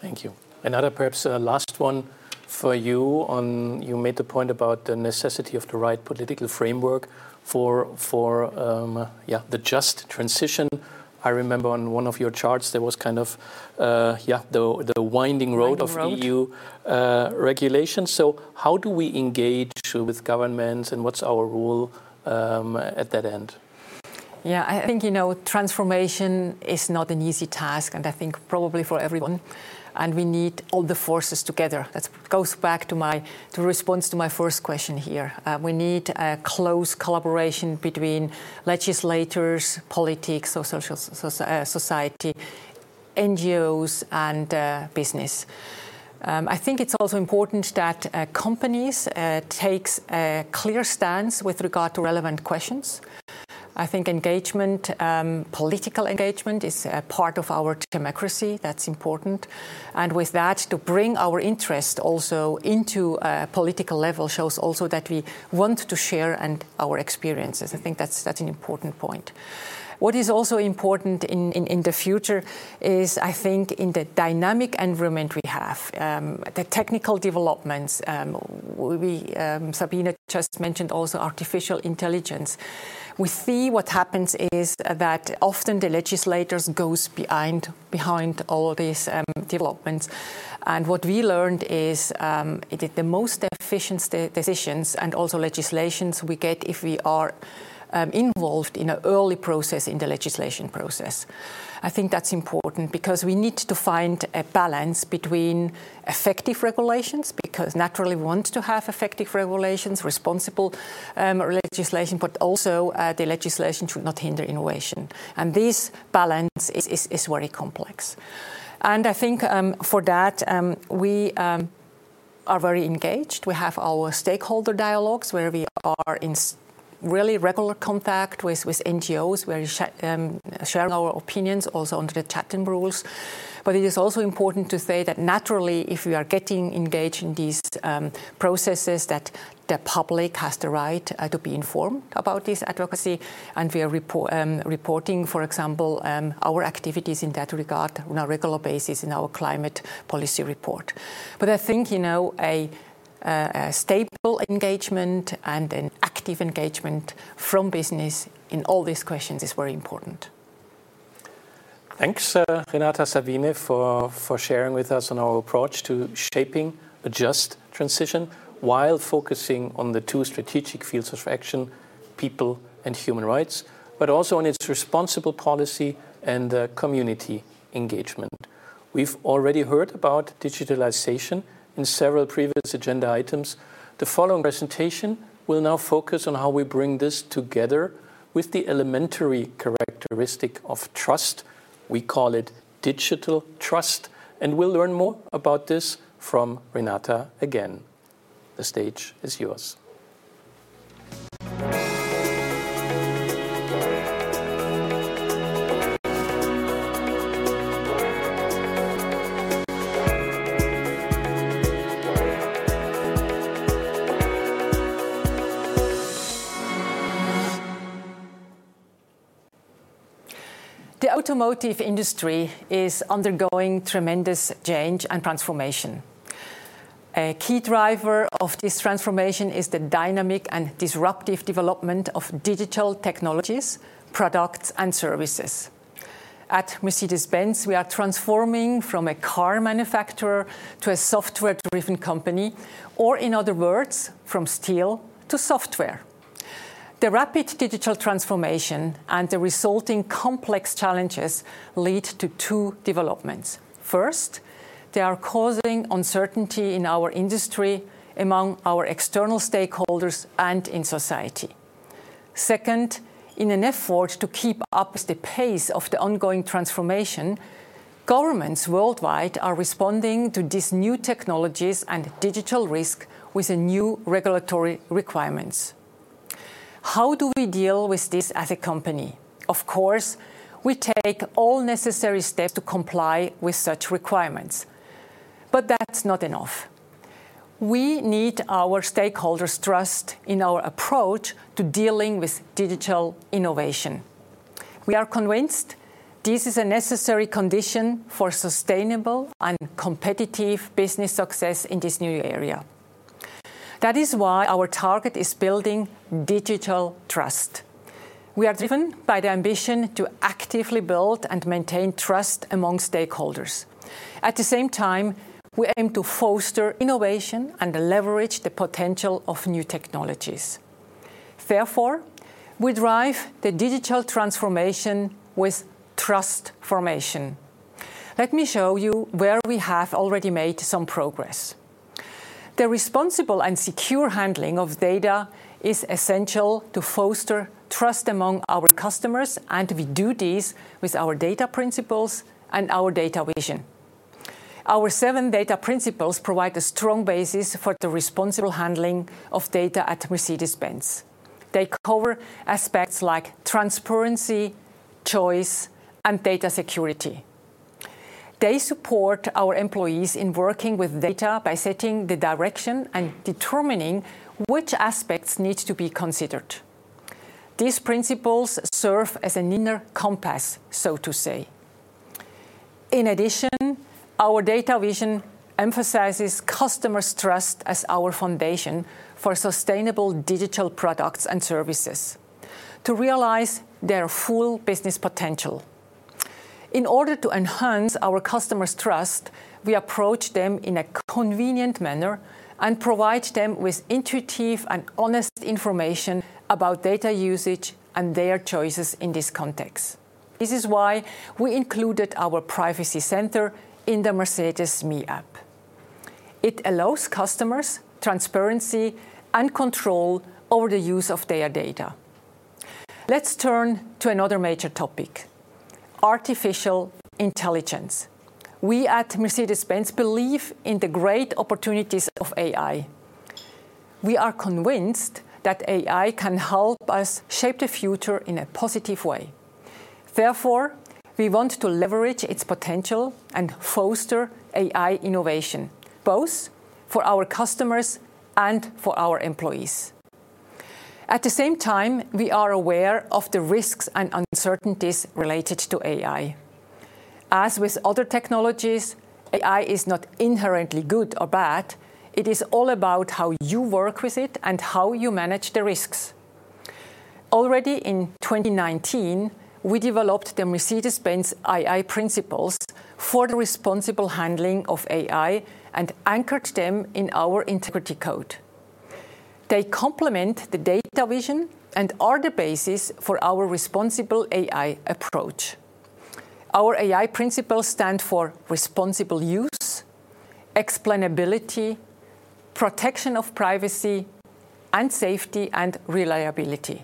Thank you. Renata, perhaps a last one for you. You made the point about the necessity of the right political framework for the Just Transition. I remember on one of your charts, there was kind of the winding road of EU regulations. So how do we engage with governments? And what's our role at that end? Yeah. I think transformation is not an easy task. I think probably for everyone. We need all the forces together. That goes back to my response to my first question here. We need close collaboration between legislators, politics, social society, NGOs, and business. I think it's also important that companies take a clear stance with regard to relevant questions. I think engagement, political engagement, is part of our democracy. That's important. With that, to bring our interest also into a political level shows also that we want to share our experiences. I think that's an important point. What is also important in the future is, I think, in the dynamic environment we have, the technical developments. Sabine just mentioned also artificial intelligence. We see what happens is that often the legislators go behind all these developments. What we learned is that the most efficient decisions and also legislations we get if we are involved in an early process in the legislation process. I think that's important because we need to find a balance between effective regulations, because naturally, we want to have effective regulations, responsible legislation, but also the legislation should not hinder innovation. This balance is very complex. I think for that, we are very engaged. We have our stakeholder dialogues, where we are in really regular contact with NGOs, where we share our opinions also under the chat and rules. But it is also important to say that, naturally, if we are getting engaged in these processes, that the public has the right to be informed about this advocacy. We are reporting, for example, our activities in that regard on a regular basis in our Climate Policy Report. But I think a stable engagement and an active engagement from business in all these questions is very important. Thanks, Renata, Sabine, for sharing with us on our approach to shaping a Just Transition while focusing on the two strategic fields of action, people and human rights, but also on its responsible policy and community engagement. We've already heard about digitalization in several previous agenda items. The following presentation will now focus on how we bring this together with the elementary characteristic of trust. We call it digital trust. We'll learn more about this from Renata again. The stage is yours. The automotive industry is undergoing tremendous change and transformation. A key driver of this transformation is the dynamic and disruptive development of digital technologies, products, and services. At Mercedes-Benz, we are transforming from a car manufacturer to a software-driven company, or in other words, from steel to software. The rapid digital transformation and the resulting complex challenges lead to two developments. First, they are causing uncertainty in our industry, among our external stakeholders, and in society. Second, in an effort to keep up with the pace of the ongoing transformation, governments worldwide are responding to these new technologies and digital risks with new regulatory requirements. How do we deal with this as a company? Of course, we take all necessary steps to comply with such requirements. But that's not enough. We need our stakeholders' trust in our approach to dealing with digital innovation. We are convinced this is a necessary condition for sustainable and competitive business success in this new area. That is why our target is building digital trust. We are driven by the ambition to actively build and maintain trust among stakeholders. At the same time, we aim to foster innovation and leverage the potential of new technologies. Therefore, we drive the digital transformation with trust formation. Let me show you where we have already made some progress. The responsible and secure handling of data is essential to foster trust among our customers. We do this with our Data Principles and our Data Vision. Our seven Data Principles provide a strong basis for the responsible handling of data at Mercedes-Benz. They cover aspects like transparency, choice, and data security. They support our employees in working with data by setting the direction and determining which aspects need to be considered. These principles serve as an inner compass, so to say. In addition, our Data Vision emphasizes customers' trust as our foundation for sustainable digital products and services to realize their full business potential. In order to enhance our customers' trust, we approach them in a convenient manner and provide them with intuitive and honest information about data usage and their choices in this context. This is why we included our Privacy Center in the Mercedes me app. It allows customers transparency and control over the use of their data. Let's turn to another major topic, artificial intelligence. We at Mercedes-Benz believe in the great opportunities of AI. We are convinced that AI can help us shape the future in a positive way. Therefore, we want to leverage its potential and foster AI innovation, both for our customers and for our employees. At the same time, we are aware of the risks and uncertainties related to AI. As with other technologies, AI is not inherently good or bad. It is all about how you work with it and how you manage the risks. Already in 2019, we developed the Mercedes-Benz AI Principles for the responsible handling of AI and anchored them in our Integrity Code. They complement the Data Vision and are the basis for our responsible AI approach. Our AI principles stand for responsible use, explainability, protection of privacy, and safety and reliability.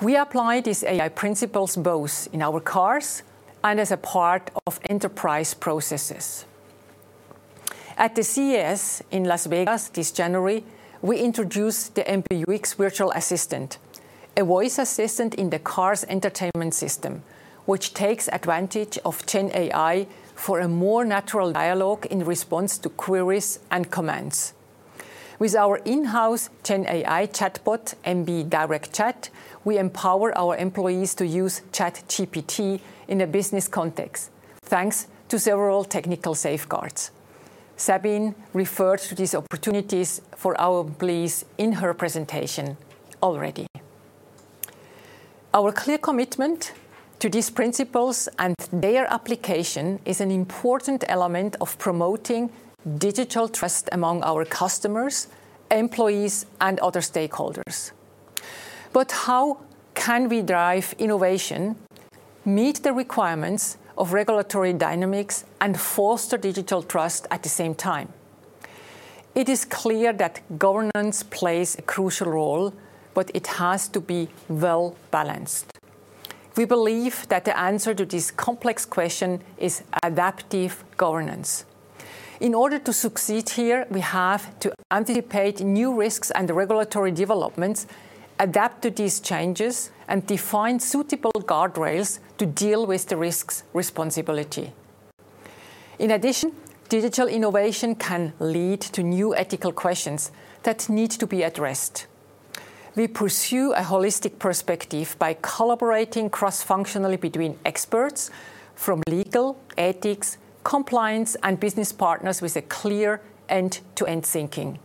We apply these AI principles both in our cars and as a part of enterprise processes. At the CES in Las Vegas this January, we introduced the MBUX Virtual Assistant, a voice assistant in the car's entertainment system, which takes advantage of GenAI for a more natural dialogue in response to queries and commands. With our in-house GenAI chatbot, MB Direct Chat, we empower our employees to use ChatGPT in a business context, thanks to several technical safeguards. Sabine referred to these opportunities for our employees in her presentation already. Our clear commitment to these principles and their application is an important element of promoting digital trust among our customers, employees, and other stakeholders. But how can we drive innovation, meet the requirements of regulatory dynamics, and foster digital trust at the same time? It is clear that governance plays a crucial role, but it has to be well-balanced. We believe that the answer to this complex question is adaptive governance. In order to succeed here, we have to anticipate new risks and regulatory developments, adapt to these changes, and define suitable guardrails to deal with the risks responsibly. In addition, digital innovation can lead to new ethical questions that need to be addressed. We pursue a holistic perspective by collaborating cross-functionally between experts from legal, ethics, compliance, and business partners with a clear end-to-end thinking.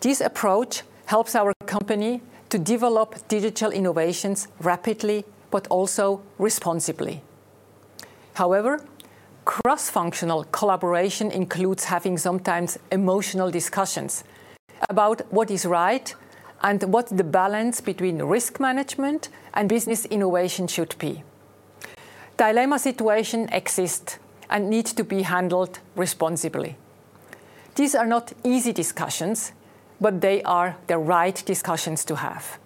This approach helps our company to develop digital innovations rapidly but also responsibly. However, cross-functional collaboration includes having sometimes emotional discussions about what is right and what the balance between risk management and business innovation should be. Dilemma situations exist and need to be handled responsibly. These are not easy discussions, but they are the right discussions to have.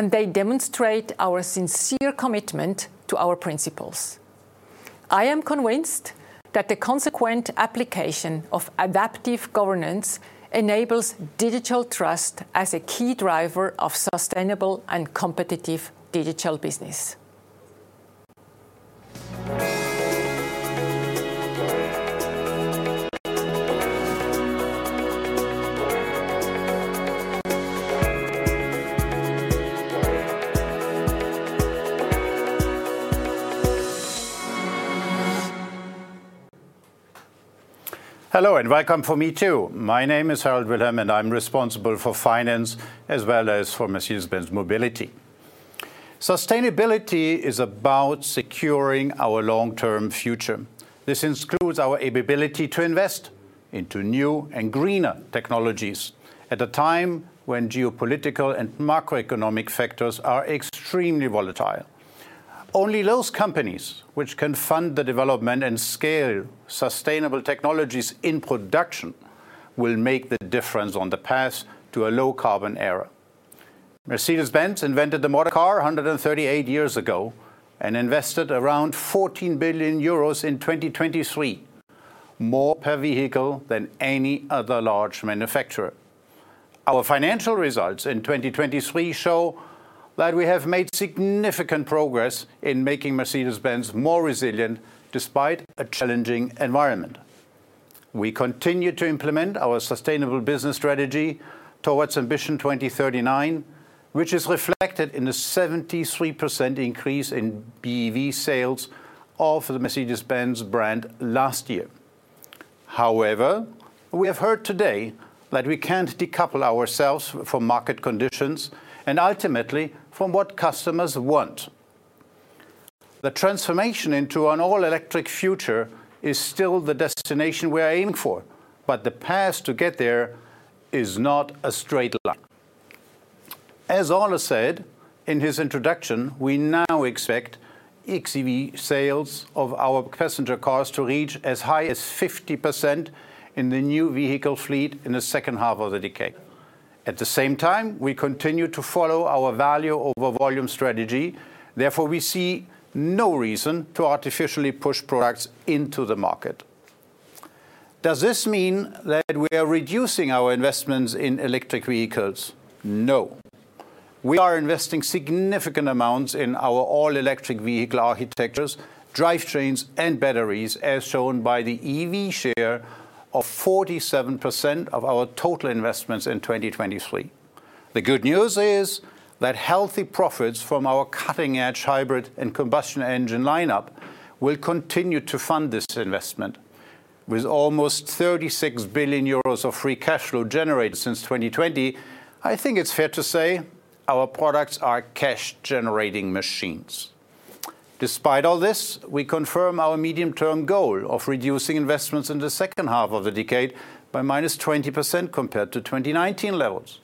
They demonstrate our sincere commitment to our principles. I am convinced that the consequent application of adaptive governance enables digital trust as a key driver of sustainable and competitive digital business. Hello, and welcome for me, too. My name is Harald Wilhelm, and I'm responsible for finance as well as for Mercedes-Benz Mobility. Sustainability is about securing our long-term future. This includes our ability to invest into new and greener technologies at a time when geopolitical and macroeconomic factors are extremely volatile. Only those companies which can fund the development and scale sustainable technologies in production will make the difference on the path to a low-carbon era. Mercedes-Benz invented the motor car 138 years ago and invested around 14 billion euros in 2023, more per vehicle than any other large manufacturer. Our financial results in 2023 show that we have made significant progress in making Mercedes-Benz more resilient despite a challenging environment. We continue to implement our Sustainable Business Strategy towards Ambition 2039, which is reflected in the 73% increase in BEV sales of the Mercedes-Benz brand last year. However, we have heard today that we can't decouple ourselves from market conditions and ultimately from what customers want. The transformation into an all-electric future is still the destination we are aiming for, but the path to get there is not a straight line. As Ola said in his introduction, we now expect xEV sales of our passenger cars to reach as high as 50% in the new vehicle fleet in the second half of the decade. At the same time, we continue to follow our value-over-volume strategy. Therefore, we see no reason to artificially push products into the market. Does this mean that we are reducing our investments in electric vehicles? No. We are investing significant amounts in our all-electric vehicle architectures, drivetrains, and batteries, as shown by the EV share of 47% of our total investments in 2023. The good news is that healthy profits from our cutting-edge hybrid and combustion engine lineup will continue to fund this investment. With almost 36 billion euros of free cash flow generated since 2020, I think it's fair to say our products are cash-generating machines. Despite all this, we confirm our medium-term goal of reducing investments in the second half of the decade by minus 20% compared to 2019 levels,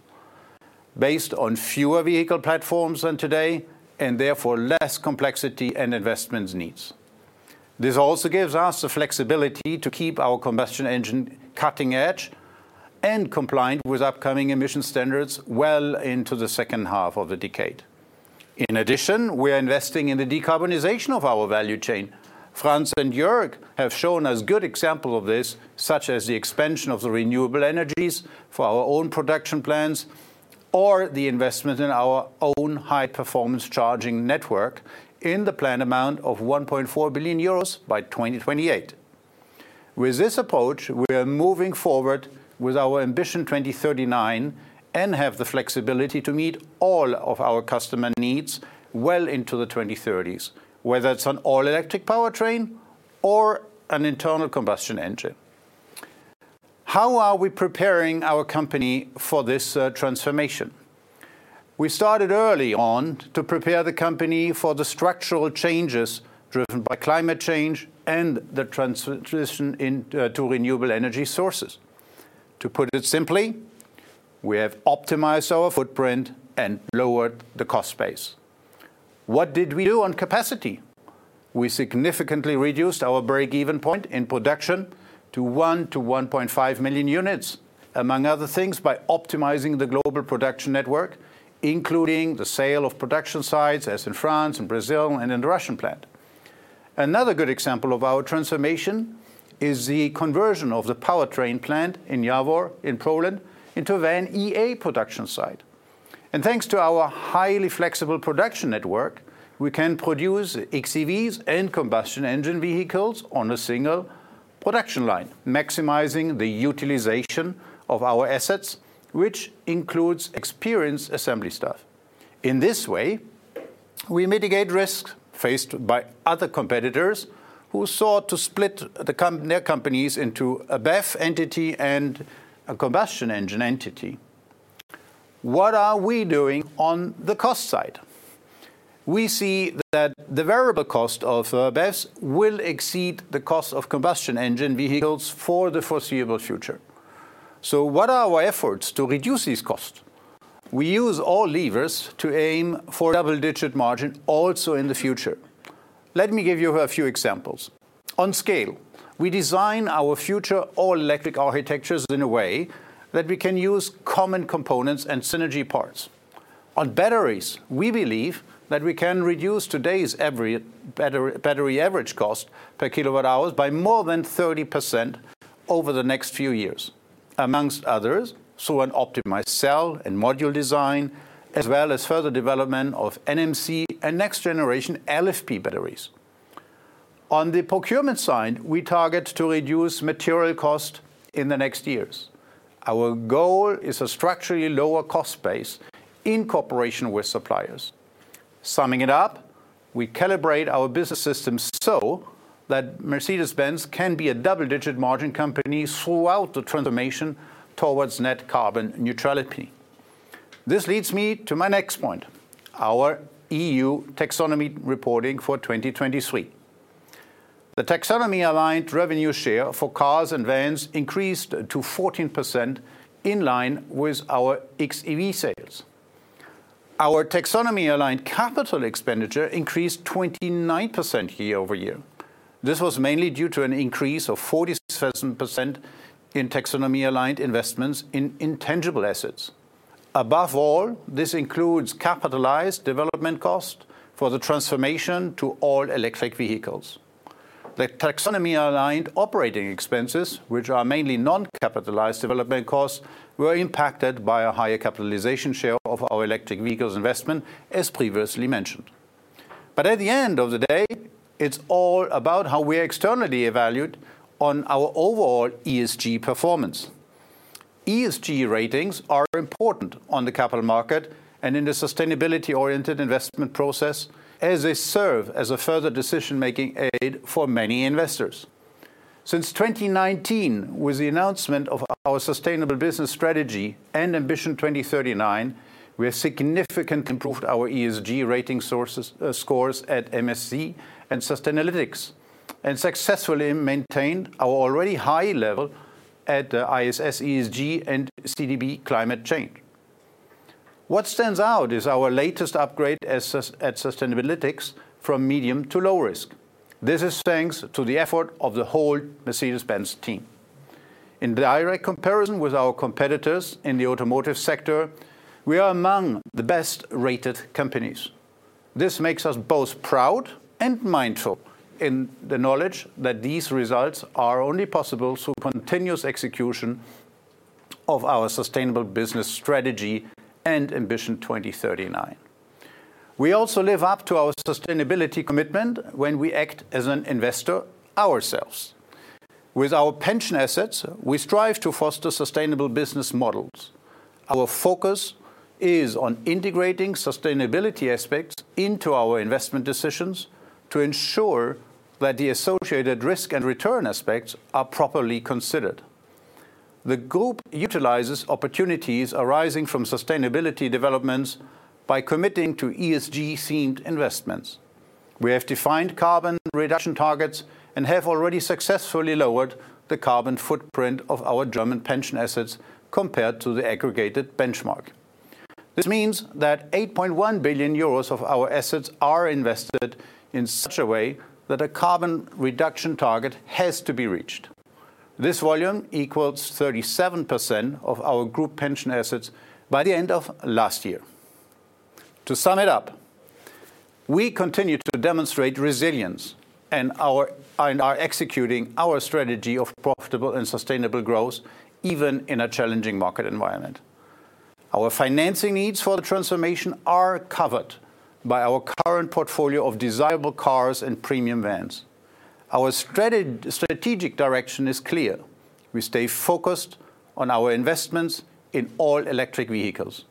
based on fewer vehicle platforms than today and therefore less complexity and investment needs. This also gives us the flexibility to keep our combustion engine cutting-edge and compliant with upcoming emission standards well into the second half of the decade. In addition, we are investing in the decarbonization of our value chain. France and Europe have shown us good examples of this, such as the expansion of the renewable energies for our own production plants or the investment in our own high-performance charging network in the planned amount of 1.4 billion euros by 2028. With this approach, we are moving forward with our Ambition 2039 and have the flexibility to meet all of our customer needs well into the 2030s, whether it's an all-electric powertrain or an internal combustion engine. How are we preparing our company for this transformation? We started early on to prepare the company for the structural changes driven by climate change and the transition to renewable energy sources. To put it simply, we have optimized our footprint and lowered the cost base. What did we do on capacity? We significantly reduced our break-even point in production to 1-1.5 million units, among other things, by optimizing the global production network, including the sale of production sites as in France, Brazil, and in the Russian plant. Another good example of our transformation is the conversion of the powertrain plant in Jawor, in Poland, into a VAN.EA production site. Thanks to our highly flexible production network, we can produce xEVs and combustion engine vehicles on a single production line, maximizing the utilization of our assets, which includes experienced assembly staff. In this way, we mitigate risks faced by other competitors who sought to split their companies into a BEV entity and a combustion engine entity. What are we doing on the cost side? We see that the variable cost of BEVs will exceed the cost of combustion engine vehicles for the foreseeable future. What are our efforts to reduce these costs? We use all levers to aim for a double-digit margin also in the future. Let me give you a few examples. On scale, we design our future all-electric architectures in a way that we can use common components and synergy parts. On batteries, we believe that we can reduce today's battery average cost per kilowatt-hour by more than 30% over the next few years, among others through an optimized cell and module design, as well as further development of NMC and next-generation LFP batteries. On the procurement side, we target to reduce material cost in the next years. Our goal is a structurally lower cost base in cooperation with suppliers. Summing it up, we calibrate our business systems so that Mercedes-Benz can be a double-digit margin company throughout the transformation towards net carbon neutrality. This leads me to my next point, our EU Taxonomy reporting for 2023. The Taxonomy-aligned revenue share for cars and vans increased to 14% in line with our xEV sales. Our Taxonomy-aligned capital expenditure increased 29% year-over-year. This was mainly due to an increase of 47% in Taxonomy-aligned investments in intangible assets. Above all, this includes capitalized development cost for the transformation to all-electric vehicles. The Taxonomy-aligned operating expenses, which are mainly non-capitalized development costs, were impacted by a higher capitalization share of our electric vehicles investment, as previously mentioned. But at the end of the day, it's all about how we are externally evaluated on our overall ESG performance. ESG ratings are important on the capital market and in the sustainability-oriented investment process as they serve as a further decision-making aid for many investors. Since 2019, with the announcement of our Sustainable Business Strategy and Ambition 2039, we have significantly improved our ESG rating scores at MSCI and Sustainalytics and successfully maintained our already high level at the ISS ESG and CDP Climate Change. What stands out is our latest upgrade at Sustainalytics from medium to low risk. This is thanks to the effort of the whole Mercedes-Benz team. In direct comparison with our competitors in the automotive sector, we are among the best-rated companies. This makes us both proud and mindful in the knowledge that these results are only possible through continuous execution of our Sustainable Business Strategy and Ambition 2039. We also live up to our sustainability commitment when we act as an investor ourselves. With our pension assets, we strive to foster sustainable business models. Our focus is on integrating sustainability aspects into our investment decisions to ensure that the associated risk and return aspects are properly considered. The group utilizes opportunities arising from sustainability developments by committing to ESG-themed investments. We have defined carbon reduction targets and have already successfully lowered the carbon footprint of our German pension assets compared to the aggregated benchmark. This means that 8.1 billion euros of our assets are invested in such a way that a carbon reduction target has to be reached. This volume equals 37% of our group pension assets by the end of last year. To sum it up, we continue to demonstrate resilience and are executing our strategy of profitable and sustainable growth even in a challenging market environment. Our financing needs for the transformation are covered by our current portfolio of desirable cars and premium vans. Our strategic direction is clear. We stay focused on our investments in all-electric vehicles.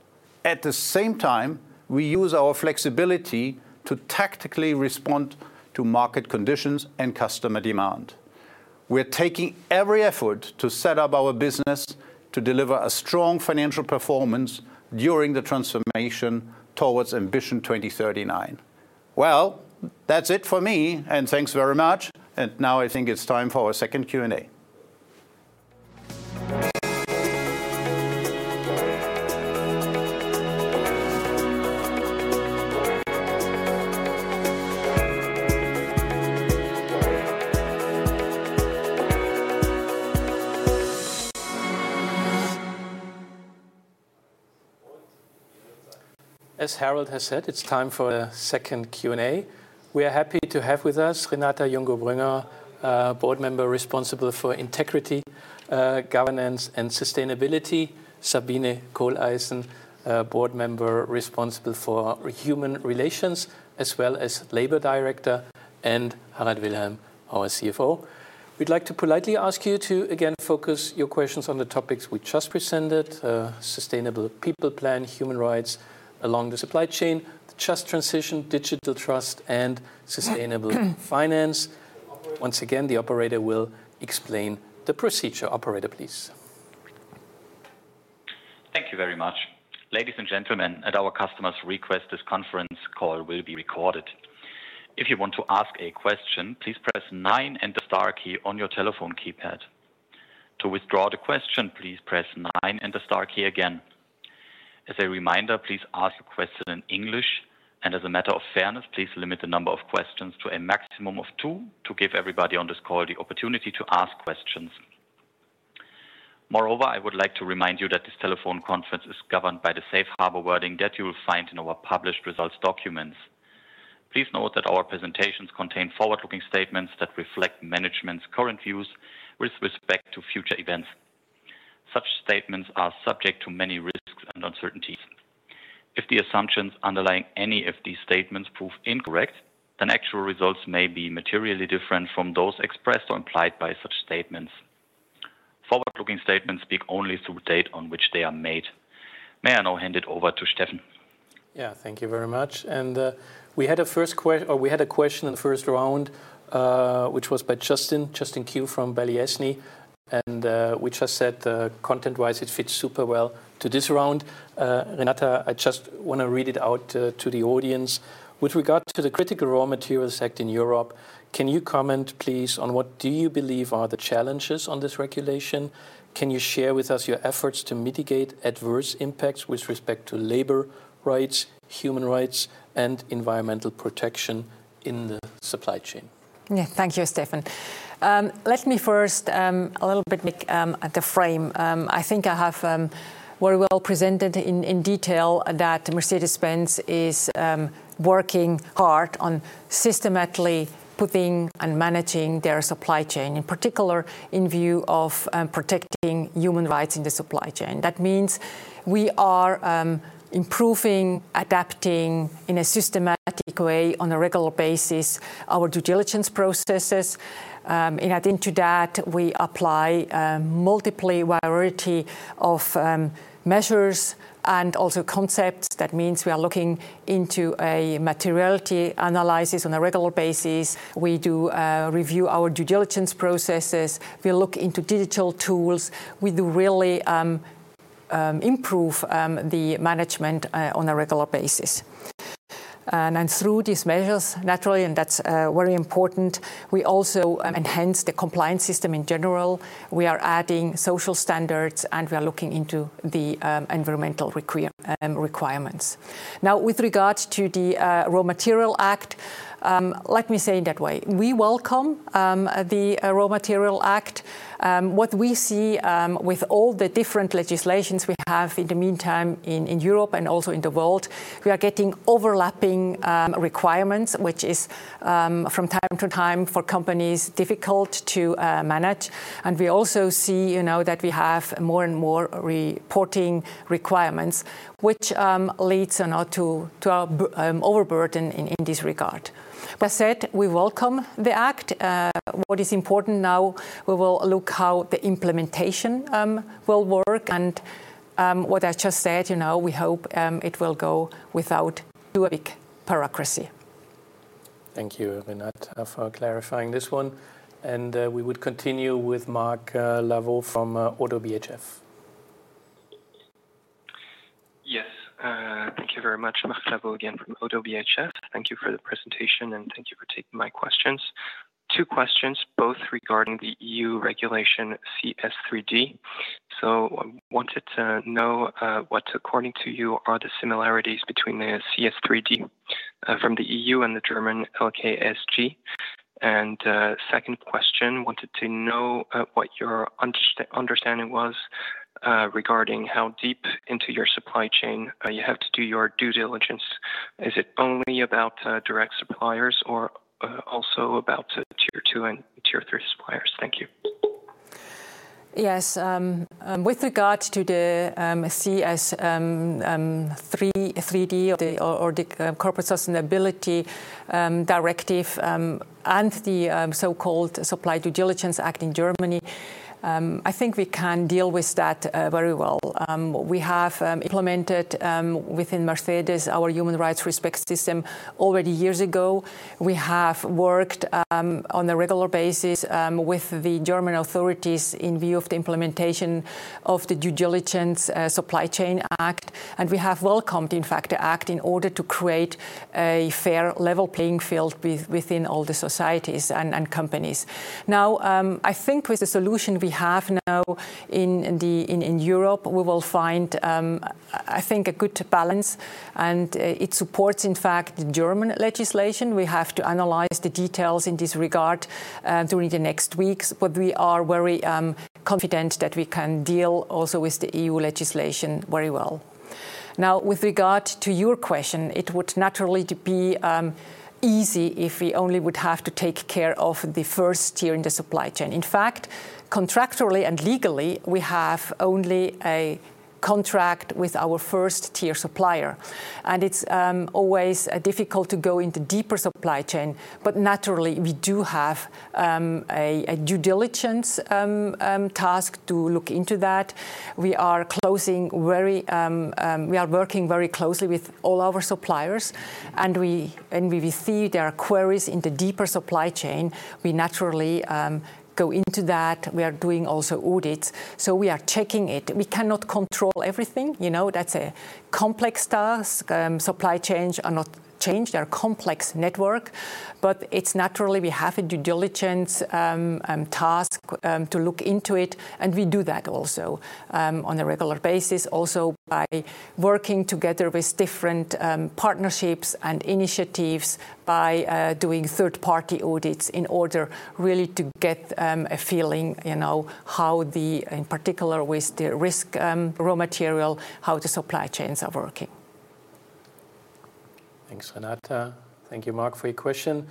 At the same time, we use our flexibility to tactically respond to market conditions and customer demand. We are taking every effort to set up our business to deliver a strong financial performance during the transformation towards Ambition 2039. Well, that's it for me. Thanks very much. Now I think it's time for our second Q&A. As Harald has said, it's time for the second Q&A. We are happy to have with us Renata Jungo Brüngger, Board Member responsible for Integrity, Governance, and Sustainability, Sabine Kohleisen, Board Member responsible for Human Relations, as well as Labor Director, and Harald Wilhelm, our CFO. We'd like to politely ask you to again focus your questions on the topics we just presented: Sustainable People Plan, Human Rights along the Supply Chain, the Just Transition, Digital Trust, and Sustainable Finance. Once again, the operator will explain the procedure. Operator, please. Thank you very much. Ladies and gentlemen, at our customers' request, this conference call will be recorded. If you want to ask a question, please press nine and the star key on your telephone keypad. To withdraw the question, please press nine and the star key again. As a reminder, please ask your question in English. As a matter of fairness, please limit the number of questions to a maximum of two to give everybody on this call the opportunity to ask questions. Moreover, I would like to remind you that this telephone conference is governed by the Safe Harbor wording that you will find in our published results documents. Please note that our presentations contain forward-looking statements that reflect management's current views with respect to future events. Such statements are subject to many risks and uncertainties. If the assumptions underlying any of these statements prove incorrect, then actual results may be materially different from those expressed or implied by such statements. Forward-looking statements speak only through the date on which they are made. May I now hand it over to Steffen? Yeah. Thank you very much. We had a first question or we had a question in the first round, which was by Justin, Justin Kew from Balyasny. And we just said, content-wise, it fits super well to this round. Renata, I just want to read it out to the audience. With regard to the Critical Raw Materials Act in Europe, can you comment, please, on what do you believe are the challenges on this regulation? Can you share with us your efforts to mitigate adverse impacts with respect to labor rights, human rights, and environmental protection in the supply chain? Yeah. Thank you, Steffen. Let me first a little bit make the frame. I think I have very well presented in detail that Mercedes-Benz is working hard on systematically putting and managing their supply chain, in particular in view of protecting human rights in the supply chain. That means we are improving, adapting in a systematic way on a regular basis our due diligence processes. And into that, we apply a multiple variety of measures and also concepts. That means we are looking into a materiality analysis on a regular basis. We do review our due diligence processes. We look into digital tools. We do really improve the management on a regular basis. And through these measures, naturally, and that's very important, we also enhance the compliance system in general. We are adding social standards, and we are looking into the environmental requirements. Now, with regard to the Raw Materials Act, let me say it that way. We welcome the Raw Materials Act. What we see with all the different legislations we have in the meantime in Europe and also in the world, we are getting overlapping requirements, which is from time to time for companies difficult to manage. We also see that we have more and more reporting requirements, which leads to our overburden in this regard. That said, we welcome the act. What is important now, we will look at how the implementation will work. What I just said, we hope it will go without too big bureaucracy. Thank you, Renata, for clarifying this one. We would continue with Marc Lavaud from ODDO BHF. Yes. Thank you very much. Marc Lavaud again from ODDO BHF. Thank you for the presentation, and thank you for taking my questions. Two questions, both regarding the EU regulation CS3D. So I wanted to know what, according to you, are the similarities between the CS3D from the EU and the German LKSG. And second question, I wanted to know what your understanding was regarding how deep into your supply chain you have to do your due diligence. Is it only about direct suppliers or also about Tier 2 and Tier 3 suppliers? Thank you. Yes. With regard to the CS3D or the Corporate Sustainability Directive and the so-called Supply Due Diligence Act in Germany, I think we can deal with that very well. We have implemented within Mercedes our Human Rights Respect System already years ago. We have worked on a regular basis with the German authorities in view of the implementation of the Due Diligence Supply Chain Act. And we have welcomed, in fact, the act in order to create a fair level playing field within all the societies and companies. Now, I think with the solution we have now in Europe, we will find, I think, a good balance. And it supports, in fact, the German legislation. We have to analyze the details in this regard during the next weeks. But we are very confident that we can deal also with the EU legislation very well. Now, with regard to your question, it would naturally be easy if we only would have to take care of the first tier in the supply chain. In fact, contractually and legally, we have only a contract with our first tier supplier. It's always difficult to go into deeper supply chain. But naturally, we do have a due diligence task to look into that. We are working very closely with all our suppliers. And we see there are queries in the deeper supply chain. We naturally go into that. We are doing also audits. So we are checking it. We cannot control everything. That's a complex task. Supply chains are not changed. They are a complex network. But naturally, we have a due diligence task to look into it. We do that also on a regular basis, also by working together with different partnerships and initiatives, by doing third-party audits in order really to get a feeling how the, in particular with the risk raw material, how the supply chains are working. Thanks, Renata. Thank you, Marc, for your question.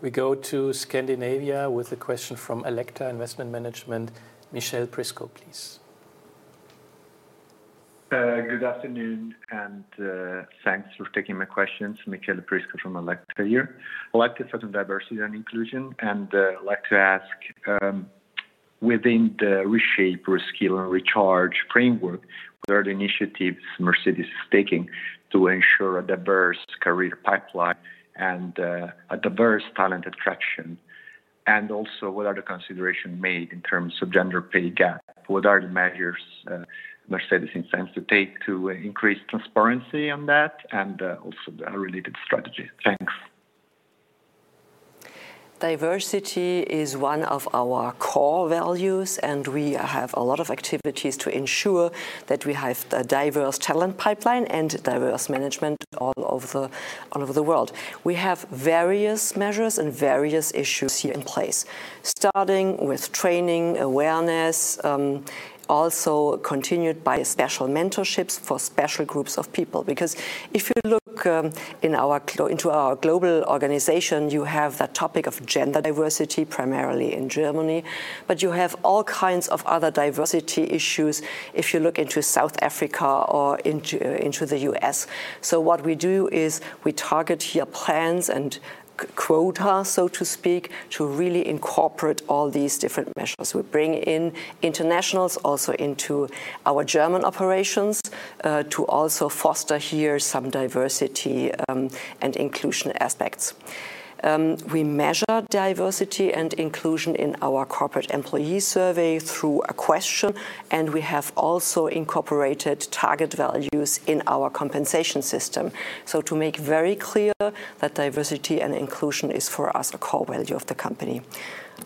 We go to Scandinavia with a question from Alecta Investment Management, Michele Prisco, please. Good afternoon and thanks for taking my questions. Michele Prisco from Alecta here. Alecta is focused on diversity and inclusion. I'd like to ask, within the Reshape, Reskill, and Recharge framework, what are the initiatives Mercedes is taking to ensure a diverse career pipeline and a diverse talent attraction? Also, what are the considerations made in terms of gender pay gap? What are the measures Mercedes intends to take to increase transparency on that and also the related strategy? Thanks. Diversity is one of our core values. We have a lot of activities to ensure that we have a diverse talent pipeline and diverse management all over the world. We have various measures and various issues here in place, starting with training, awareness, also continued by special mentorships for special groups of people. Because if you look into our global organization, you have the topic of gender diversity, primarily in Germany. You have all kinds of other diversity issues if you look into South Africa or into the U.S. What we do is we target here plans and quotas, so to speak, to really incorporate all these different measures. We bring in internationals also into our German operations to also foster here some diversity and inclusion aspects. We measure diversity and inclusion in our corporate employee survey through a question. And we have also incorporated target values in our compensation system, so to make very clear that diversity and inclusion is for us a core value of the company.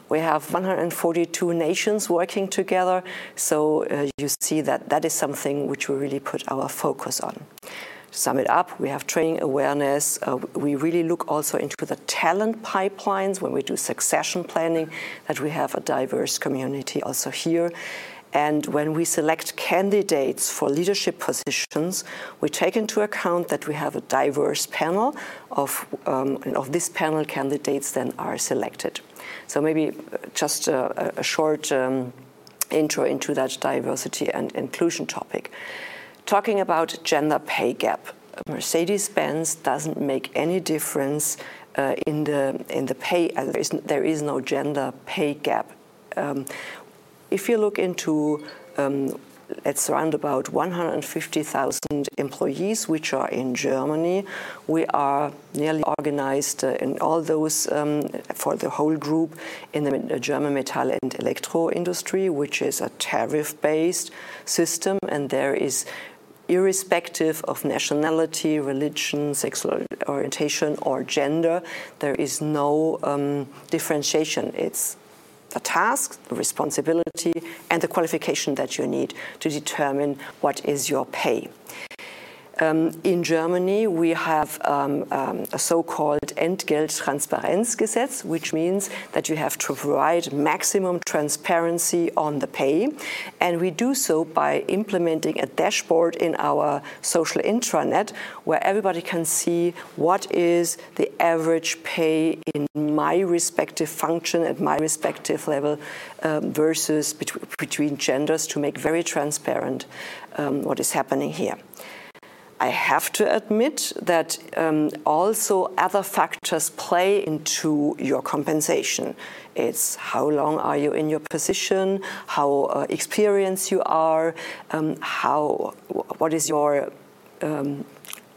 We have 142 nations working together. So you see that that is something which we really put our focus on. To sum it up, we have training, awareness. We really look also into the talent pipelines when we do succession planning, that we have a diverse community also here. And when we select candidates for leadership positions, we take into account that we have a diverse panel. And of this panel, candidates then are selected. So maybe just a short intro into that diversity and inclusion topic. Talking about gender pay gap, Mercedes-Benz doesn't make any difference in the pay. There is no gender pay gap. If you look into, let's say, around about 150,000 employees, which are in Germany, we are nearly organized in all those for the whole group in the German metal and electro industry, which is a tariff-based system. There is, irrespective of nationality, religion, sexual orientation, or gender, there is no differentiation. It's the task, the responsibility, and the qualification that you need to determine what is your pay. In Germany, we have a so-called Entgelttransparenzgesetz, which means that you have to provide maximum transparency on the pay. We do so by implementing a dashboard in our social intranet where everybody can see what is the average pay in my respective function at my respective level versus between genders to make very transparent what is happening here. I have to admit that also other factors play into your compensation. It's how long are you in your position, how experienced you are, what is your,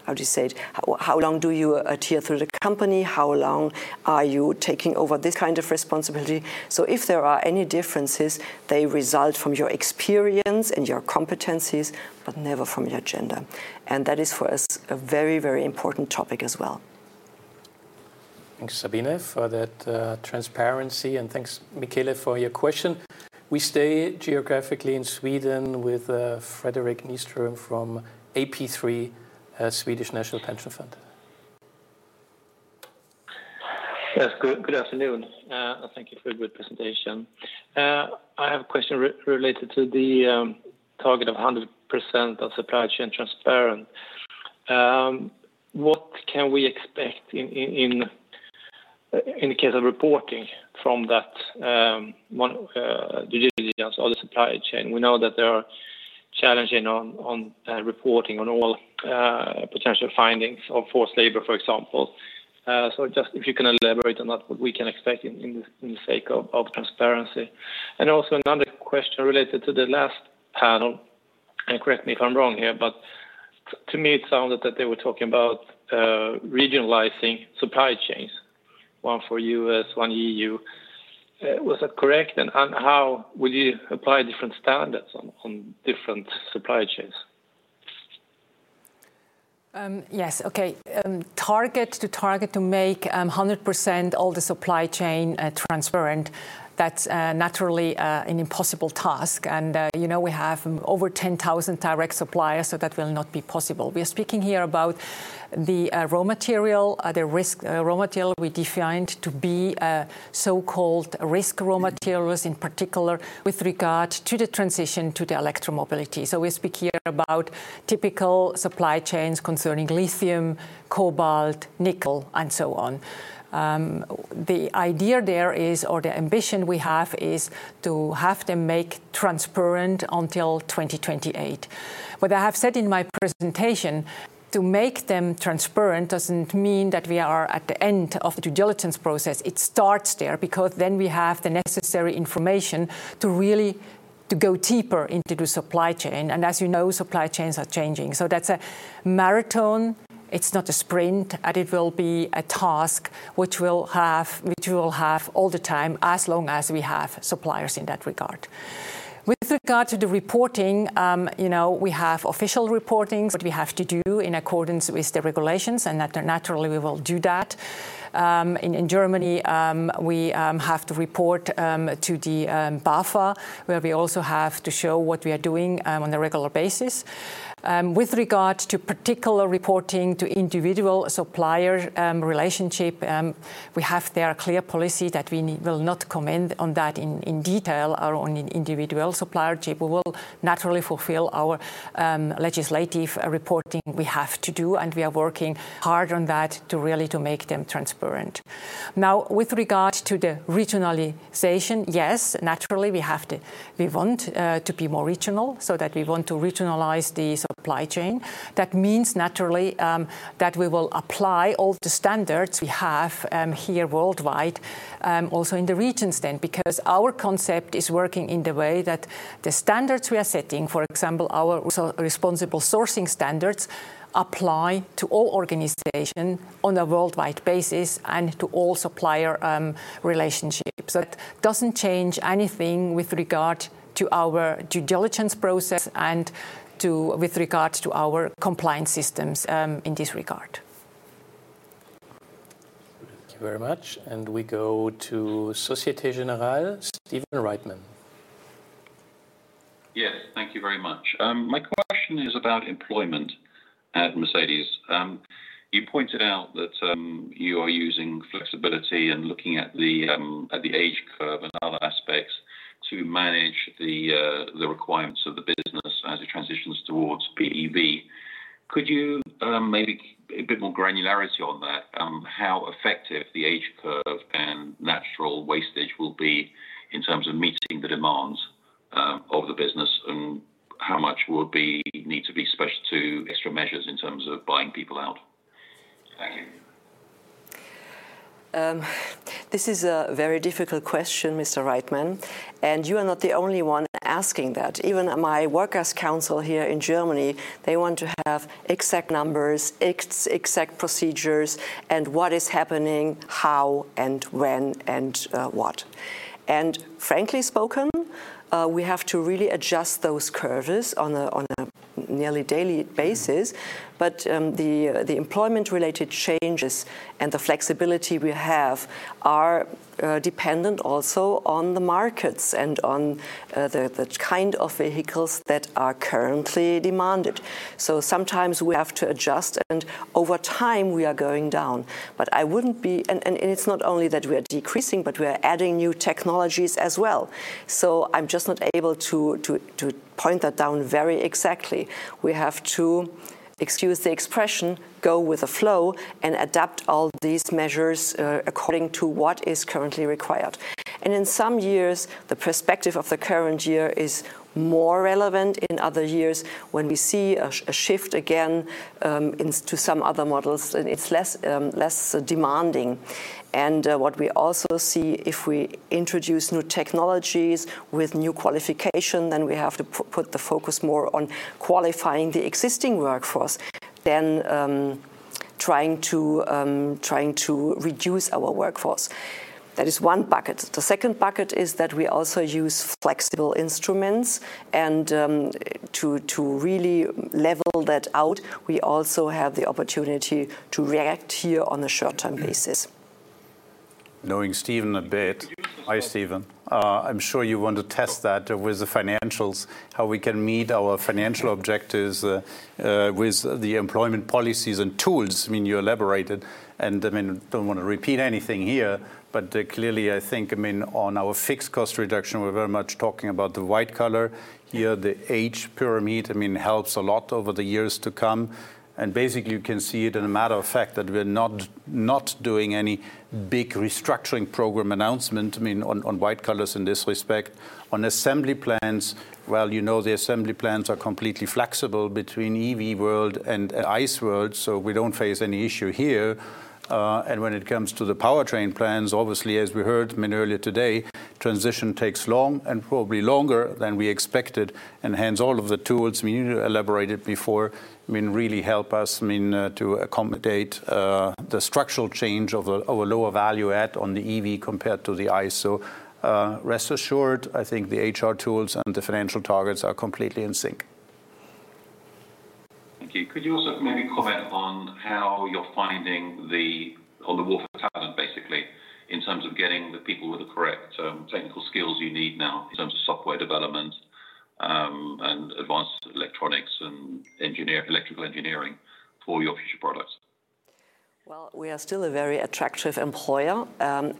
how do you say it, how long do you adhere to the company, how long are you taking over this kind of responsibility. So if there are any differences, they result from your experience and your competencies, but never from your gender. That is, for us, a very, very important topic as well. Thanks, Sabine, for that transparency. Thanks, Michele, for your question. We stay geographically in Sweden with Fredric Nyström from AP3, Swedish National Pension Fund. Yes. Good afternoon. Thank you for a good presentation. I have a question related to the target of 100% of supply chain transparent. What can we expect in the case of reporting from that due diligence or the supply chain? We know that there are challenges on reporting on all potential findings of forced labor, for example. So just if you can elaborate on that, what we can expect in the sake of transparency. And also another question related to the last panel. And correct me if I'm wrong here. But to me, it sounded that they were talking about regionalizing supply chains, one for U.S., one E.U. Was that correct? And how would you apply different standards on different supply chains? Yes. OK. Target to make 100% all the supply chain transparent, that's naturally an impossible task. We have over 10,000 direct suppliers. That will not be possible. We are speaking here about the raw material, the risk raw material we defined to be so-called risk raw materials, in particular with regard to the transition to the electromobility. We speak here about typical supply chains concerning lithium, cobalt, nickel, and so on. The idea there is, or the ambition we have, is to have them make transparent until 2028. What I have said in my presentation, to make them transparent doesn't mean that we are at the end of the due diligence process. It starts there because then we have the necessary information to really go deeper into the supply chain. As you know, supply chains are changing. That's a marathon. It's not a sprint. It will be a task which we will have all the time as long as we have suppliers in that regard. With regard to the reporting, we have official reporting. What we have to do in accordance with the regulations. Naturally, we will do that. In Germany, we have to report to the BAFA, where we also have to show what we are doing on a regular basis. With regard to particular reporting to individual supplier relationship, we have there a clear policy that we will not comment on that in detail or on individual supplier relationships. We will naturally fulfill our legislative reporting we have to do. We are working hard on that to really make them transparent. Now, with regard to the regionalization, yes, naturally, we want to be more regional. So that we want to regionalize the supply chain. That means, naturally, that we will apply all the standards we have here worldwide also in the regions then. Because our concept is working in the way that the standards we are setting, for example, our Responsible Sourcing Standards apply to all organizations on a worldwide basis and to all supplier relationships. So that doesn't change anything with regard to our due diligence process and with regard to our compliance systems in this regard. Thank you very much. We go to Société Générale, Stephen Reitman. Yes. Thank you very much. My question is about employment at Mercedes. You pointed out that you are using flexibility and looking at the age curve and other aspects to manage the requirements of the business as it transitions towards BEV. Could you maybe a bit more granularity on that, how effective the age curve and natural wastage will be in terms of meeting the demands of the business, and how much would need to be special to extra measures in terms of buying people out? Thank you. This is a very difficult question, Mr. Reitman. You are not the only one asking that. Even my workers' council here in Germany, they want to have exact numbers, exact procedures, and what is happening, how, and when. Frankly spoken, we have to really adjust those curves on a nearly daily basis. But the employment-related changes and the flexibility we have are dependent also on the markets and on the kind of vehicles that are currently demanded. So sometimes we have to adjust. Over time, we are going down. But I wouldn't be and it's not only that we are decreasing, but we are adding new technologies as well. So I'm just not able to point that down very exactly. We have to, excuse the expression, go with the flow and adapt all these measures according to what is currently required. In some years, the perspective of the current year is more relevant in other years when we see a shift again to some other models. It's less demanding. What we also see, if we introduce new technologies with new qualification, then we have to put the focus more on qualifying the existing workforce than trying to reduce our workforce. That is one bucket. The second bucket is that we also use flexible instruments. To really level that out, we also have the opportunity to react here on a short-term basis. Knowing Stephen a bit, hi, Stephen. I'm sure you want to test that with the financials, how we can meet our financial objectives with the employment policies and tools. I mean, you elaborated. I mean, I don't want to repeat anything here. But clearly, I think, I mean, on our fixed cost reduction, we're very much talking about the white-collar here. The age pyramid, I mean, helps a lot over the years to come. Basically, you can see it as a matter of fact that we're not doing any big restructuring program announcement, I mean, on white-collar in this respect. On assembly plants, well, you know the assembly plants are completely flexible between EV world and ICE world. So we don't face any issue here. When it comes to the powertrain plans, obviously, as we heard, I mean, earlier today, transition takes long and probably longer than we expected. Hence, all of the tools, I mean, you elaborated before, I mean, really help us, I mean, to accommodate the structural change of a lower value add on the EV compared to the ICE. Rest assured, I think the HR tools and the financial targets are completely in sync. Thank you. Could you also maybe comment on how you're finding the war for talent, basically, in terms of getting the people with the correct technical skills you need now in terms of software development and advanced electronics and electrical engineering for your future products? Well, we are still a very attractive employer.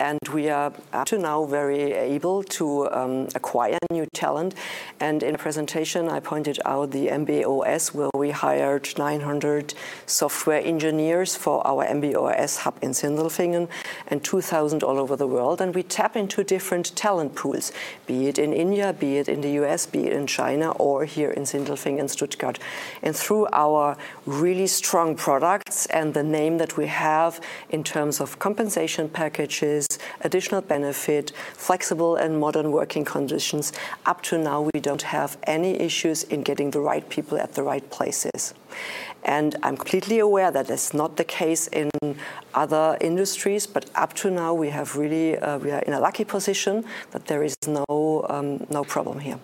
And we are, up to now, very able to acquire new talent. And in a presentation, I pointed out the MB.OS, where we hired 900 software engineers for our MB.OS hub in Sindelfingen and 2,000 all over the world. And we tap into different talent pools, be it in India, be it in the U.S., be it in China, or here in Sindelfingen and Stuttgart. And through our really strong products and the name that we have in terms of compensation packages, additional benefit, flexible and modern working conditions, up to now, we don't have any issues in getting the right people at the right places. And I'm completely aware that that's not the case in other industries. But up to now, we have really in a lucky position that there is no problem here.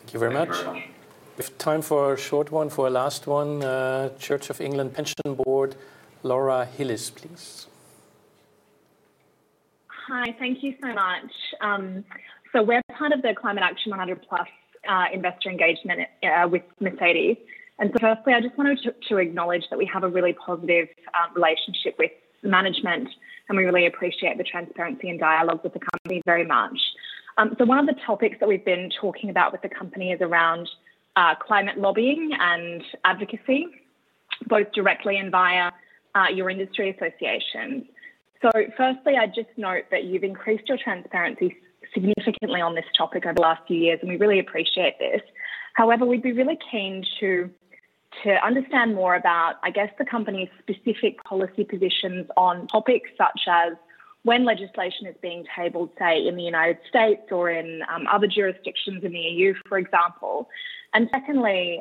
Thank you very much. Time for a short one, for a last one. Church of England Pensions Board, Laura Hillis, please. Hi. Thank you so much. We're part of the Climate Action 100 Plus investor engagement with Mercedes. Firstly, I just wanted to acknowledge that we have a really positive relationship with management. We really appreciate the transparency and dialogue with the company very much. One of the topics that we've been talking about with the company is around climate lobbying and advocacy, both directly and via your industry associations. Firstly, I'd just note that you've increased your transparency significantly on this topic over the last few years. We really appreciate this. However, we'd be really keen to understand more about, I guess, the company's specific policy positions on topics such as when legislation is being tabled, say, in the United States or in other jurisdictions in the EU, for example. And secondly,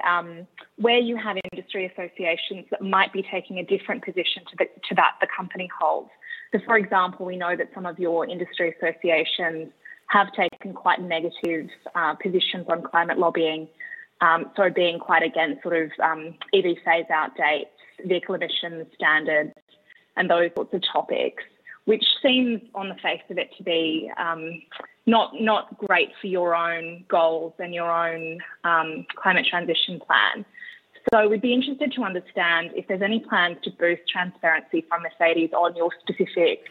where you have industry associations that might be taking a different position to that the company holds. So for example, we know that some of your industry associations have taken quite negative positions on climate lobbying, so being quite against sort of EV phase-out dates, vehicle emission standards, and those sorts of topics, which seems, on the face of it, to be not great for your own goals and your own climate transition plan. So we'd be interested to understand if there's any plans to boost transparency from Mercedes on your specific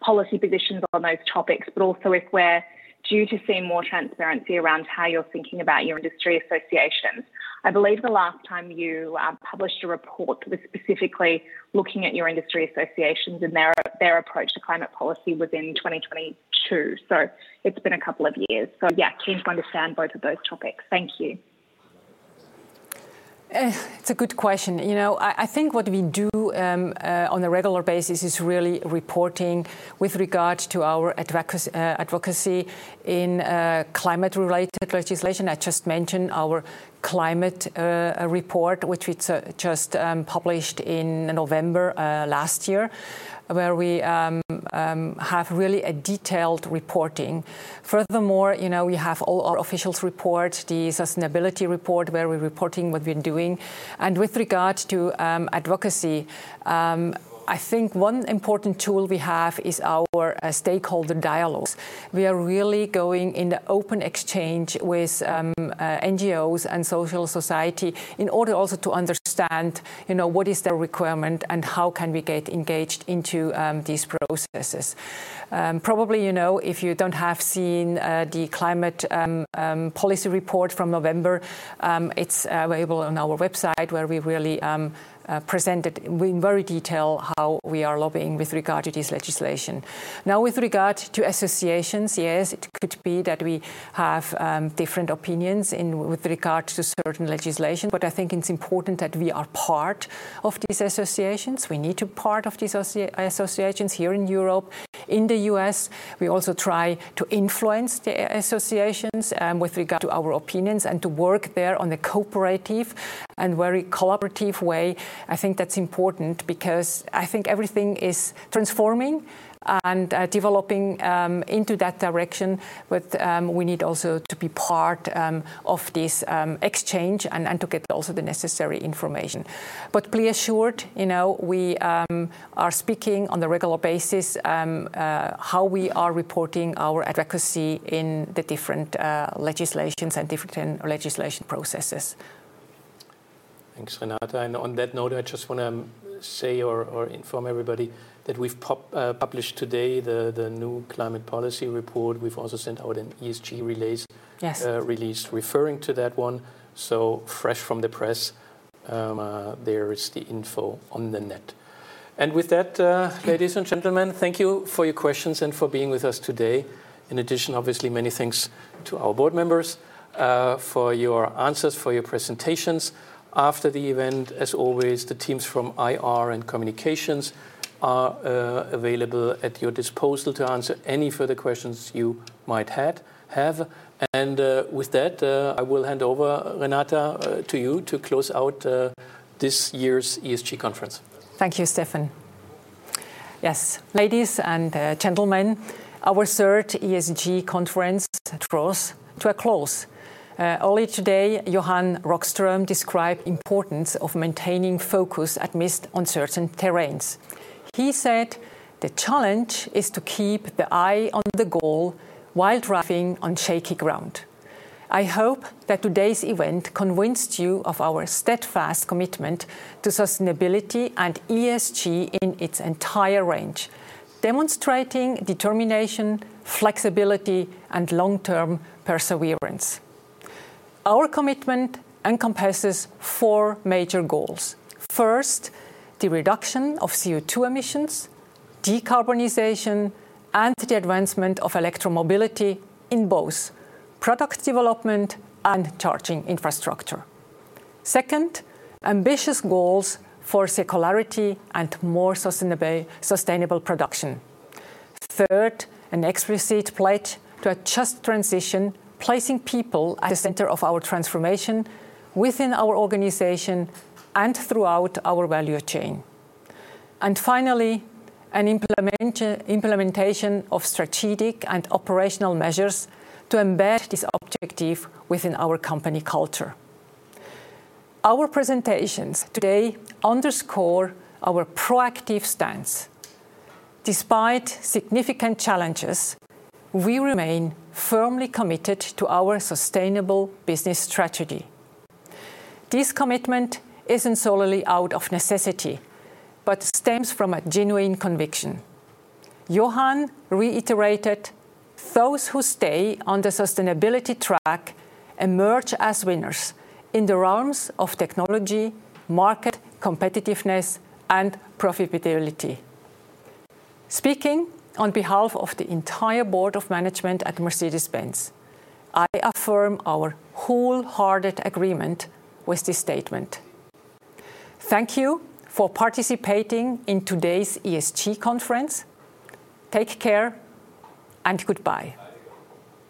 policy positions on those topics, but also if we're due to see more transparency around how you're thinking about your industry associations. I believe the last time you published a report was specifically looking at your industry associations and their approach to climate policy was in 2022. So it's been a couple of years. So yeah, keen to understand both of those topics. Thank you. It's a good question. You know, I think what we do on a regular basis is really reporting with regard to our advocacy in climate-related legislation. I just mentioned our climate report, which we just published in November last year, where we have really detailed reporting. Furthermore, you know, we have our official report, the sustainability report, where we're reporting what we're doing. With regard to advocacy, I think one important tool we have is our stakeholder dialogues. We are really going in the open exchange with NGOs and civil society in order also to understand, you know, what is their requirement and how can we get engaged into these processes. Probably, you know, if you haven't seen the Climate Policy Report from November, it's available on our website, where we really presented in very detail how we are lobbying with regard to this legislation. Now, with regard to associations, yes, it could be that we have different opinions with regard to certain legislation. But I think it's important that we are part of these associations. We need to be part of these associations here in Europe, in the U.S. We also try to influence the associations with regard to our opinions and to work there on a cooperative and very collaborative way. I think that's important because I think everything is transforming and developing into that direction. But we need also to be part of this exchange and to get also the necessary information. But please be assured, you know, we are speaking on a regular basis how we are reporting our advocacy in the different legislations and different legislation processes. Thanks, Renata. And on that note, I just want to say or inform everybody that we've published today the new Climate Policy Report. We've also sent out an ESG release referring to that one. So fresh from the press, there is the info on the net. And with that, ladies and gentlemen, thank you for your questions and for being with us today. In addition, obviously, many thanks to our board members for your answers, for your presentations. After the event, as always, the teams from IR and communications are available at your disposal to answer any further questions you might have. And with that, I will hand over, Renata, to you to close out this year's ESG Conference. Thank you, Steffen. Yes, ladies and gentlemen, our third ESG Conference draws to a close. Early today, Johan Rockström described the importance of maintaining focus at least on certain terrains. He said the challenge is to keep the eye on the goal while driving on shaky ground. I hope that today's event convinced you of our steadfast commitment to sustainability and ESG in its entire range, demonstrating determination, flexibility, and long-term perseverance. Our commitment encompasses four major goals. First, the reduction of CO2 emissions, decarbonization, and the advancement of electromobility in both product development and charging infrastructure. Second, ambitious goals for circularity and more sustainable production. Third, an explicit pledge to a Just Transition, placing people at the center of our transformation within our organization and throughout our value chain. And finally, an implementation of strategic and operational measures to embed this objective within our company culture. Our presentations today underscore our proactive stance. Despite significant challenges, we remain firmly committed to our Sustainable Business Strategy. This commitment isn't solely out of necessity, but stems from a genuine conviction. Johan reiterated, "Those who stay on the sustainability track emerge as winners in the realms of technology, market competitiveness, and profitability." Speaking on behalf of the entire Board of Management at Mercedes-Benz, I affirm our wholehearted agreement with this statement. Thank you for participating in today's ESG Conference. Take care, and goodbye.